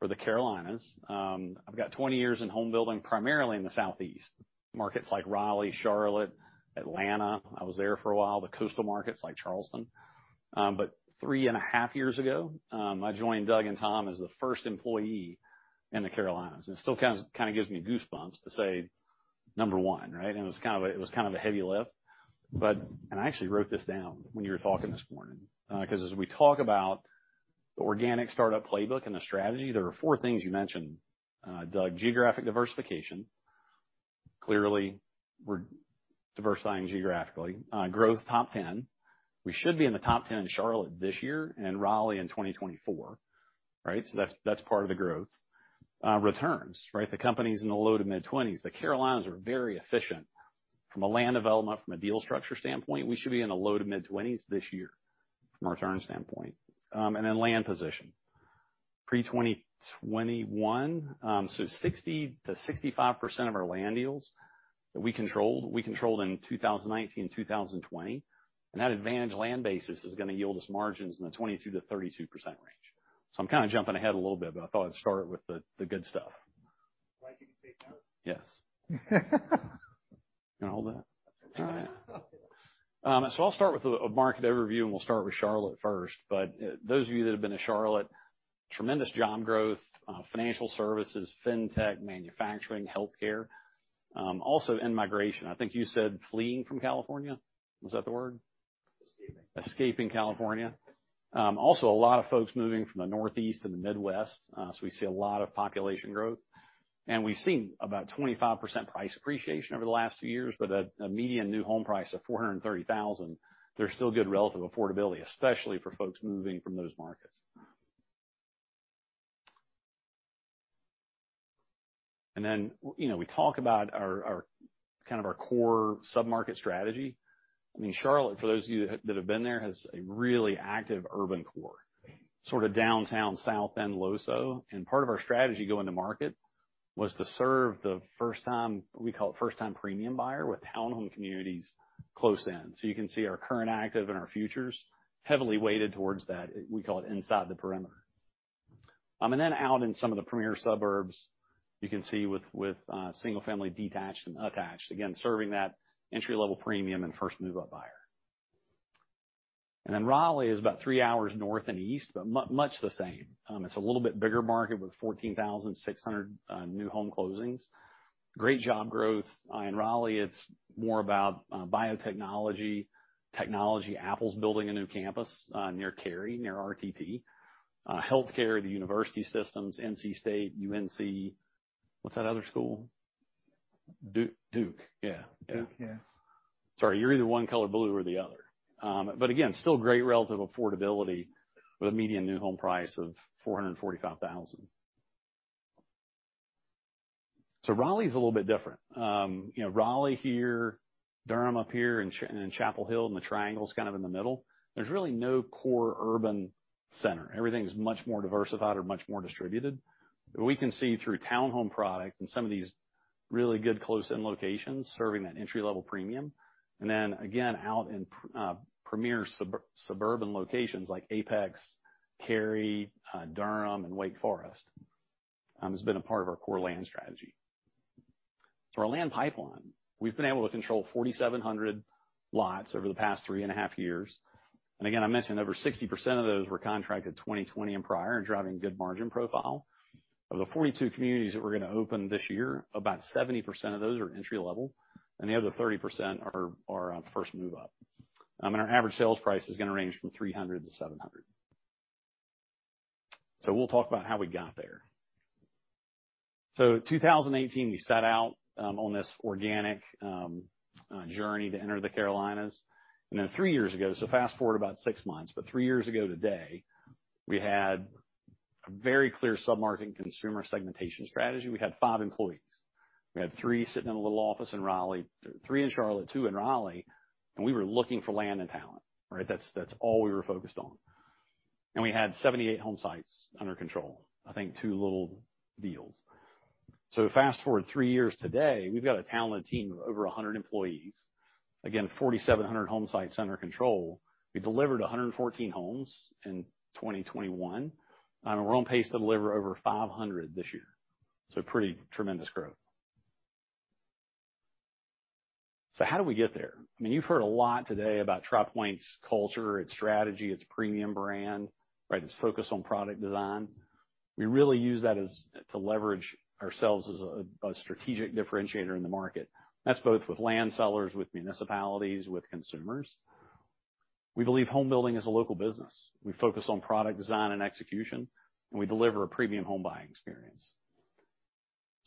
for the Carolinas. I've got 20 years in home building, primarily in the southeast. Markets like Raleigh, Charlotte, Atlanta. I was there for a while, the coastal markets like Charleston. Three and a half years ago, I joined Doug and Tom as the first employee in the Carolinas, and it still kind of gives me goosebumps to say number one, right? It was kind of a heavy lift. I actually wrote this down when you were talking this morning, 'cause as we talk about the organic startup playbook and the strategy, there are four things you mentioned. Doug, geographic diversification. Clearly, we're diversifying geographically. Growth top 10. We should be in the top 10 in Charlotte this year and Raleigh in 2024, right? That's part of the growth. Returns, right? The company's in the low-to-mid 20s%. The Carolinas are very efficient. From a land development, from a deal structure standpoint, we should be in the low-to-mid 20s% this year from a return standpoint. Land position. Pre-2021, 60%-65% of our land deals that we controlled in 2019, 2020, and that advantage land basis is gonna yield us margins in the 22%-32% range. I'm kinda jumping ahead a little bit, but I thought I'd start with the good stuff. Yes. You want to hold that? All right. I'll start with a market overview, and we'll start with Charlotte first. Those of you that have been to Charlotte, tremendous job growth, financial services, fintech, manufacturing, healthcare, also in migration. I think you said fleeing from California. Was that the word?
Escaping.
Escaping California. Also a lot of folks moving from the Northeast and the Midwest, so we see a lot of population growth. We've seen about 25% price appreciation over the last few years with a median new home price of $430,000. There's still good relative affordability, especially for folks moving from those markets. You know, we talk about our kind of our core sub-market strategy. I mean, Charlotte, for those of you that have been there, has a really active urban core, sort of Downtown, South End, LoSo. Part of our strategy going to market was to serve the first-time, we call it first-time premium buyer with townhome communities close in. You can see our current active and our futures heavily weighted towards that. We call it inside the perimeter. Out in some of the premier suburbs, you can see with single-family detached and attached, again, serving that entry-level premium and first move-up buyer. Raleigh is about three hours north and east, but much the same. It's a little bit bigger market with 14,600 new home closings. Great job growth. In Raleigh, it's more about biotechnology, technology. Apple's building a new campus near Cary, near RTP. Healthcare, the university systems, NC State, UNC. What's that other school? Duke. Yeah. Yeah.
Duke, yeah.
Sorry, you're either one color blue or the other. Again, still great relative affordability with a median new home price of $445,000. Raleigh's a little bit different. You know, Raleigh here, Durham up here, and Chapel Hill, and the Triangle's kind of in the middle. There's really no core urban center. Everything is much more diversified or much more distributed. We can see through townhome products and some of these really good close-in locations serving that entry-level premium. Then again, out in premier suburban locations like Apex, Cary, Durham, and Wake Forest, has been a part of our core land strategy. For our land pipeline, we've been able to control 4,700 lots over the past three and a half years. Again, I mentioned over 60% of those were contracted 2020 and prior and driving good margin profile. Of the 42 communities that we're gonna open this year, about 70% of those are entry-level, and the other 30% are first move-up. And our average sales price is gonna range from $300-$700. We'll talk about how we got there. 2018, we set out on this organic journey to enter the Carolinas. Then three years ago, so fast-forward about six months, but three years ago today, we had a very clear sub-market and consumer segmentation strategy. We had 5 employees. We had three sitting in a little office in Raleigh, three in Charlotte, two in Raleigh, and we were looking for land and talent, right? That's all we were focused on. We had 78 home sites under control. I think two little deals. Fast-forward three years today, we've got a talented team of over 100 employees. Again, 4,700 home sites under control. We delivered 114 homes in 2021, and we're on pace to deliver over 500 this year. Pretty tremendous growth. How did we get there? I mean, you've heard a lot today about Tri Pointe's culture, its strategy, its premium brand, right, its focus on product design. We really use that as to leverage ourselves as a strategic differentiator in the market. That's both with land sellers, with municipalities, with consumers. We believe home building is a local business. We focus on product design and execution, and we deliver a premium home buying experience.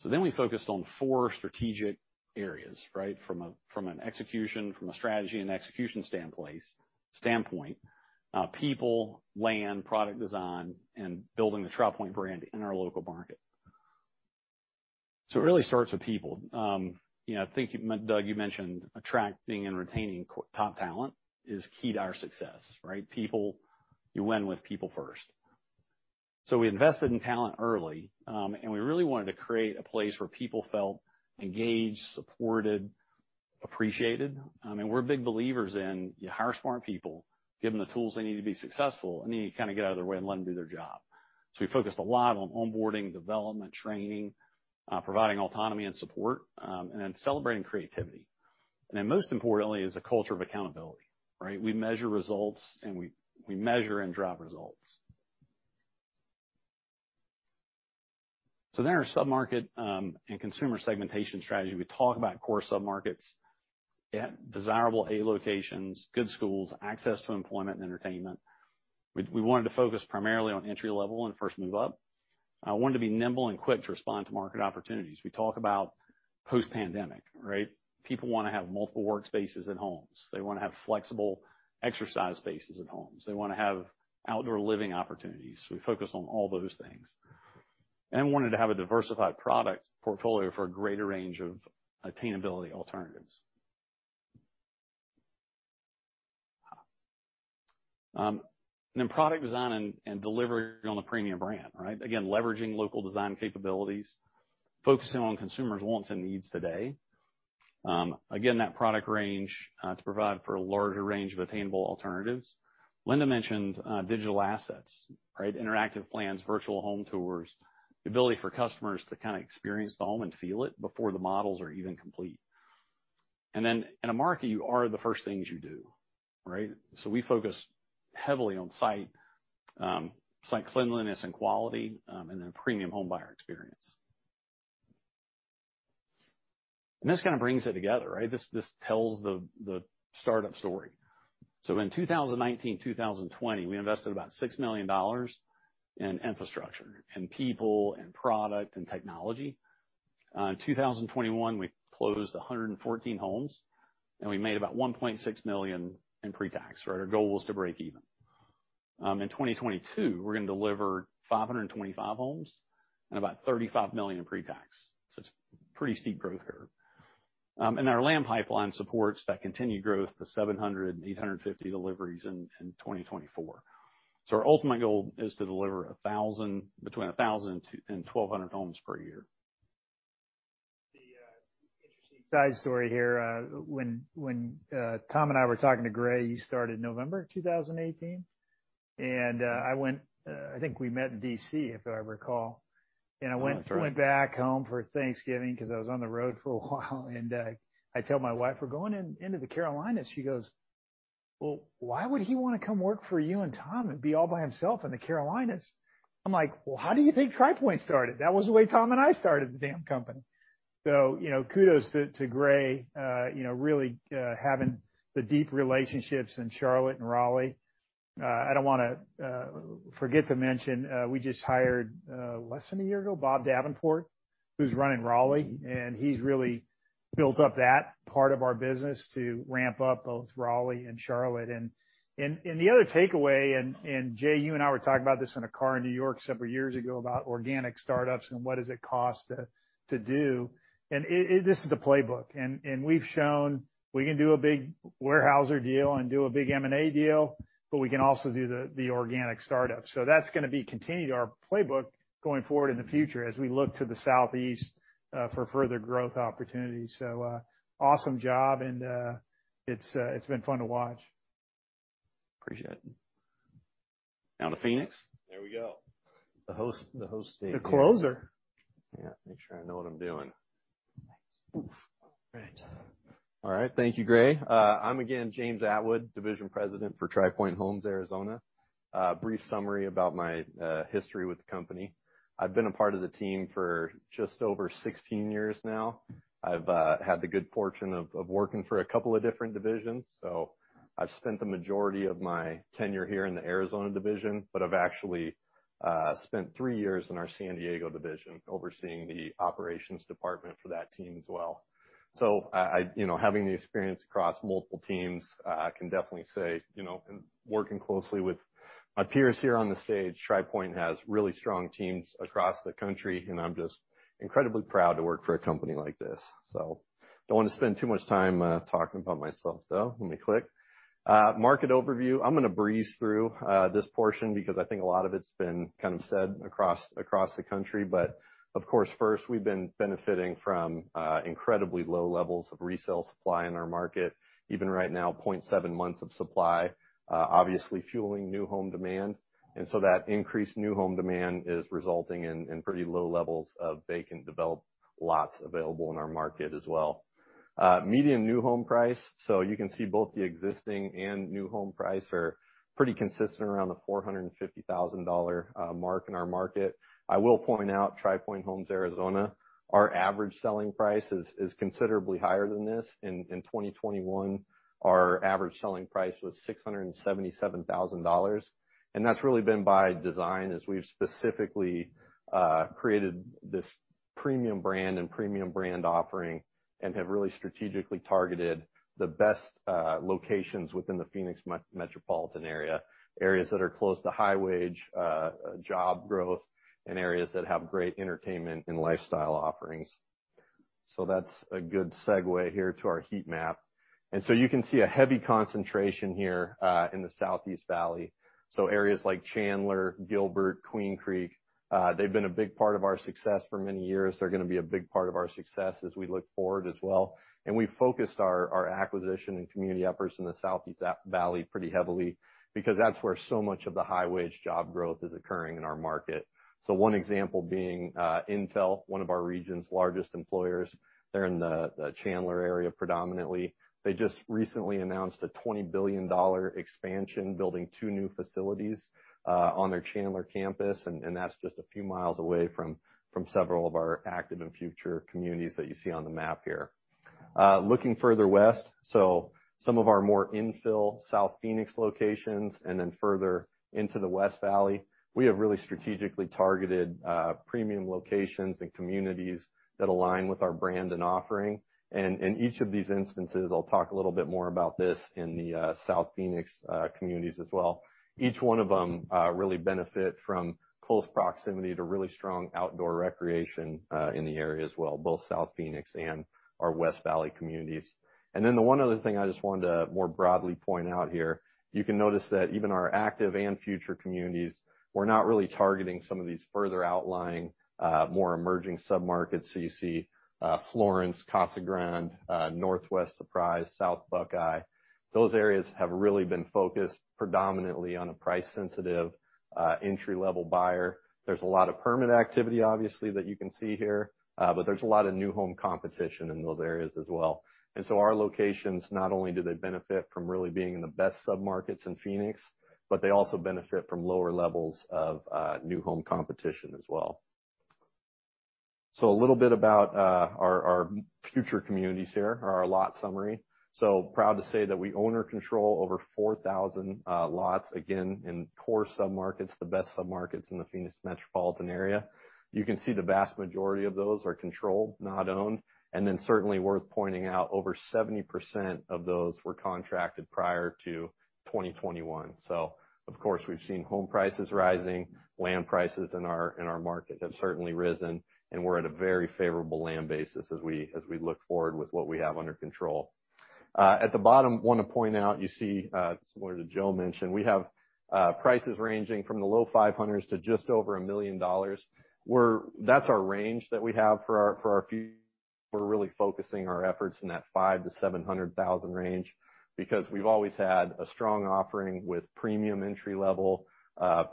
Then we focused on four strategic areas, right? From a strategy and execution standpoint, people, land, product design, and building the Tri Pointe brand in our local market. It really starts with people. You know, I think, Doug, you mentioned attracting and retaining top talent is key to our success, right? People, you win with people first. We invested in talent early, and we really wanted to create a place where people felt engaged, supported, appreciated. We're big believers in you hire smart people, give them the tools they need to be successful, and then you kind of get out of their way and let them do their job. We focused a lot on onboarding, development, training, providing autonomy and support, and then celebrating creativity. Most importantly is a culture of accountability, right? We measure and drive results. There are sub-market and consumer segmentation strategy. We talk about core sub-markets at desirable A locations, good schools, access to employment and entertainment. We wanted to focus primarily on entry-level and first move-up. I wanted to be nimble and quick to respond to market opportunities. We talk about post-pandemic, right? People wanna have multiple workspaces at homes. They wanna have flexible exercise spaces at homes. They wanna have outdoor living opportunities. We focus on all those things. We wanted to have a diversified product portfolio for a greater range of attainability alternatives. Product design and delivering on the premium brand, right? Again, leveraging local design capabilities, focusing on consumers' wants and needs today. Again, that product range to provide for a larger range of attainable alternatives. Linda mentioned digital assets, right? Interactive plans, virtual home tours, the ability for customers to kind of experience the home and feel it before the models are even complete. Then in a market, you are the first things you do, right? We focus heavily on site cleanliness and quality, and then premium home buyer experience. This kind of brings it together, right? This tells the startup story. In 2019, 2020, we invested about $6 million in infrastructure and people and product and technology. In 2021, we closed 114 homes, and we made about $1.6 million in pre-tax, right? Our goal was to break even. In 2022, we're gonna deliver 525 homes and about $35 million in pre-tax. It's pretty steep growth curve. Our land pipeline supports that continued growth to 700-850 deliveries in 2024. Our ultimate goal is to deliver between 1000 and 1200 homes per year.
The interesting side story here, when Tom and I were talking to Gray, you started November of 2018. I went, I think we met in D.C., if I recall.
Oh, that's right.
I went back home for Thanksgiving 'cause I was on the road for a while and I tell my wife, "We're going into the Carolinas." She goes, "Well, why would he wanna come work for you and Tom and be all by himself in the Carolinas?" I'm like, "Well, how do you think Tri Pointe started? That was the way Tom and I started the damn company." You know, kudos to Gray, you know, really having the deep relationships in Charlotte and Raleigh. I don't wanna forget to mention we just hired less than a year ago, Bob Davenport, who's running Raleigh, and he's really built up that part of our business to ramp up both Raleigh and Charlotte. The other takeaway, Jay, you and I were talking about this in a car in New York several years ago about organic startups and what does it cost to do. This is the playbook. We've shown we can do a big Weyerhaeuser deal and do a big M&A deal, but we can also do the organic startup. That's gonna be continued our playbook going forward in the future as we look to the southeast for further growth opportunities. Awesome job and it's been fun to watch.
Appreciate it. Now to Phoenix.
There we go. The host state.
The closer.
Yeah. Make sure I know what I'm doing. All right.
All right. Thank you, Gray. I'm again, James Attwood, Division President for Tri Pointe Homes Arizona. Brief summary about my history with the company. I've been a part of the team for just over 16 years now. I've had the good fortune of working for a couple of different divisions, so I've spent the majority of my tenure here in the Arizona division, but I've actually spent three years in our San Diego division, overseeing the operations department for that team as well. You know, having the experience across multiple teams, I can definitely say, you know, working closely with my peers here on the stage, Tri Pointe has really strong teams across the country, and I'm just incredibly proud to work for a company like this. Don't want to spend too much time talking about myself, though. Let me click. Market overview. I'm gonna breeze through this portion because I think a lot of it's been kind of said across the country. Of course, first, we've been benefiting from incredibly low levels of resale supply in our market. Even right now, 0.7 months of supply, obviously fueling new home demand. That increased new home demand is resulting in pretty low levels of vacant developed lots available in our market as well. Median new home price. So you can see both the existing and new home price are pretty consistent around the $450,000 mark in our market. I will point out Tri Pointe Homes Arizona, our average selling price is considerably higher than this. In 2021, our average selling price was $677,000. That's really been by design, as we've specifically created this premium brand and premium brand offering and have really strategically targeted the best locations within the Phoenix metropolitan area, areas that are close to high-wage job growth and areas that have great entertainment and lifestyle offerings. That's a good segue here to our heat map. You can see a heavy concentration here in the Southeast Valley. Areas like Chandler, Gilbert, Queen Creek, they've been a big part of our success for many years. They're gonna be a big part of our success as we look forward as well. We focused our acquisition and community efforts in the Southeast Valley pretty heavily because that's where so much of the high-wage job growth is occurring in our market. One example being, Intel, one of our region's largest employers. They're in the Chandler area predominantly. They just recently announced a $20 billion expansion, building two new facilities, on their Chandler campus, and that's just a few mil away from several of our active and future communities that you see on the map here. Looking further west, some of our more infill South Phoenix locations and then further into the West Valley, we have really strategically targeted, premium locations and communities that align with our brand and offering. In each of these instances, I'll talk a little bit more about this in the South Phoenix communities as well. Each one of them really benefit from close proximity to really strong outdoor recreation in the area as well, both South Phoenix and our West Valley communities. The one other thing I just wanted to more broadly point out here, you can notice that even our active and future communities, we're not really targeting some of these further outlying, more emerging submarkets that you see, Florence, Casa Grande, Northwest Surprise, South Buckeye. Those areas have really been focused predominantly on a price sensitive, entry-level buyer. There's a lot of permit activity, obviously, that you can see here, but there's a lot of new home competition in those areas as well. Our locations, not only do they benefit from really being in the best submarkets in Phoenix, but they also benefit from lower levels of new home competition as well. A little bit about our future communities here, or our lot summary. Proud to say that we own or control over 4,000 lots, again, in core submarkets, the best submarkets in the Phoenix metropolitan area. You can see the vast majority of those are controlled, not owned. Certainly worth pointing out, over 70% of those were contracted prior to 2021. Of course, we've seen home prices rising. Land prices in our market have certainly risen, and we're at a very favorable land basis as we look forward with what we have under control. At the bottom, want to point out, you see, similar to Joe mentioned, we have prices ranging from the low $500s to just over $1 million. That's our range that we have for our future. We're really focusing our efforts in that $500,000-$700,000 range because we've always had a strong offering with premium entry level,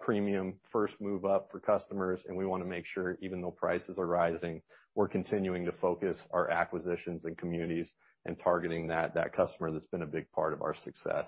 premium first move up for customers, and we wanna make sure even though prices are rising, we're continuing to focus our acquisitions and communities and targeting that customer that's been a big part of our success.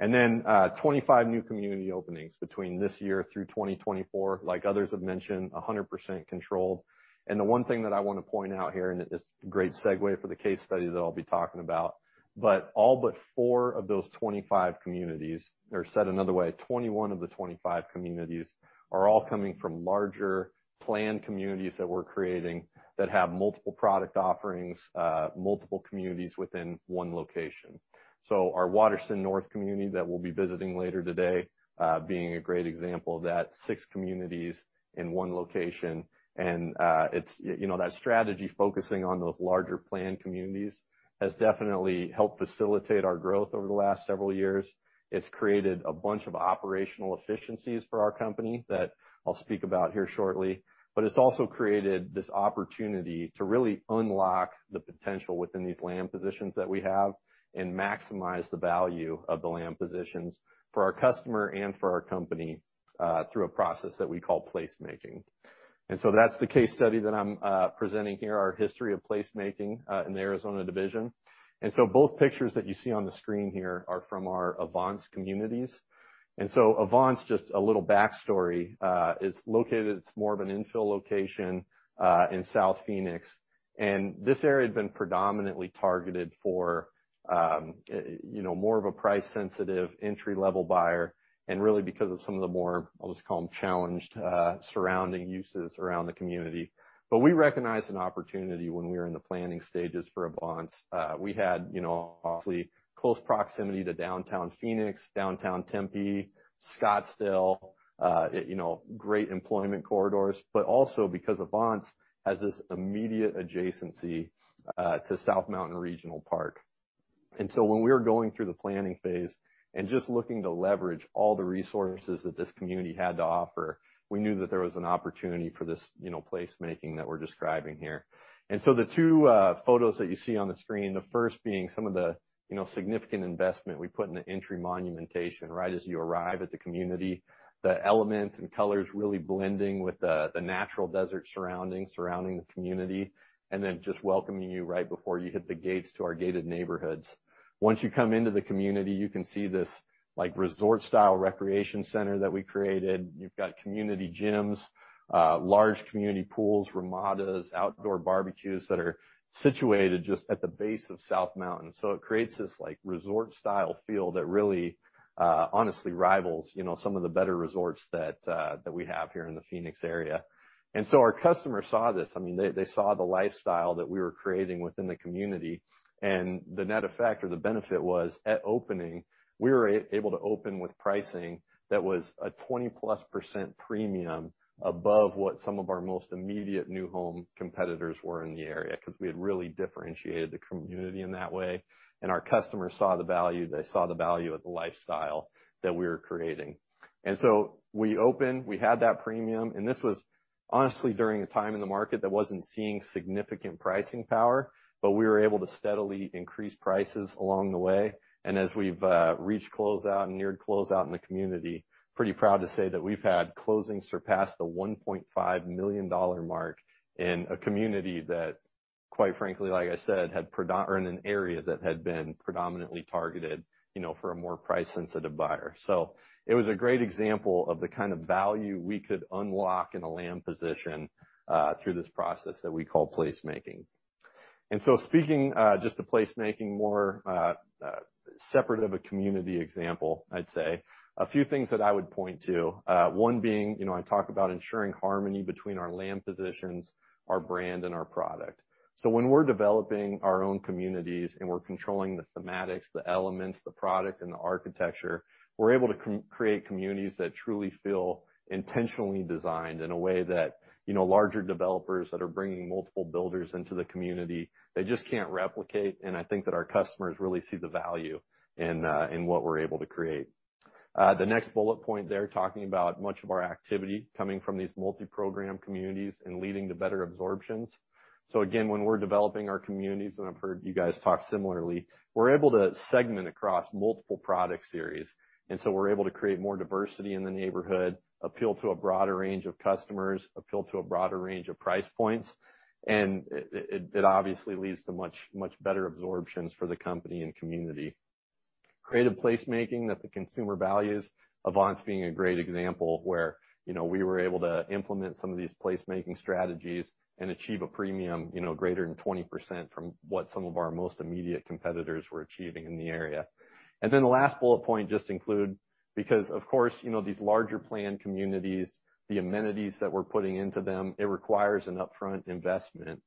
Then, 25 new community openings between this year through 2024. Like others have mentioned, 100% controlled. The one thing that I wanna point out here, and it is a great segue for the case study that I'll be talking about, but all but four of those 25 communities, or said another way, 21 of the 25 communities are all coming from larger planned communities that we're creating that have multiple product offerings, multiple communities within one location. Our Waterston North community that we'll be visiting later today, being a great example of that six communities in one location. It's, you know, that strategy focusing on those larger planned communities has definitely helped facilitate our growth over the last several years. It's created a bunch of operational efficiencies for our company that I'll speak about here shortly. It's also created this opportunity to really unlock the potential within these land positions that we have and maximize the value of the land positions for our customer and for our company, through a process that we call placemaking. That's the case study that I'm presenting here, our history of placemaking, in the Arizona division. Both pictures that you see on the screen here are from our Avance communities. Avance, just a little backstory, is located... It's more of an infill location in South Phoenix. This area had been predominantly targeted for, you know, more of a price-sensitive entry-level buyer, and really because of some of the more, I'll just call them challenged, surrounding uses around the community. We recognized an opportunity when we were in the planning stages for Avance. We had, you know, obviously close proximity to downtown Phoenix, downtown Tempe, Scottsdale, you know, great employment corridors, but also because Avance has this immediate adjacency to South Mountain Regional Park. When we were going through the planning phase and just looking to leverage all the resources that this community had to offer, we knew that there was an opportunity for this, you know, placemaking that we're describing here. The two photos that you see on the screen, the first being some of the, you know, significant investment we put in the entry monumentation right as you arrive at the community. The elements and colors really blending with the natural desert surroundings surrounding the community, and then just welcoming you right before you hit the gates to our gated neighborhoods. Once you come into the community, you can see this, like, resort-style recreation center that we created. You've got community gyms, large community pools, ramadas, outdoor barbecues that are situated just at the base of South Mountain. It creates this, like, resort-style feel that really, honestly rivals, you know, some of the better resorts that we have here in the Phoenix area. Our customers saw this. I mean, they saw the lifestyle that we were creating within the community. The net effect or the benefit was at opening, we were able to open with pricing that was a 20%+ premium above what some of our most immediate new home competitors were in the area, 'cause we had really differentiated the community in that way. Our customers saw the value, they saw the value of the lifestyle that we were creating. We opened, we had that premium, and this was honestly during a time in the market that wasn't seeing significant pricing power, but we were able to steadily increase prices along the way. As we've reached closeout and neared closeout in the community, pretty proud to say that we've had closings surpass the $1.5 million mark in a community that, quite frankly, like I said, or in an area that had been predominantly targeted, you know, for a more price-sensitive buyer. It was a great example of the kind of value we could unlock in a land position through this process that we call placemaking. Speaking just to placemaking more, separate of a community example, I'd say a few things that I would point to. One being, you know, I talk about ensuring harmony between our land positions, our brand, and our product. When we're developing our own communities, and we're controlling the thematics, the elements, the product, and the architecture, we're able to create communities that truly feel intentionally designed in a way that, you know, larger developers that are bringing multiple builders into the community, they just can't replicate. I think that our customers really see the value in what we're able to create. The next bullet point there, talking about much of our activity coming from these multi-program communities and leading to better absorptions. Again, when we're developing our communities, and I've heard you guys talk similarly, we're able to segment across multiple product series. We're able to create more diversity in the neighborhood, appeal to a broader range of customers, appeal to a broader range of price points, and it obviously leads to much better absorptions for the company and community. Creative placemaking that the consumer values. Avance being a great example where, you know, we were able to implement some of these placemaking strategies and achieve a premium, you know, greater than 20% from what some of our most immediate competitors were achieving in the area. Then the last bullet point just include, because of course, you know, these larger plan communities, the amenities that we're putting into them, it requires an upfront investment.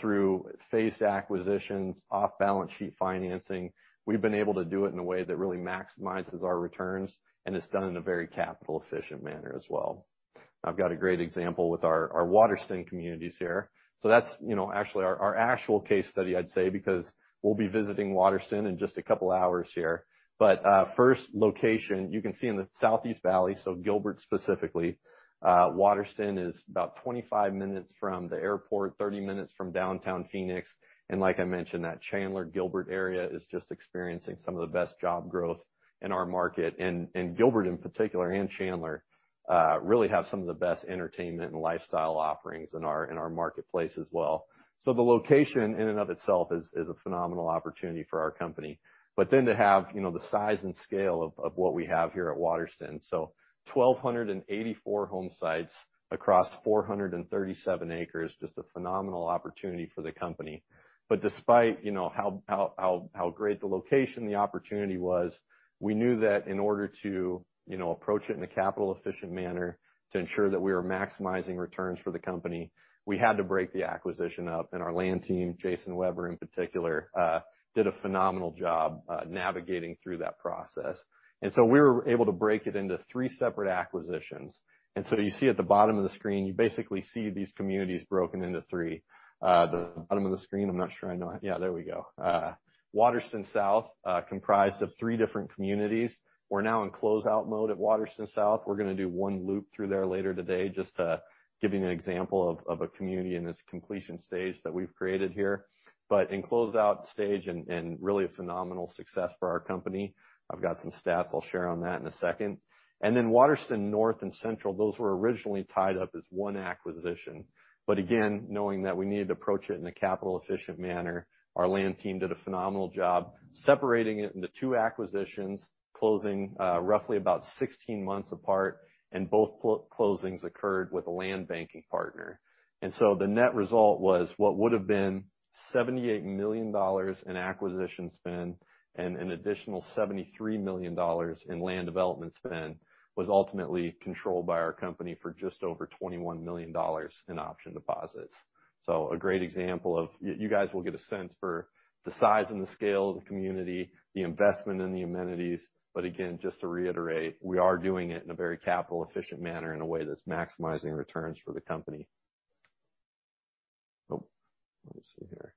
Through phased acquisitions, off-balance sheet financing, we've been able to do it in a way that really maximizes our returns, and it's done in a very capital efficient manner as well. I've got a great example with our Waterston communities here. That's, you know, actually our actual case study, I'd say, because we'll be visiting Waterston in just a couple hours here. First location you can see in the Southeast Valley, so Gilbert specifically, Waterston is about 25 minutes from the airport, 30 minutes from downtown Phoenix. Like I mentioned, that Chandler/Gilbert area is just experiencing some of the best job growth in our market. Gilbert in particular, and Chandler, really have some of the best entertainment and lifestyle offerings in our marketplace as well. The location in and of itself is a phenomenal opportunity for our company. To have, you know, the size and scale of what we have here at Waterston. 1,284 home sites across 437 acres, just a phenomenal opportunity for the company. Despite, you know, how great the location, the opportunity was, we knew that in order to, you know, approach it in a capital efficient manner to ensure that we are maximizing returns for the company, we had to break the acquisition up, and our land team, Jason Weber in particular, did a phenomenal job navigating through that process. We were able to break it into three separate acquisitions. You see at the bottom of the screen, you basically see these communities broken into three. The bottom of the screen, I'm not sure I know how. Yeah, there we go. Waterston South, comprised of three different communities. We're now in closeout mode at Waterston South. We're gonna do one loop through there later today just to give you an example of a community in its completion stage that we've created here, but in closeout stage and really a phenomenal success for our company. I've got some stats I'll share on that in a second. Waterston North and Central, those were originally tied up as one acquisition. Again, knowing that we needed to approach it in a capital efficient manner, our land team did a phenomenal job separating it into two acquisitions, closing roughly about 16 months apart, and both closings occurred with a land banking partner. The net result was what would have been $78 million in acquisition spend and an additional $73 million in land development spend, was ultimately controlled by our company for just over $21 million in option deposits. A great example of. You guys will get a sense for the size and the scale of the community, the investment in the amenities. Again, just to reiterate, we are doing it in a very capital efficient manner in a way that's maximizing returns for the company. Oh, let me see here.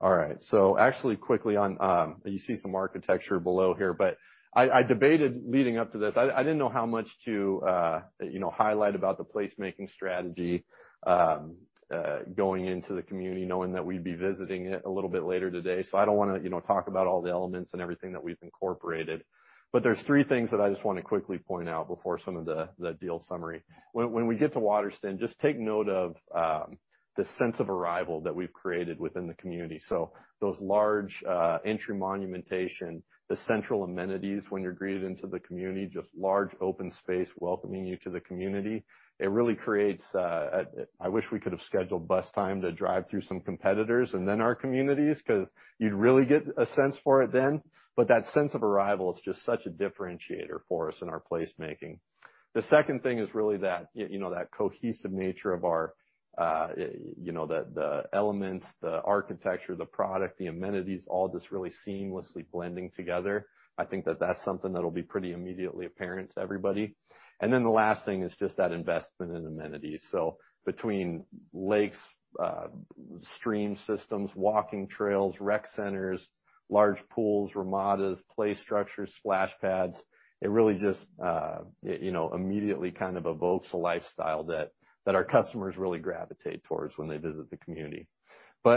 All right. Actually quickly on. You see some architecture below here, but I debated leading up to this. I didn't know how much to, you know, highlight about the placemaking strategy going into the community knowing that we'd be visiting it a little bit later today. I don't wanna, you know, talk about all the elements and everything that we've incorporated. There's three things that I just wanna quickly point out before some of the deal summary. When we get to Waterston, just take note of the sense of arrival that we've created within the community. Those large entry monumentation, the central amenities when you're greeted into the community, just large open space welcoming you to the community. It really creates. I wish we could have scheduled bus time to drive through some competitors and then our communities, 'cause you'd really get a sense for it then. But that sense of arrival is just such a differentiator for us in our placemaking. The second thing is really that you know that cohesive nature of our you know the elements, the architecture, the product, the amenities, all just really seamlessly blending together. I think that that's something that'll be pretty immediately apparent to everybody. Then the last thing is just that investment in amenities. Between lakes, stream systems, walking trails, rec centers, large pools, ramadas, play structures, splash pads, it really just, you know, immediately kind of evokes a lifestyle that our customers really gravitate toward when they visit the community.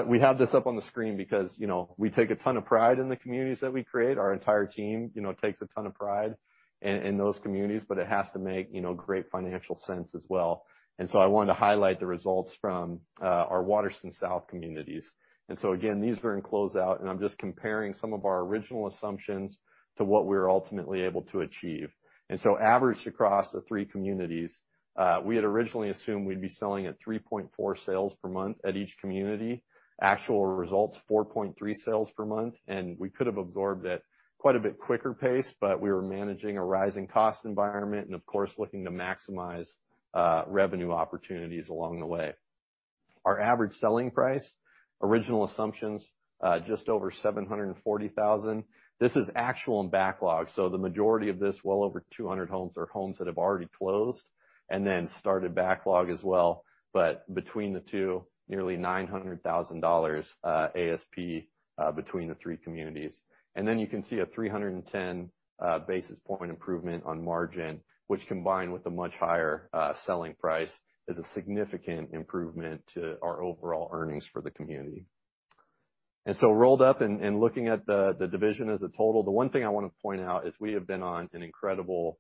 We have this up on the screen because, you know, we take a ton of pride in the communities that we create. Our entire team, you know, takes a ton of pride in those communities, but it has to make, you know, great financial sense as well. I wanted to highlight the results from our Waterston South communities. Again, these are in closeout, and I'm just comparing some of our original assumptions to what we were ultimately able to achieve. Average across the three communities, we had originally assumed we'd be selling at 3.4 sales per month at each community. Actual results, 4.3 sales per month, and we could have absorbed at quite a bit quicker pace, but we were managing a rising cost environment and of course, looking to maximize revenue opportunities along the way. Our average selling price, original assumptions, just over $740,000. This is actual and backlog, so the majority of this, well over 200 homes, are homes that have already closed and then started backlog as well. But between the two, nearly $900,000 ASP, between the three communities. Then you can see a 310 basis point improvement on margin, which combined with a much higher selling price is a significant improvement to our overall earnings for the community. Rolled up and looking at the division as a total, the one thing I wanna point out is we have been on an incredible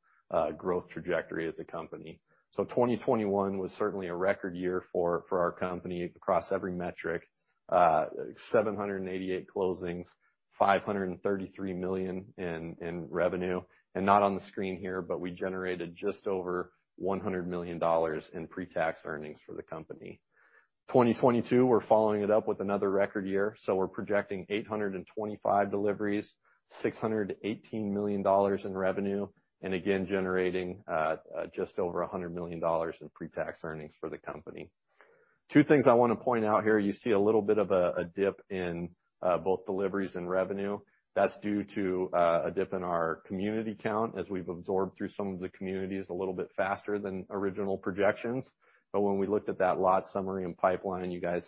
growth trajectory as a company. 2021 was certainly a record year for our company across every metric. 788 closings, $533 million in revenue, and not on the screen here, but we generated just over $100 million in pre-tax earnings for the company. 2022, we're following it up with another record year, so we're projecting 825 deliveries, $618 million in revenue, and again generating just over $100 million in pre-tax earnings for the company. Two things I wanna point out here. You see a little bit of a dip in both deliveries and revenue. That's due to a dip in our community count as we've absorbed through some of the communities a little bit faster than original projections. When we looked at that lot summary and pipeline, you guys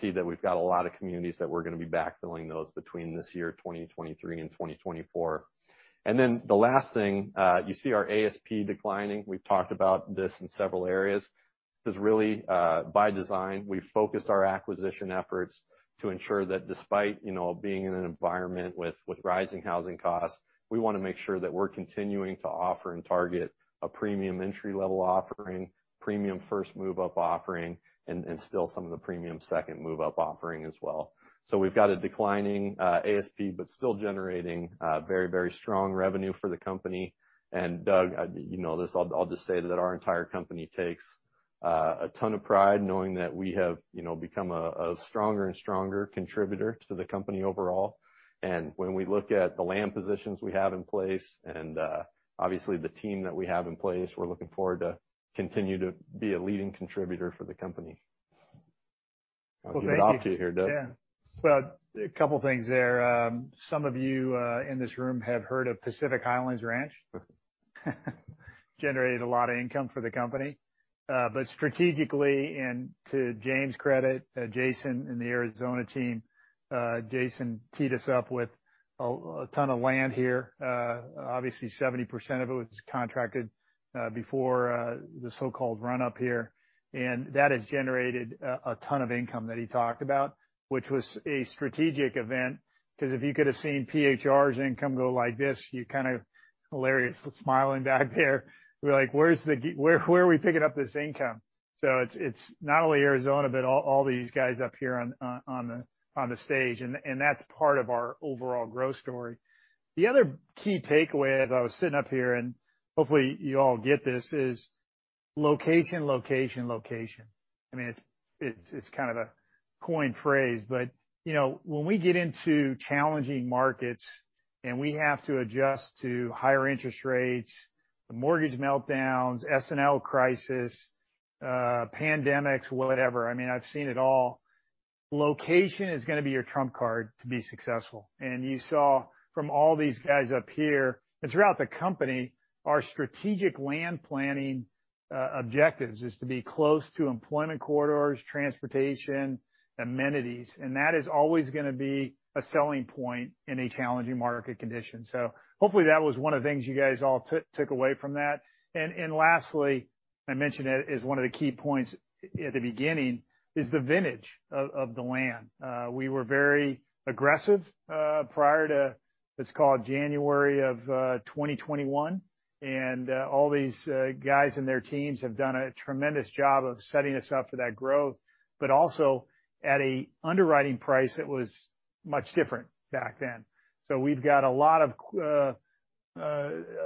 see that we've got a lot of communities that we're gonna be backfilling those between this year, 2023 and 2024. The last thing, you see our ASP declining. We've talked about this in several areas. This is really by design. We focused our acquisition efforts to ensure that despite, you know, being in an environment with rising housing costs, we wanna make sure that we're continuing to offer and target a premium entry level offering, premium first move up offering, and still some of the premium second move up offering as well. We've got a declining ASP, but still generating very, very strong revenue for the company. Doug, you know this, I'll just say that our entire company takes a ton of pride knowing that we have, you know, become a stronger and stronger contributor to the company overall. When we look at the land positions we have in place and obviously the team that we have in place, we're looking forward to continue to be a leading contributor for the company. I'll give it off to you here, Doug.
Yeah. A couple things there. Some of you in this room have heard of Pacific Highlands Ranch. Generated a lot of income for the company. Strategically, to James' credit, Jason and the Arizona team, Jason teed us up with a ton of land here. Obviously 70% of it was contracted before the so-called run-up here. That has generated a ton of income that he talked about, which was a strategic event, 'cause if you could've seen PHR's income go like this, you kind of hilarious, smiling back there. We're like, "Where are we picking up this income?" It's not only Arizona, but all these guys up here on the stage, and that's part of our overall growth story. The other key takeaway as I was sitting up here, and hopefully you all get this, is location, location. I mean, it's kind of a coined phrase, but, you know, when we get into challenging markets and we have to adjust to higher interest rates, the mortgage meltdowns, S&L crisis, pandemics, whatever, I mean, I've seen it all, location is gonna be your trump card to be successful. You saw from all these guys up here and throughout the company, our strategic land planning objectives is to be close to employment corridors, transportation, amenities, and that is always gonna be a selling point in a challenging market condition. Hopefully that was one of the things you guys all took away from that. Lastly, I mentioned it as one of the key points at the beginning, is the vintage of the land. We were very aggressive prior to, let's call it January of 2021, and all these guys and their teams have done a tremendous job of setting us up for that growth, but also at a underwriting price that was much different back then. We've got a lot of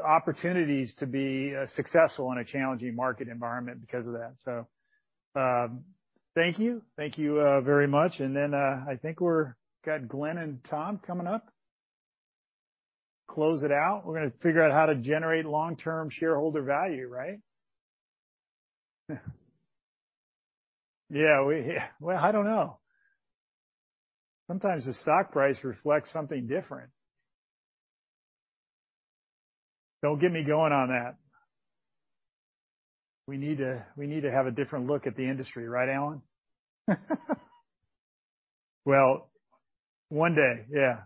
opportunities to be successful in a challenging market environment because of that. Thank you very much. I think got Glenn and Tom coming up. Close it out. We're gonna figure out how to generate long-term shareholder value, right? Yeah. Well, I don't know. Sometimes the stock price reflects something different. Don't get me going on that. We need to have a different look at the industry, right, Alan? Well, one day, yeah.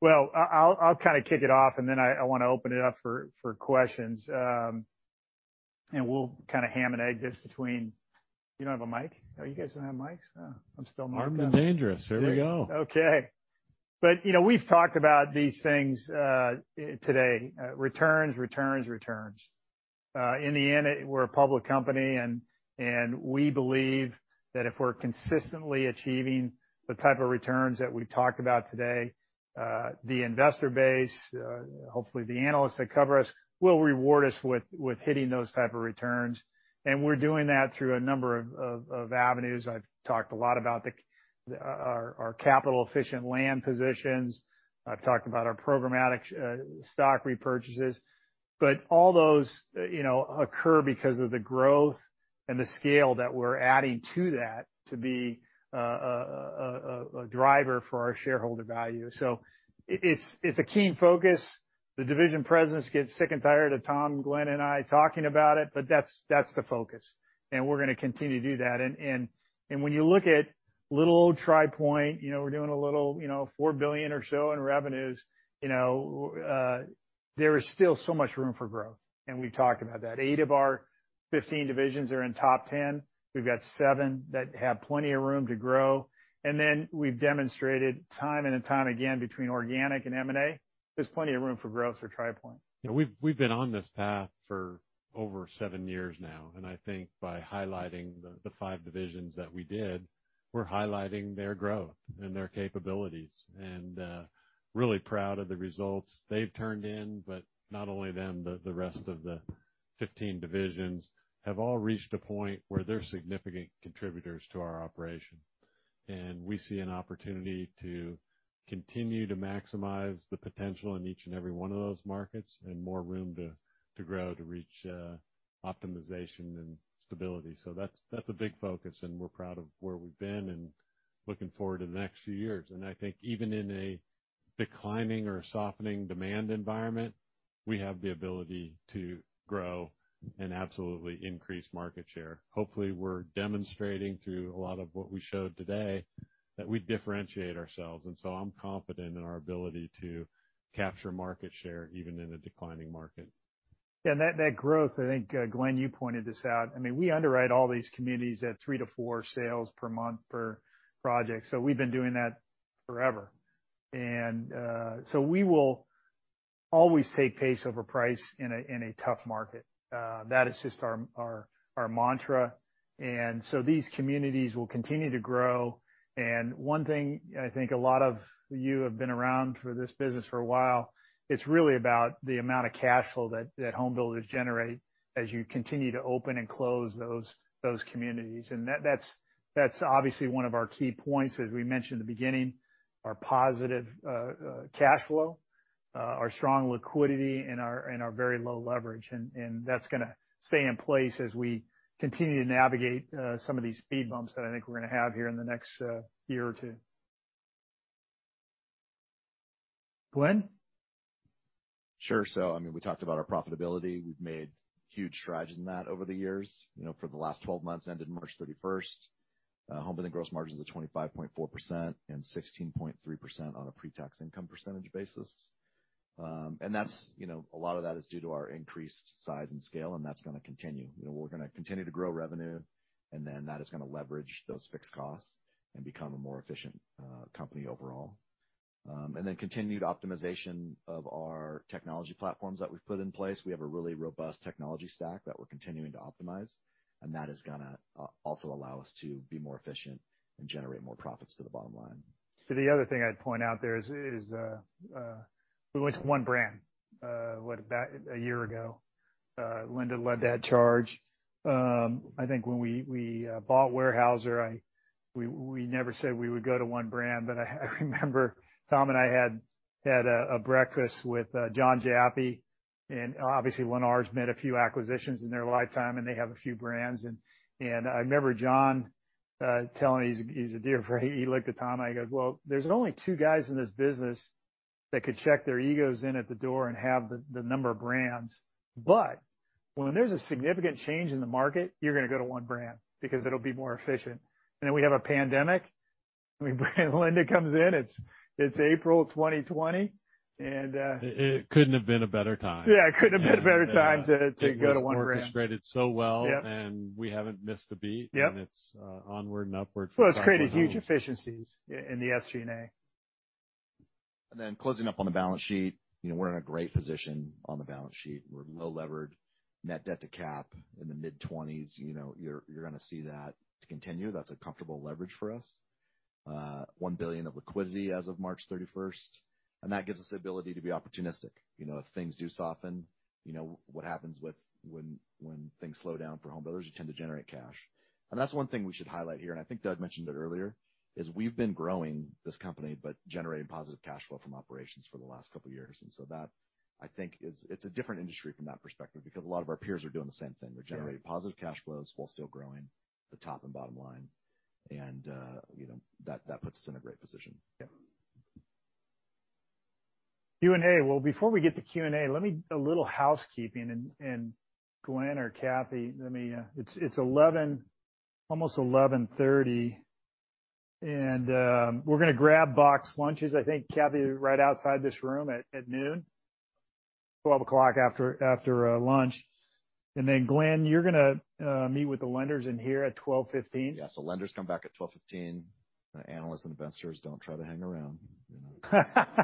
Well, I'll kind of kick it off, and then I wanna open it up for questions. You don't have a mic? Oh, you guys don't have mics? Oh, I'm still mic'd up.
Armed and dangerous. Here we go.
You know, we've talked about these things today, returns. In the end, we're a public company, and we believe that if we're consistently achieving the type of returns that we talked about today, the investor base, hopefully the analysts that cover us, will reward us with hitting those type of returns, and we're doing that through a number of avenues. I've talked a lot about our capital efficient land positions. I've talked about our programmatic stock repurchases. All those, you know, occur because of the growth and the scale that we're adding to that to be a driver for our shareholder value. It's a key focus. The division presidents get sick and tired of Tom, Glenn and I talking about it, but that's the focus, and we're gonna continue to do that. When you look at little old Tri Pointe, you know, we're doing a little, you know, $4 billion or so in revenues, you know, there is still so much room for growth, and we've talked about that. Eight of our 15 divisions are in top 10. We've got seven that have plenty of room to grow. Then we've demonstrated time and time again between organic and M&A, there's plenty of room for growth for Tri Pointe.
Yeah, we've been on this path for over seven years now, and I think by highlighting the five divisions that we did, we're highlighting their growth and their capabilities. Really proud of the results they've turned in, but not only them, the rest of the 15 divisions have all reached a point where they're significant contributors to our operation. We see an opportunity to continue to maximize the potential in each and every one of those markets and more room to grow, to reach optimization and stability. That's a big focus, and we're proud of where we've been and looking forward to the next few years. I think even in a declining or softening demand environment, we have the ability to grow and absolutely increase market share. Hopefully, we're demonstrating through a lot of what we showed today that we differentiate ourselves, and so I'm confident in our ability to capture market share even in a declining market.
Yeah. That growth, I think, Glenn, you pointed this out. I mean, we underwrite all these communities at 3-4 sales per month per project, so we've been doing that forever. We will always take pace over price in a tough market. That is just our mantra. These communities will continue to grow. One thing I think a lot of you have been around for this business for a while, it's really about the amount of cash flow that home builders generate as you continue to open and close those communities. That's obviously one of our key points, as we mentioned in the beginning, our positive cash flow, our strong liquidity and our very low leverage. that's gonna stay in place as we continue to navigate some of these speed bumps that I think we're gonna have here in the next year or two. Glenn?
Sure. I mean, we talked about our profitability. We've made huge strides in that over the years. You know, for the last 12 months, ended March 31, homebuilding gross margins of 25.4% and 16.3% on a pre-tax income percentage basis. That's, you know, a lot of that is due to our increased size and scale, and that's gonna continue. You know, we're gonna continue to grow revenue, and then that is gonna leverage those fixed costs and become a more efficient company overall. Continued optimization of our technology platforms that we've put in place. We have a really robust technology stack that we're continuing to optimize, and that is gonna also allow us to be more efficient and generate more profits to the bottom line.
The other thing I'd point out there is we went to one brand, what about a year ago. Linda led that charge. I think when we bought Weyerhaeuser, we never said we would go to one brand, but I remember Tom and I had a breakfast with Jon Jaffe, and obviously, Lennar's made a few acquisitions in their lifetime, and they have a few brands. I remember Jon telling. He is a dear friend. He looked at Tom, and he goes, "Well, there's only two guys in this business that could check their egos in at the door and have the number of brands. But when there's a significant change in the market, you're gonna go to one brand because it'll be more efficient." Then we have a pandemic. I mean, Linda comes in. It's April 2020, and
It couldn't have been a better time.
Yeah, it couldn't have been a better time to go to one brand.
It was orchestrated so well.
Yep.
We haven't missed a beat.
Yep.
It's onward and upward from-
Well, it's created huge efficiencies in the SG&A.
Closing up on the balance sheet, you know, we're in a great position on the balance sheet. We're low levered, net debt to cap in the mid-20s. You know, you're gonna see that continue. That's a comfortable leverage for us. $1 billion of liquidity as of March 31, and that gives us the ability to be opportunistic. You know, if things do soften, you know, when things slow down for home builders, you tend to generate cash. That's one thing we should highlight here, and I think Doug mentioned it earlier, is we've been growing this company, but generating positive cash flow from operations for the last couple of years. That, I think, is a different industry from that perspective because a lot of our peers are doing the same thing.
Yeah.
They're generating positive cash flows while still growing the top and bottom line. You know, that puts us in a great position.
Yeah. Q&A. Well, before we get to Q&A, let me. A little housekeeping and Glenn or Kathy, let me. It's 11, almost 11:30 A.M. and we're gonna grab box lunches, I think, Kathy, right outside this room at noon. 12:00 after lunch. Then, Glenn, you're gonna meet with the lenders in here at 12:15?
Yes. The lenders come back at 12:15. The analysts, investors, don't try to hang around.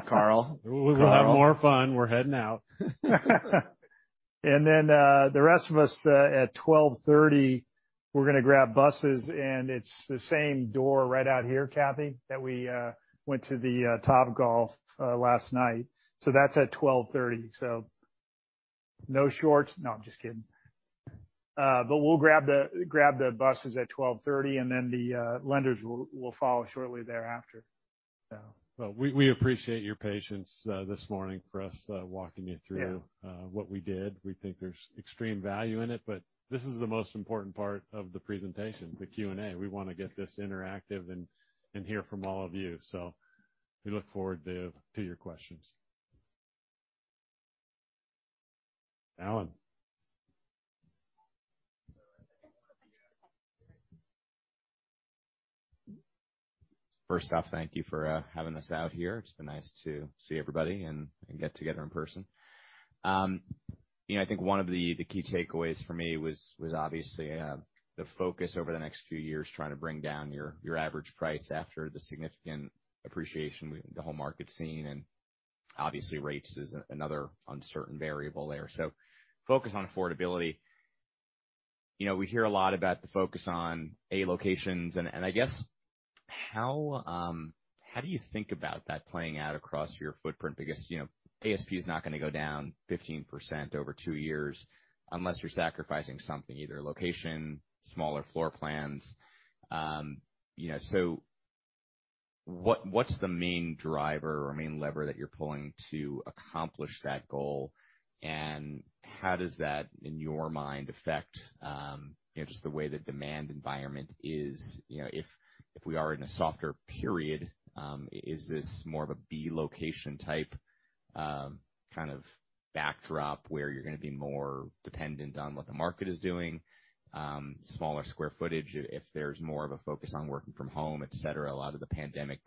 Carl.
We'll have more fun. We're heading out.
The rest of us at 12:30 P.M., we're gonna grab buses, and it's the same door right out here, Kathy, that we went to the Topgolf last night. That's at 12:30 P.M. No shorts. No, I'm just kidding. We'll grab the buses at 12:30 P.M., and then the lenders will follow shortly thereafter.
Well, we appreciate your patience this morning for us walking you through-
Yeah
What we did. We think there's extreme value in it, but this is the most important part of the presentation, the Q&A. We wanna get this interactive and hear from all of you. We look forward, Dave, to your questions. Alan.
First off, thank you for having us out here. It's been nice to see everybody and get together in person. You know, I think one of the key takeaways for me was obviously the focus over the next few years trying to bring down your average price after the significant appreciation with the whole market's seen, and obviously rates is another uncertain variable there. Focus on affordability. You know, we hear a lot about the focus on A locations and I guess how do you think about that playing out across your ftprint? Because, you know, ASP is not gonna go down 15% over two years unless you're sacrificing something, either location, smaller floor plans. You know, so what's the main driver or main lever that you're pulling to accomplish that goal? How does that, in your mind, affect, you know, just the way the demand environment is? You know, if we are in a softer period, is this more of a B location type, kind of backdrop where you're gonna be more dependent on what the market is doing, smaller square ftage if there's more of a focus on working from home, et cetera, a lot of the pandemic,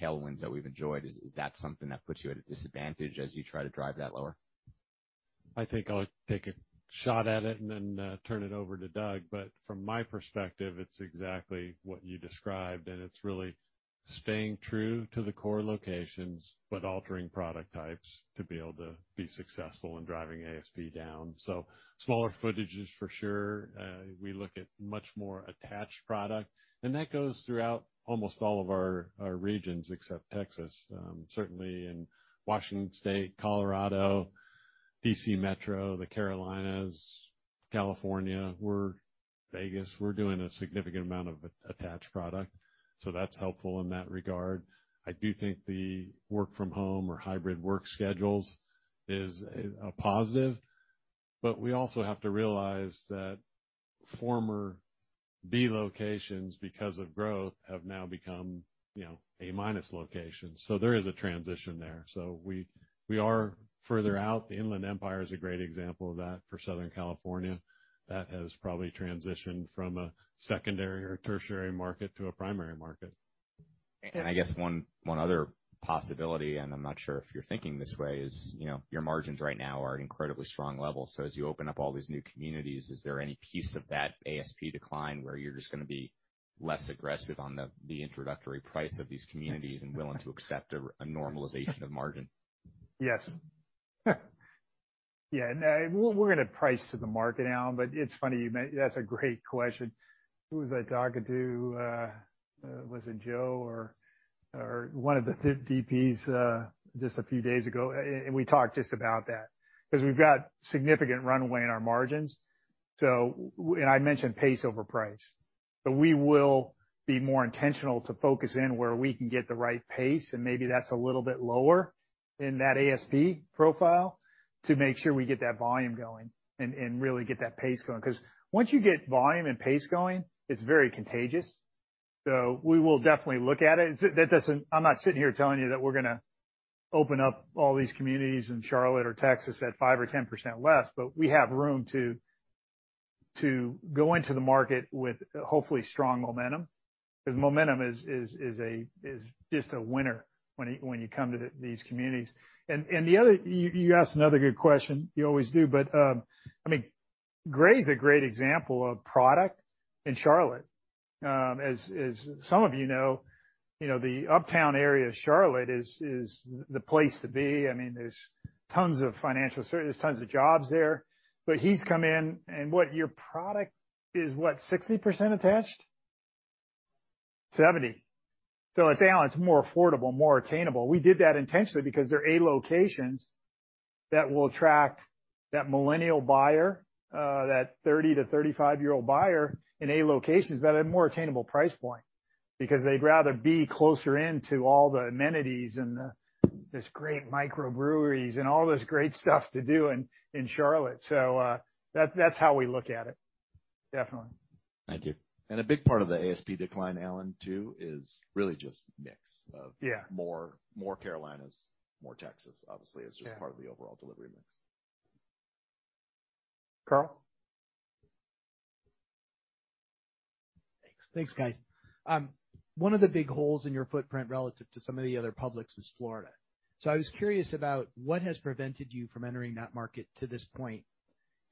tailwinds that we've enjoyed. Is that something that puts you at a disadvantage as you try to drive that lower?
I think I'll take a shot at it and then turn it over to Doug. From my perspective, it's exactly what you described, and it's really staying true to the core locations, but altering product types to be able to be successful in driving ASP down. Smaller ftages for sure. We look at much more attached product, and that goes throughout almost all of our regions, except Texas. Certainly in Washington state, Colorado, D.C. Metro, the Carolinas, California, Vegas, we're doing a significant amount of attached product, so that's helpful in that regard. I do think the work from home or hybrid work schedules is a positive, but we also have to realize that former B locations because of growth have now become, you know, A-minus locations. There is a transition there. We are further out. The Inland Empire is a great example of that for Southern California. That has probably transitioned from a secondary or tertiary market to a primary market.
I guess one other possibility, and I'm not sure if you're thinking this way, is, you know, your margins right now are at incredibly strong levels. So as you open up all these new communities, is there any piece of that ASP decline where you're just gonna be less aggressive on the introductory price of these communities and willing to accept a normalization of margin?
Yes. Yeah. No, we're gonna price to the market, Alan, but it's funny you mention. That's a great question. Who was I talking to, was it Joe or one of the DPs, just a few days ago? And we talked just about that, 'cause we've got significant runway in our margins. And I mentioned pace over price. So we will be more intentional to focus in where we can get the right pace, and maybe that's a little bit lower in that ASP profile to make sure we get that volume going and really get that pace going. 'Cause once you get volume and pace going, it's very contagious. So we will definitely look at it. I'm not sitting here telling you that we're gonna open up all these communities in Charlotte or Texas at 5% or 10% less, but we have room to go into the market with, hopefully strong momentum. 'Cause momentum is a winner when you come to these communities. You asked another good question. You always do, but I mean, Gray's a great example of product in Charlotte. As some of you know, you know, the uptown area of Charlotte is the place to be. I mean, there's tons of jobs there. He's come in and what your product is, what? 60% attached? 70%. I'd say it's more affordable, more attainable. We did that intentionally because they're A locations that will attract that millennial buyer, that 30-35 year-old buyer in A locations, but at a more attainable price point. Because they'd rather be closer in to all the amenities and, these great microbreweries and all this great stuff to do in Charlotte. That's how we look at it. Definitely.
Thank you.
A big part of the ASP decline, Alan, too, is really just mix of-
Yeah.
More, more Carolinas, more Texas, obviously.
Yeah.
It's just part of the overall delivery mix.
Carl?
Thanks. Thanks, guys. One of the big holes in your ftprint relative to some of the other publics is Florida. I was curious about what has prevented you from entering that market to this point.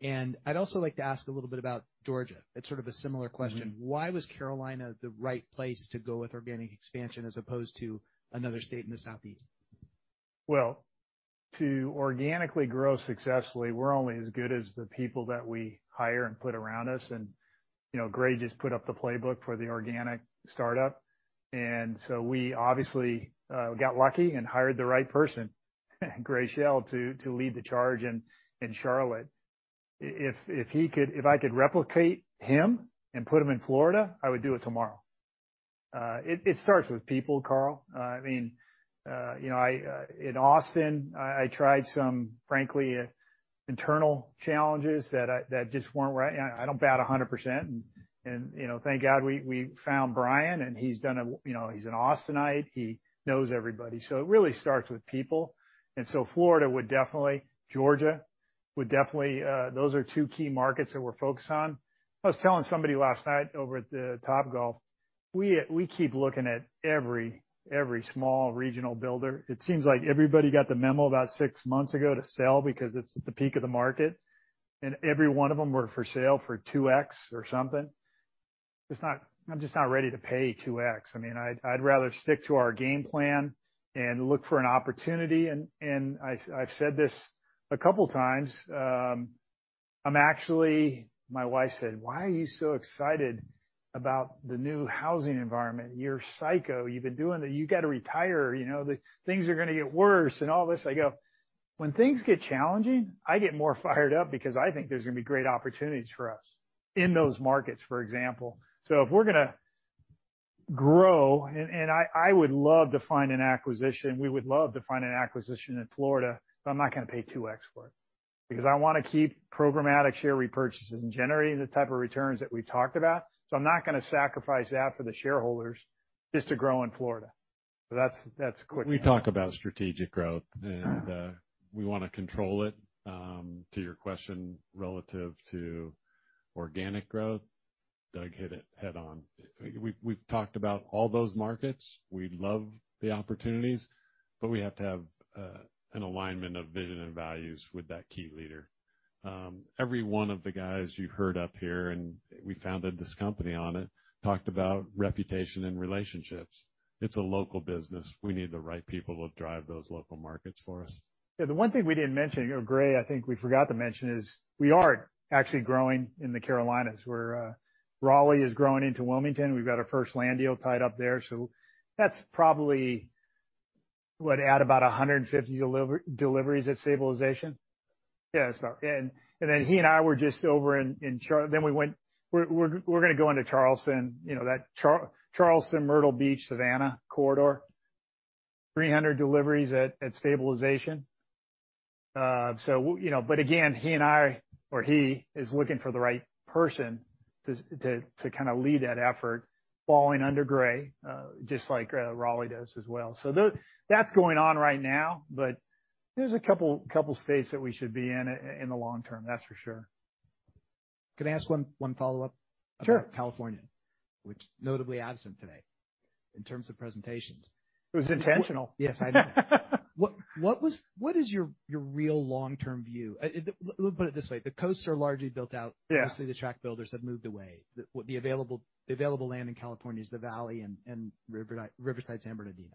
I'd also like to ask a little bit about Georgia. It's sort of a similar question.
Mm-hmm.
Why was Carolina the right place to go with organic expansion as opposed to another state in the southeast?
Well, to organically grow successfully, we're only as good as the people that we hire and put around us and, you know, Gray just put up the playbook for the organic startup. We obviously got lucky and hired the right person, Gray Shell, to lead the charge in Charlotte. If I could replicate him and put him in Florida, I would do it tomorrow. It starts with people, Carl. I mean, you know, in Austin, I tried some, frankly, internal challenges that just weren't right, and I don't bat a hundred percent. You know, thank God we found Brian, and you know, he's an Austinite. He knows everybody. It really starts with people. Florida would definitely, Georgia. We definitely, those are two key markets that we're focused on. I was telling somebody last night over at the Topgolf, we keep looking at every small regional builder. It seems like everybody got the memo about six months ago to sell because it's the peak of the market, and every one of them were for sale for 2x or something. It's not. I'm just not ready to pay 2x. I mean, I'd rather stick to our game plan and look for an opportunity. I've said this a couple times, I'm actually. My wife said, "Why are you so excited about the new housing environment? You're psycho. You've been doing it. You gotta retire. You know, the things are gonna get worse and all this." I go, "When things get challenging, I get more fired up because I think there's gonna be great opportunities for us in those markets, for example." If we're gonna grow, and I would love to find an acquisition. We would love to find an acquisition in Florida, but I'm not gonna pay 2x for it because I wanna keep programmatic share repurchases and generating the type of returns that we talked about. I'm not gonna sacrifice that for the shareholders just to grow in Florida. That's quick.
We talk about strategic growth, and we wanna control it. To your question, relative to organic growth, Doug hit it head on. We've talked about all those markets. We love the opportunities, but we have to have an alignment of vision and values with that key leader. Every one of the guys you've heard up here, and we founded this company on it, talked about reputation and relationships. It's a local business. We need the right people to drive those local markets for us.
Yeah, the one thing we didn't mention, or Gray, I think we forgot to mention, is we are actually growing in the Carolinas, where Raleigh is growing into Wilmington. We've got our first land deal tied up there. That's probably would add about 150 deliveries at stabilization. Then he and I were just over in Charleston. We're gonna go into Charleston, you know, that Charleston, Myrtle Beach, Savannah corridor. 300 deliveries at stabilization. You know, but again, he and I or he is looking for the right person to kinda lead that effort, falling under Gray, just like Raleigh does as well. That's going on right now, but there's a couple states that we should be in in the long term, that's for sure.
Can I ask one follow-up?
Sure.
About California, which notably absent today in terms of presentations.
It was intentional.
Yes, I know. What is your real long-term view? Let's put it this way. The coasts are largely built out.
Yeah.
Mostly the tract builders have moved away. The available land in California is the Valley and Riverside, San Bernardino.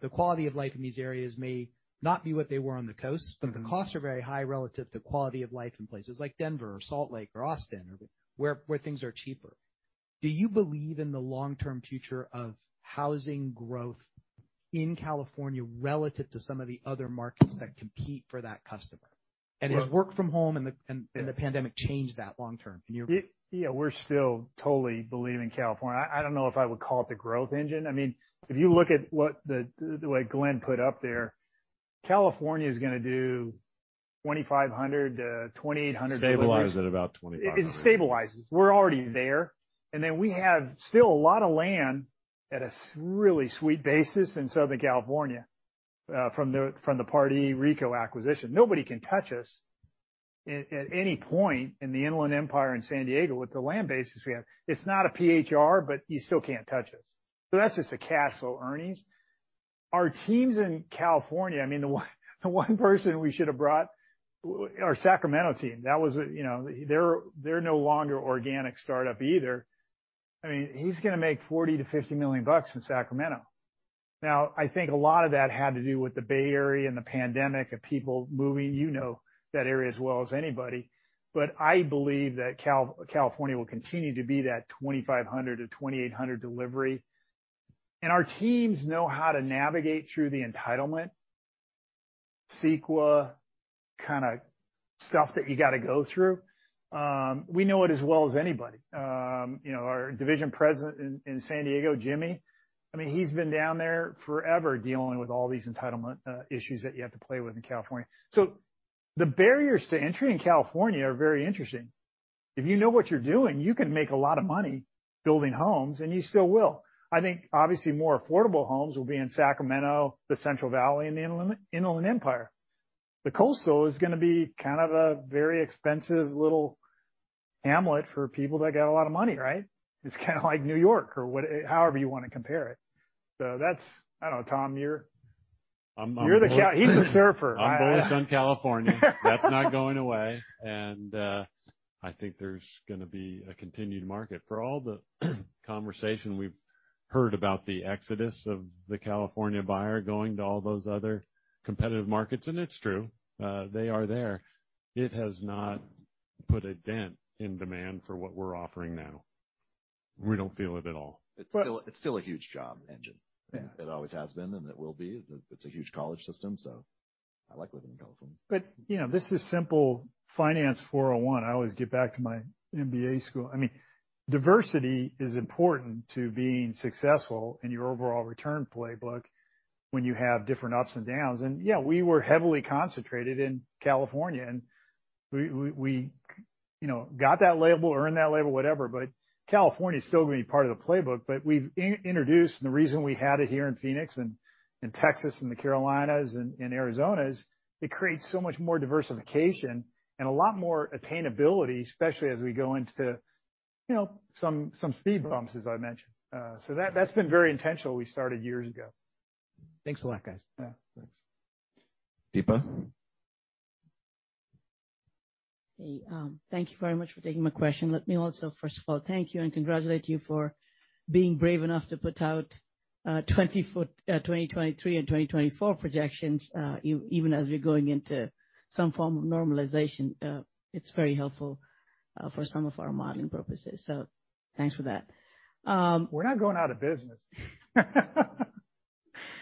The quality of life in these areas may not be what they were on the coast.
Mm-hmm.
the costs are very high relative to quality of life in places like Denver or Salt Lake or Austin or where things are cheaper. Do you believe in the long-term future of housing growth in California relative to some of the other markets that compete for that customer?
Right.
Has work from home and the pandemic changed that long term in your view?
Yeah, we're still totally believe in California. I don't know if I would call it the growth engine. I mean, if you look at what the way Glenn put up there, California is gonna do 2,500-2,800 deliveries.
Stabilize at about 2,500.
It stabilizes. We're already there. We have still a lot of land at a really sweet basis in Southern California, from the Pardee Homes acquisition. Nobody can touch us at any point in the Inland Empire in San Diego with the land bases we have. It's not a PHR, but you still can't touch us. That's just the cash flow earnings. Our teams in California, I mean, the one person we should have brought, our Sacramento team. That was, you know. They're no longer organic startup either. I mean, he's gonna make $40 million-$50 million in Sacramento. Now, I think a lot of that had to do with the Bay Area and the pandemic and people moving. You know that area as well as anybody. I believe that California will continue to be that 2,500-2,800 delivery. Our teams know how to navigate through the entitlement, CEQA, kinda stuff that you gotta go through. We know it as well as anybody. You know, our division president in San Diego, Jimmy, I mean, he's been down there forever dealing with all these entitlement issues that you have to play with in California. The barriers to entry in California are very interesting. If you know what you're doing, you can make a lot of money building homes, and you still will. I think obviously more affordable homes will be in Sacramento, the Central Valley and the Inland Empire. The Coastal is gonna be kind of a very expensive little hamlet for people that got a lot of money, right? It's kinda like New York or what, however you wanna compare it. That's. I don't know, Tom. You're
I'm-
He's a surfer.
I'm bullish on California. That's not going away. I think there's gonna be a continued market. For all the conversation we've heard about the exodus of the California buyer going to all those other competitive markets, and it's true, they are there, it has not put a dent in demand for what we're offering now. We don't feel it at all.
But-
It's still a huge job engine.
Yeah.
It always has been, and it will be. It's a huge college system, so I like living in California.
you know, this is simple Finance 401. I always get back to my MBA school. I mean, diversity is important to being successful in your overall return playbook when you have different ups and downs. Yeah, we were heavily concentrated in California. We, you know, got that label, earned that label, whatever, but California is still gonna be part of the playbook. We've introduced, and the reason we had it here in Phoenix and Texas, and the Carolinas, and Arizona is it creates so much more diversification and a lot more attainability, especially as we go into, you know, some speed bumps, as I mentioned. That's been very intentional. We started years ago.
Thanks a lot, guys.
Yeah. Thanks.
Deepa.
Hey, thank you very much for taking my question. Let me also first of all thank you and congratulate you for being brave enough to put out 2023 and 2024 projections, even as we're going into some form of normalization. It's very helpful for some of our modeling purposes. Thanks for that.
We're not going out of business.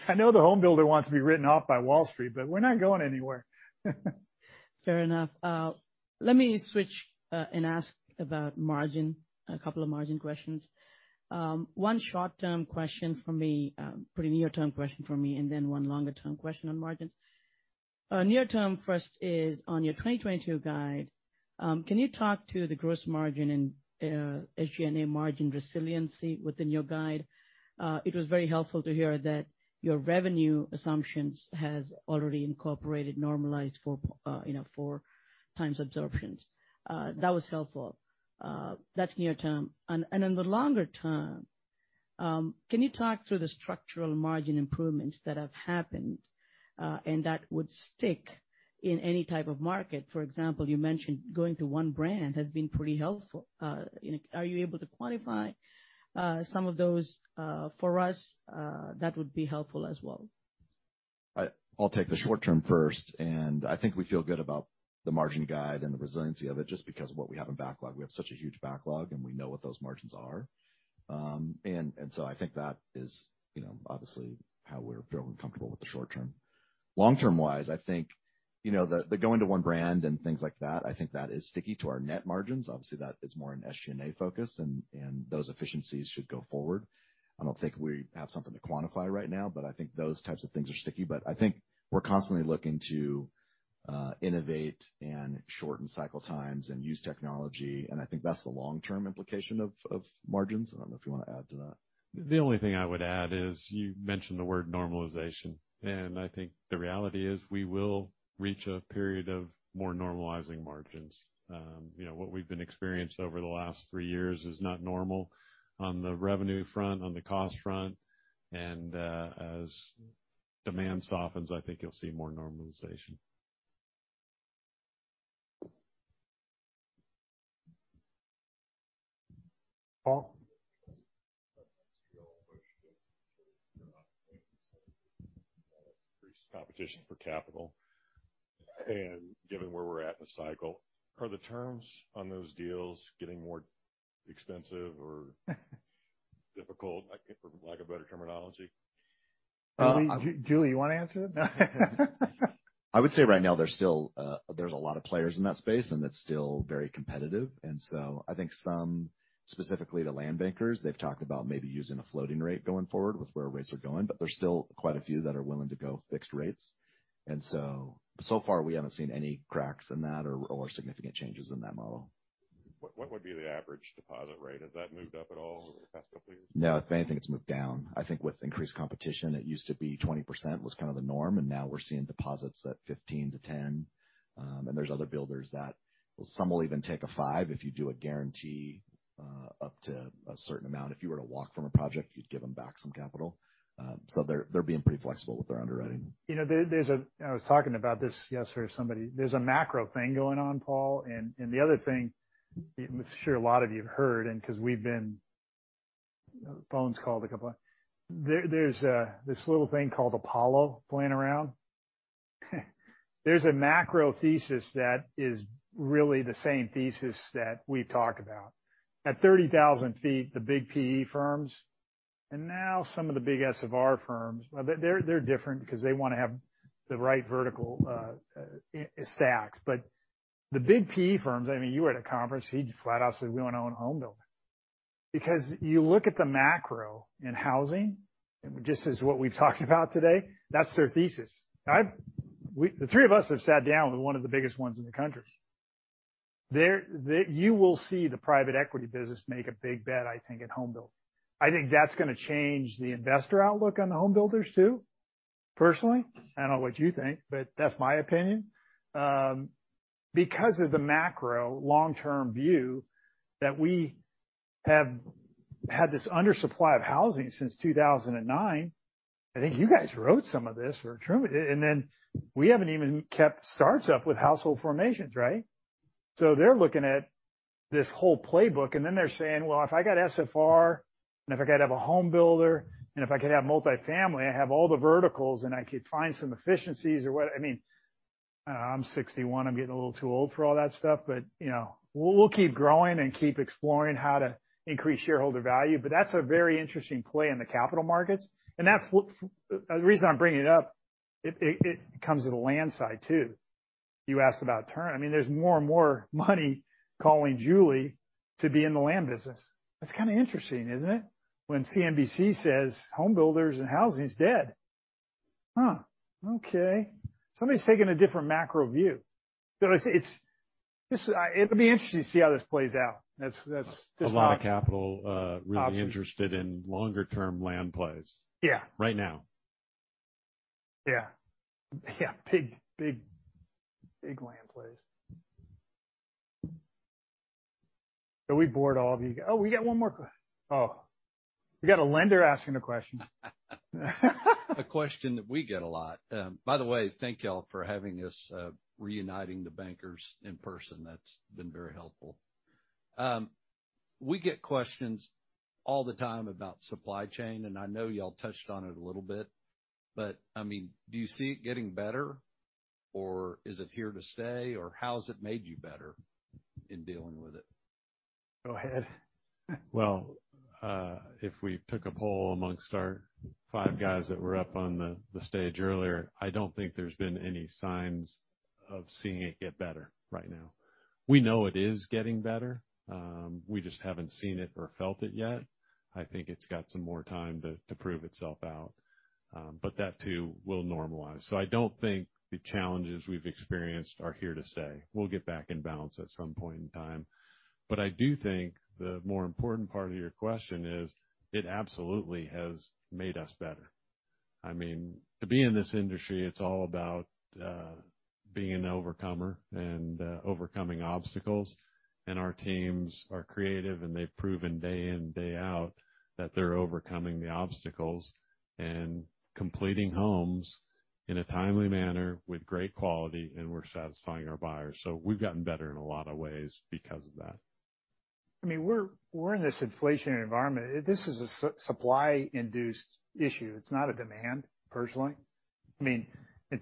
I know the home builder wants to be written off by Wall Street. We're not going anywhere.
Fair enough. Let me switch and ask about margin, a couple of margin questions. One short-term question from me, pretty near-term question from me, and then one longer-term question on margins. Near term first is on your 2022 guide. Can you talk to the gross margin and SG&A margin resiliency within your guide? It was very helpful to hear that your revenue assumptions has already incorporated normalized for, you know, 4x absorptions. That's near term. In the longer term, can you talk through the structural margin improvements that have happened and that would stick in any type of market? For example, you mentioned going to one brand has been pretty helpful. Are you able to quantify some of those for us? That would be helpful as well.
I'll take the short term first. I think we feel good about the margin guide and the resiliency of it just because of what we have in backlog. We have such a huge backlog, and we know what those margins are. So I think that is, you know, obviously how we're feeling comfortable with the short term. Long term wise, I think, you know, the going to one brand and things like that, I think that is sticky to our net margins. Obviously, that is more an SG&A focus, and those efficiencies should go forward. I don't think we have something to quantify right now, but I think those types of things are sticky. I think we're constantly looking to innovate and shorten cycle times and use technology, and I think that's the long-term implication of margins. I don't know if you wanna add to that.
The only thing I would add is you mentioned the word normalization, and I think the reality is we will reach a period of more normalizing margins. You know, what we've been experienced over the last three years is not normal on the revenue front, on the cost front, and, as demand softens, I think you'll see more normalization.
Paul.
Increased competition for capital. Given where we're at in the cycle, are the terms on those deals getting more expensive or difficult, like, for lack of better terminology?
Glenn, you wanna answer that?
I would say right now there's still a lot of players in that space, and it's still very competitive. I think some, specifically the land bankers, they've talked about maybe using a floating rate going forward with where rates are going, but there's still quite a few that are willing to go fixed rates. So far we haven't seen any cracks in that or significant changes in that model.
What would be the average deposit rate? Has that moved up at all over the past couple of years?
No. If anything, it's moved down. I think with increased competition, it used to be 20% was kind of the norm, and now we're seeing deposits at 15%-10%. There's other builders that some will even take a 5% if you do a guarantee up to a certain amount. If you were to walk from a project, you'd give them back some capital. They're being pretty flexible with their underwriting.
You know, I was talking about this yesterday with somebody. There's a macro thing going on, Powell. The other thing I'm sure a lot of you have heard, and 'cause we've been on phone calls a couple. There's this little thing called Apollo playing around. There's a macro thesis that is really the same thesis that we talk about. At 30,000 ft, the big PE firms and now some of the big SFR firms, they're different because they wanna have the right vertical stacks. But the big PE firms, I mean, you were at a conference, he flat out said, "We wanna own a home builder." Because you look at the macro in housing, just as what we've talked about today, that's their thesis, all right? The three of us have sat down with one of the biggest ones in the country. You will see the private equity business make a big bet, I think, at home builder. I think that's gonna change the investor outlook on the home builders too, personally. I don't know what you think, but that's my opinion. Because of the macro long-term view that we have had this undersupply of housing since 2009, I think you guys wrote some of this or trimmed it. Then we haven't even kept starts up with household formations, right?
They're looking at this whole playbook, and then they're saying, "Well, if I got SFR, and if I got to have a home builder, and if I could have multifamily, I have all the verticals, and I could find some efficiencies or what." I mean, I'm 61, I'm getting a little too old for all that stuff, but, you know, we'll keep growing and keep exploring how to increase shareholder value. That's a very interesting play in the capital markets. The reason I'm bringing it up, it comes to the land side too. You asked about term. I mean, there's more and more money calling Julie to be in the land business. That's kind of interesting, isn't it? When CNBC says, "Home builders and housing's dead." Huh, okay. Somebody's taking a different macro view.
It'll be interesting to see how this plays out. That's just how I-
A lot of capital, really interested in longer-term land plays.
Yeah.
Right now.
Yeah. Yeah, big land plays. Did we bore all of you? Oh, we got a lender asking a question.
A question that we get a lot. By the way, thank y'all for having this, reuniting the bankers in person. That's been very helpful. We get questions all the time about supply chain, and I know y'all touched on it a little bit, but, I mean, do you see it getting better, or is it here to stay, or how has it made you better in dealing with it?
Go ahead.
Well, if we took a poll amongst our five guys that were up on the stage earlier, I don't think there's been any signs of seeing it get better right now. We know it is getting better. We just haven't seen it or felt it yet. I think it's got some more time to prove itself out. That too will normalize. I don't think the challenges we've experienced are here to stay. We'll get back in balance at some point in time. I do think the more important part of your question is, it absolutely has made us better. I mean, to be in this industry, it's all about being an overcomer and overcoming obstacles. Our teams are creative, and they've proven day in and day out that they're overcoming the obstacles and completing homes in a timely manner with great quality, and we're satisfying our buyers. We've gotten better in a lot of ways because of that.
I mean, we're in this inflationary environment. This is a supply induced issue. It's not a demand, personally. I mean,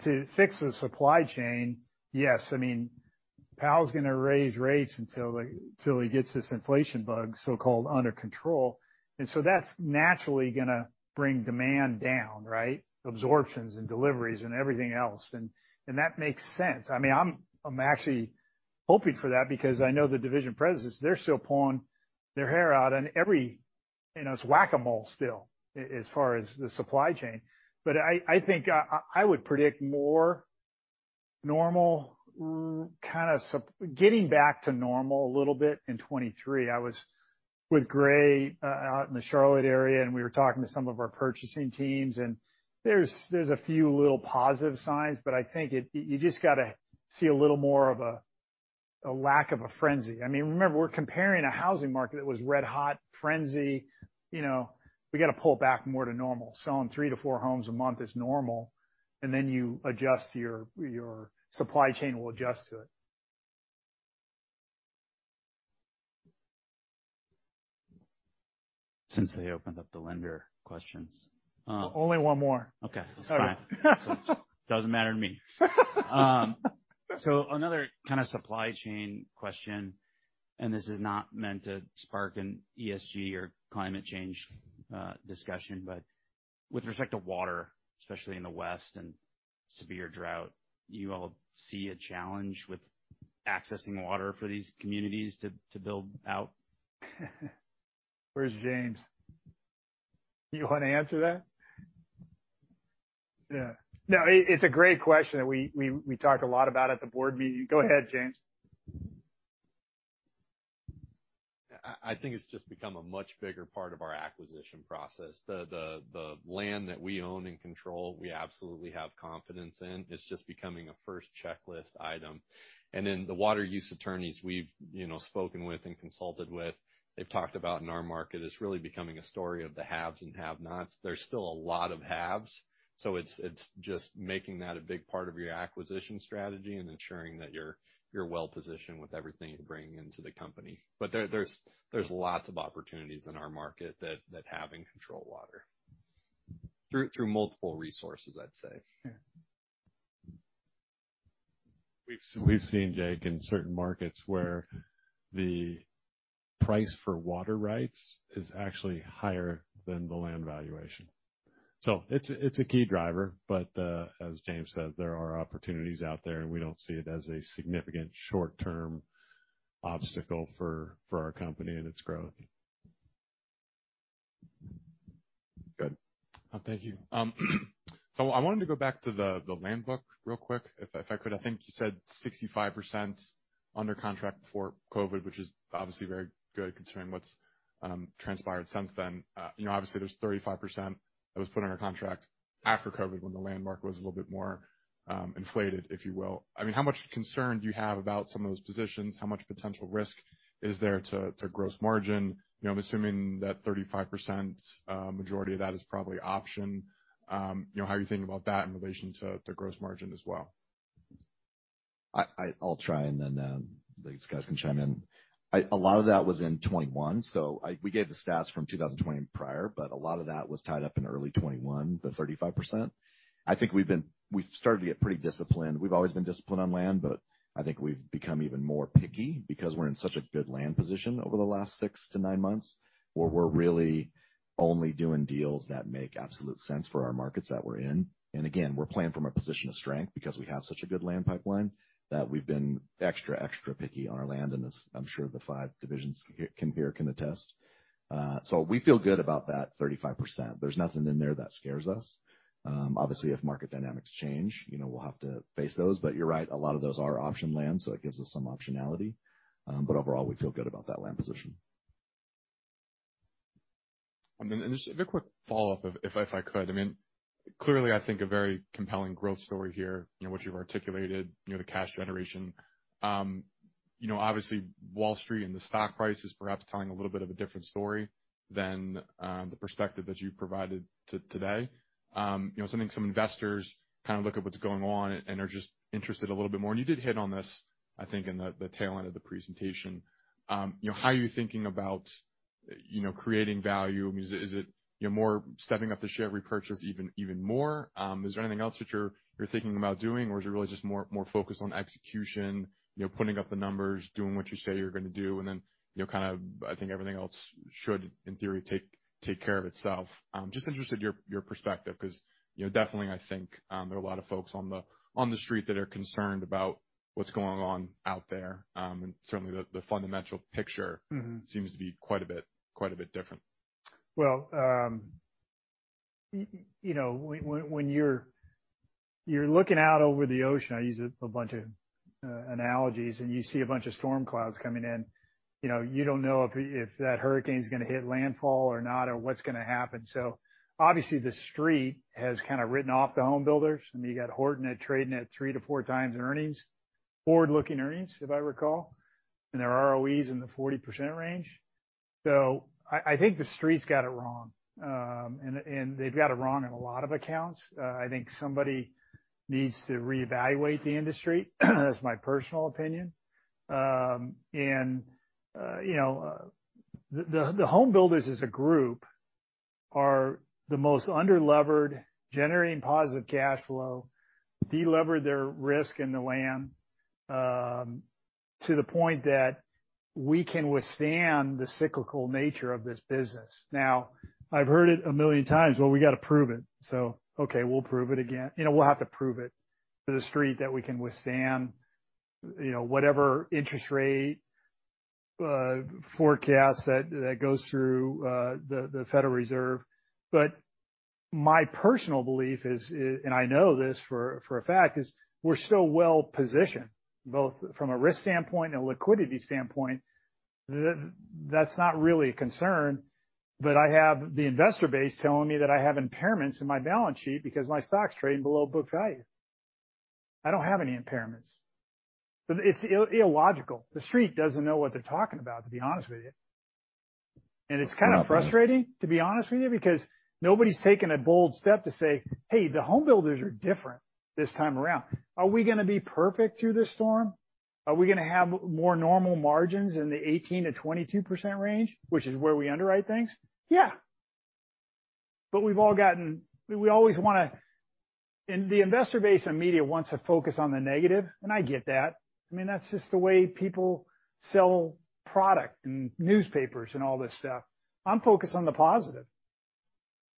to fix the supply chain, yes, I mean, Powell's gonna raise rates until he gets this inflation bug, so-called, under control. That's naturally gonna bring demand down, right? Absorptions and deliveries and everything else. That makes sense. I mean, I'm actually hoping for that because I know the division presidents, they're still pulling their hair out on every, you know, it's whack-a-mole still as far as the supply chain. I think I would predict more normal, kinda getting back to normal a little bit in 2023. I was with Gray out in the Charlotte area, and we were talking to some of our purchasing teams, and there's a few little positive signs, but I think you just gotta see a little more of a lack of a frenzy. I mean, remember, we're comparing a housing market that was red hot, frenzy. You know, we gotta pull back more to normal. Selling 3-4 homes a month is normal, and then you adjust your supply chain will adjust to it.
Since they opened up the lender questions.
Only one more.
Okay.
All right.
That's fine. Doesn't matter to me. Another kinda supply chain question, and this is not meant to spark an ESG or climate change discussion, but with respect to water, especially in the West and severe drought, do you all see a challenge with accessing water for these communities to build out?
Where's James? Do you wanna answer that? Yeah. No, it's a great question, and we talked a lot about at the board meeting. Go ahead, James.
I think it's just become a much bigger part of our acquisition process. The land that we own and control, we absolutely have confidence in. It's just becoming a first checklist item. The water use attorneys we've you know spoken with and consulted with, they've talked about in our market, it's really becoming a story of the haves and have-nots. There's still a lot of haves, so it's just making that a big part of your acquisition strategy and ensuring that you're well-positioned with everything you bring into the company. There's lots of opportunities in our market that have and control water through multiple resources, I'd say.
Yeah.
We've seen, Jake, in certain markets where the price for water rights is actually higher than the land valuation. It's a key driver, but as James said, there are opportunities out there, and we don't see it as a significant short-term obstacle for our company and its growth.
Good.
Thank you. I wanted to go back to the land bank real quick, if I could. I think you said 65% under contract before COVID, which is obviously very good considering what's transpired since then. You know, obviously, there's 35% that was put under contract after COVID when the land market was a little bit more inflated, if you will. I mean, how much concern do you have about some of those positions? How much potential risk is there to gross margin? You know, I'm assuming that 35%, majority of that is probably on option. You know, how are you thinking about that in relation to gross margin as well?
I'll try, and then these guys can chime in. A lot of that was in 2021. We gave the stats from 2020 prior, but a lot of that was tied up in early 2021, the 35%. I think we've started to get pretty disciplined. We've always been disciplined on land, but I think we've become even more picky because we're in such a good land position over the last six to nine months, where we're really only doing deals that make absolute sense for our markets that we're in. We're playing from a position of strength because we have such a good land pipeline that we've been extra picky on our land, and as I'm sure the five divisions here can attest. We feel good about that 35%. There's nothing in there that scares us. Obviously, if market dynamics change, you know, we'll have to face those. You're right, a lot of those are option lands, so it gives us some optionality. Overall, we feel good about that land position.
Just a quick follow-up if I could. I mean, clearly, I think a very compelling growth story here in what you've articulated, you know, the cash generation. You know, obviously, Wall Street and the stock price is perhaps telling a little bit of a different story than the perspective that you provided today. You know, something some investors kind of look at what's going on and are just interested a little bit more. You did hit on this, I think, in the tail end of the presentation. You know, how are you thinking about, you know, creating value? I mean, is it, you know, more stepping up the share repurchase even more? Is there anything else that you're thinking about doing? Is it really just more focused on execution, you know, putting up the numbers, doing what you say you're gonna do, and then, you know, kind of, I think everything else should, in theory, take care of itself? Just interested in your perspective 'cause, you know, definitely I think, there are a lot of folks on the street that are concerned about what's going on out there. Certainly the fundamental picture.
Mm-hmm
Seems to be quite a bit different.
Well, you know, when you're looking out over the ocean, I use a bunch of analogies, and you see a bunch of storm clouds coming in, you know, you don't know if that hurricane is gonna hit landfall or not or what's gonna happen. Obviously the street has kind of written off the home builders. I mean, you got D.R. Horton trading at 3x-4x earnings, forward-looking earnings, if I recall, and their ROEs in the 40% range. So I think the street's got it wrong. And they've got it wrong in a lot of accounts. I think somebody needs to reevaluate the industry. That's my personal opinion. You know, the home builders as a group are the most under-levered, generating positive cash flow, de-lever their risk in the land, to the point that we can withstand the cyclical nature of this business. Now, I've heard it a million times. Well, we gotta prove it. Okay, we'll prove it again. You know, we'll have to prove it to the street that we can withstand, you know, whatever interest rate forecast that goes through the Federal Reserve. But my personal belief is, and I know this for a fact, we're so well positioned, both from a risk standpoint and a liquidity standpoint, that's not really a concern. But I have the investor base telling me that I have impairments in my balance sheet because my stock's trading below book value. I don't have any impairments. It's illogical. The street doesn't know what they're talking about, to be honest with you. It's kind of frustrating, to be honest with you, because nobody's taken a bold step to say, "Hey, the home builders are different this time around." Are we gonna be perfect through this storm? Are we gonna have more normal margins in the 18%-22% range, which is where we underwrite things? Yeah. The investor base and media wants to focus on the negative, and I get that. I mean, that's just the way people sell product and newspapers and all this stuff. I'm focused on the positive.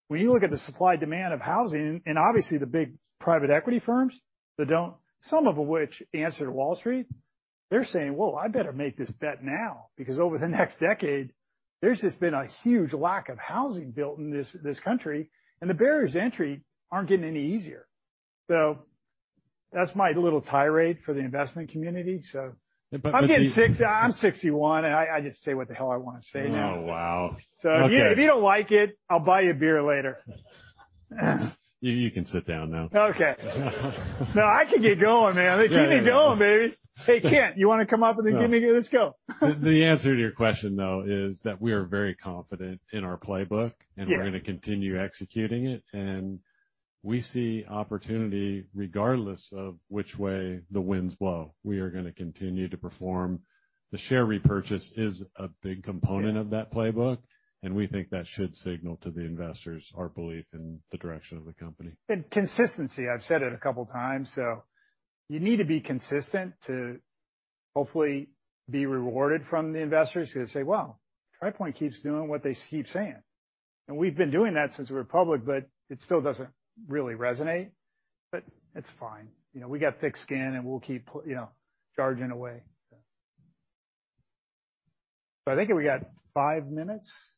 When you look at the supply-demand of housing and obviously the big private equity firms that don't, some of which answer to Wall Street, they're saying, "Well, I better make this bet now, because over the next decade, there's just been a huge lack of housing built in this country, and the barriers to entry aren't getting any easier." That's my little tirade for the investment community, so.
But-
I'm 61, and I just say what the hell I want to say now.
Oh, wow. Okay.
If you don't like it, I'll buy you a beer later.
You can sit down now.
Okay. No, I can keep going, man.
Yeah, yeah.
I can keep going, baby. Hey, Kent, you wanna come up and give me. Let's go.
The answer to your question, though, is that we are very confident in our playbook.
Yeah.
we're gonna continue executing it. We see opportunity regardless of which way the winds blow. We are gonna continue to perform. The share repurchase is a big component of that playbook, and we think that should signal to the investors our belief in the direction of the company.
Consistency. I've said it a couple times. You need to be consistent to hopefully be rewarded from the investors who say, "Wow, Tri Pointe keeps doing what they keep saying." We've been doing that since we're public, but it still doesn't really resonate, but it's fine. You know, we got thick skin, and we'll keep, you know, charging away. I think we got five minutes, and then we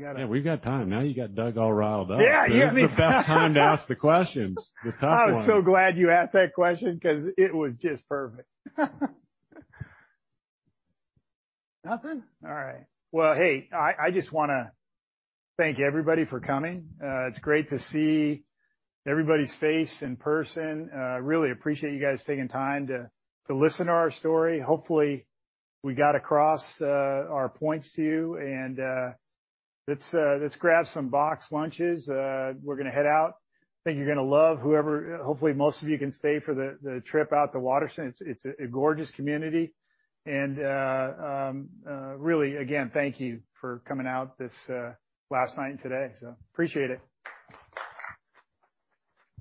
gotta-
Yeah, we've got time. Now you got Doug all riled up.
Yeah.
This is the best time to ask the questions, the tough ones.
I was so glad you asked that question 'cause it was just perfect. Nothing? All right. Well, hey, I just wanna thank everybody for coming. It's great to see everybody's face in person. Really appreciate you guys taking time to listen to our story. Hopefully, we got across our points to you and let's grab some box lunches. We're gonna head out. I think you're gonna love whoever. Hopefully, most of you can stay for the trip out to Waterston. It's a gorgeous community. Really, again, thank you for coming out this last night and today. Appreciate it.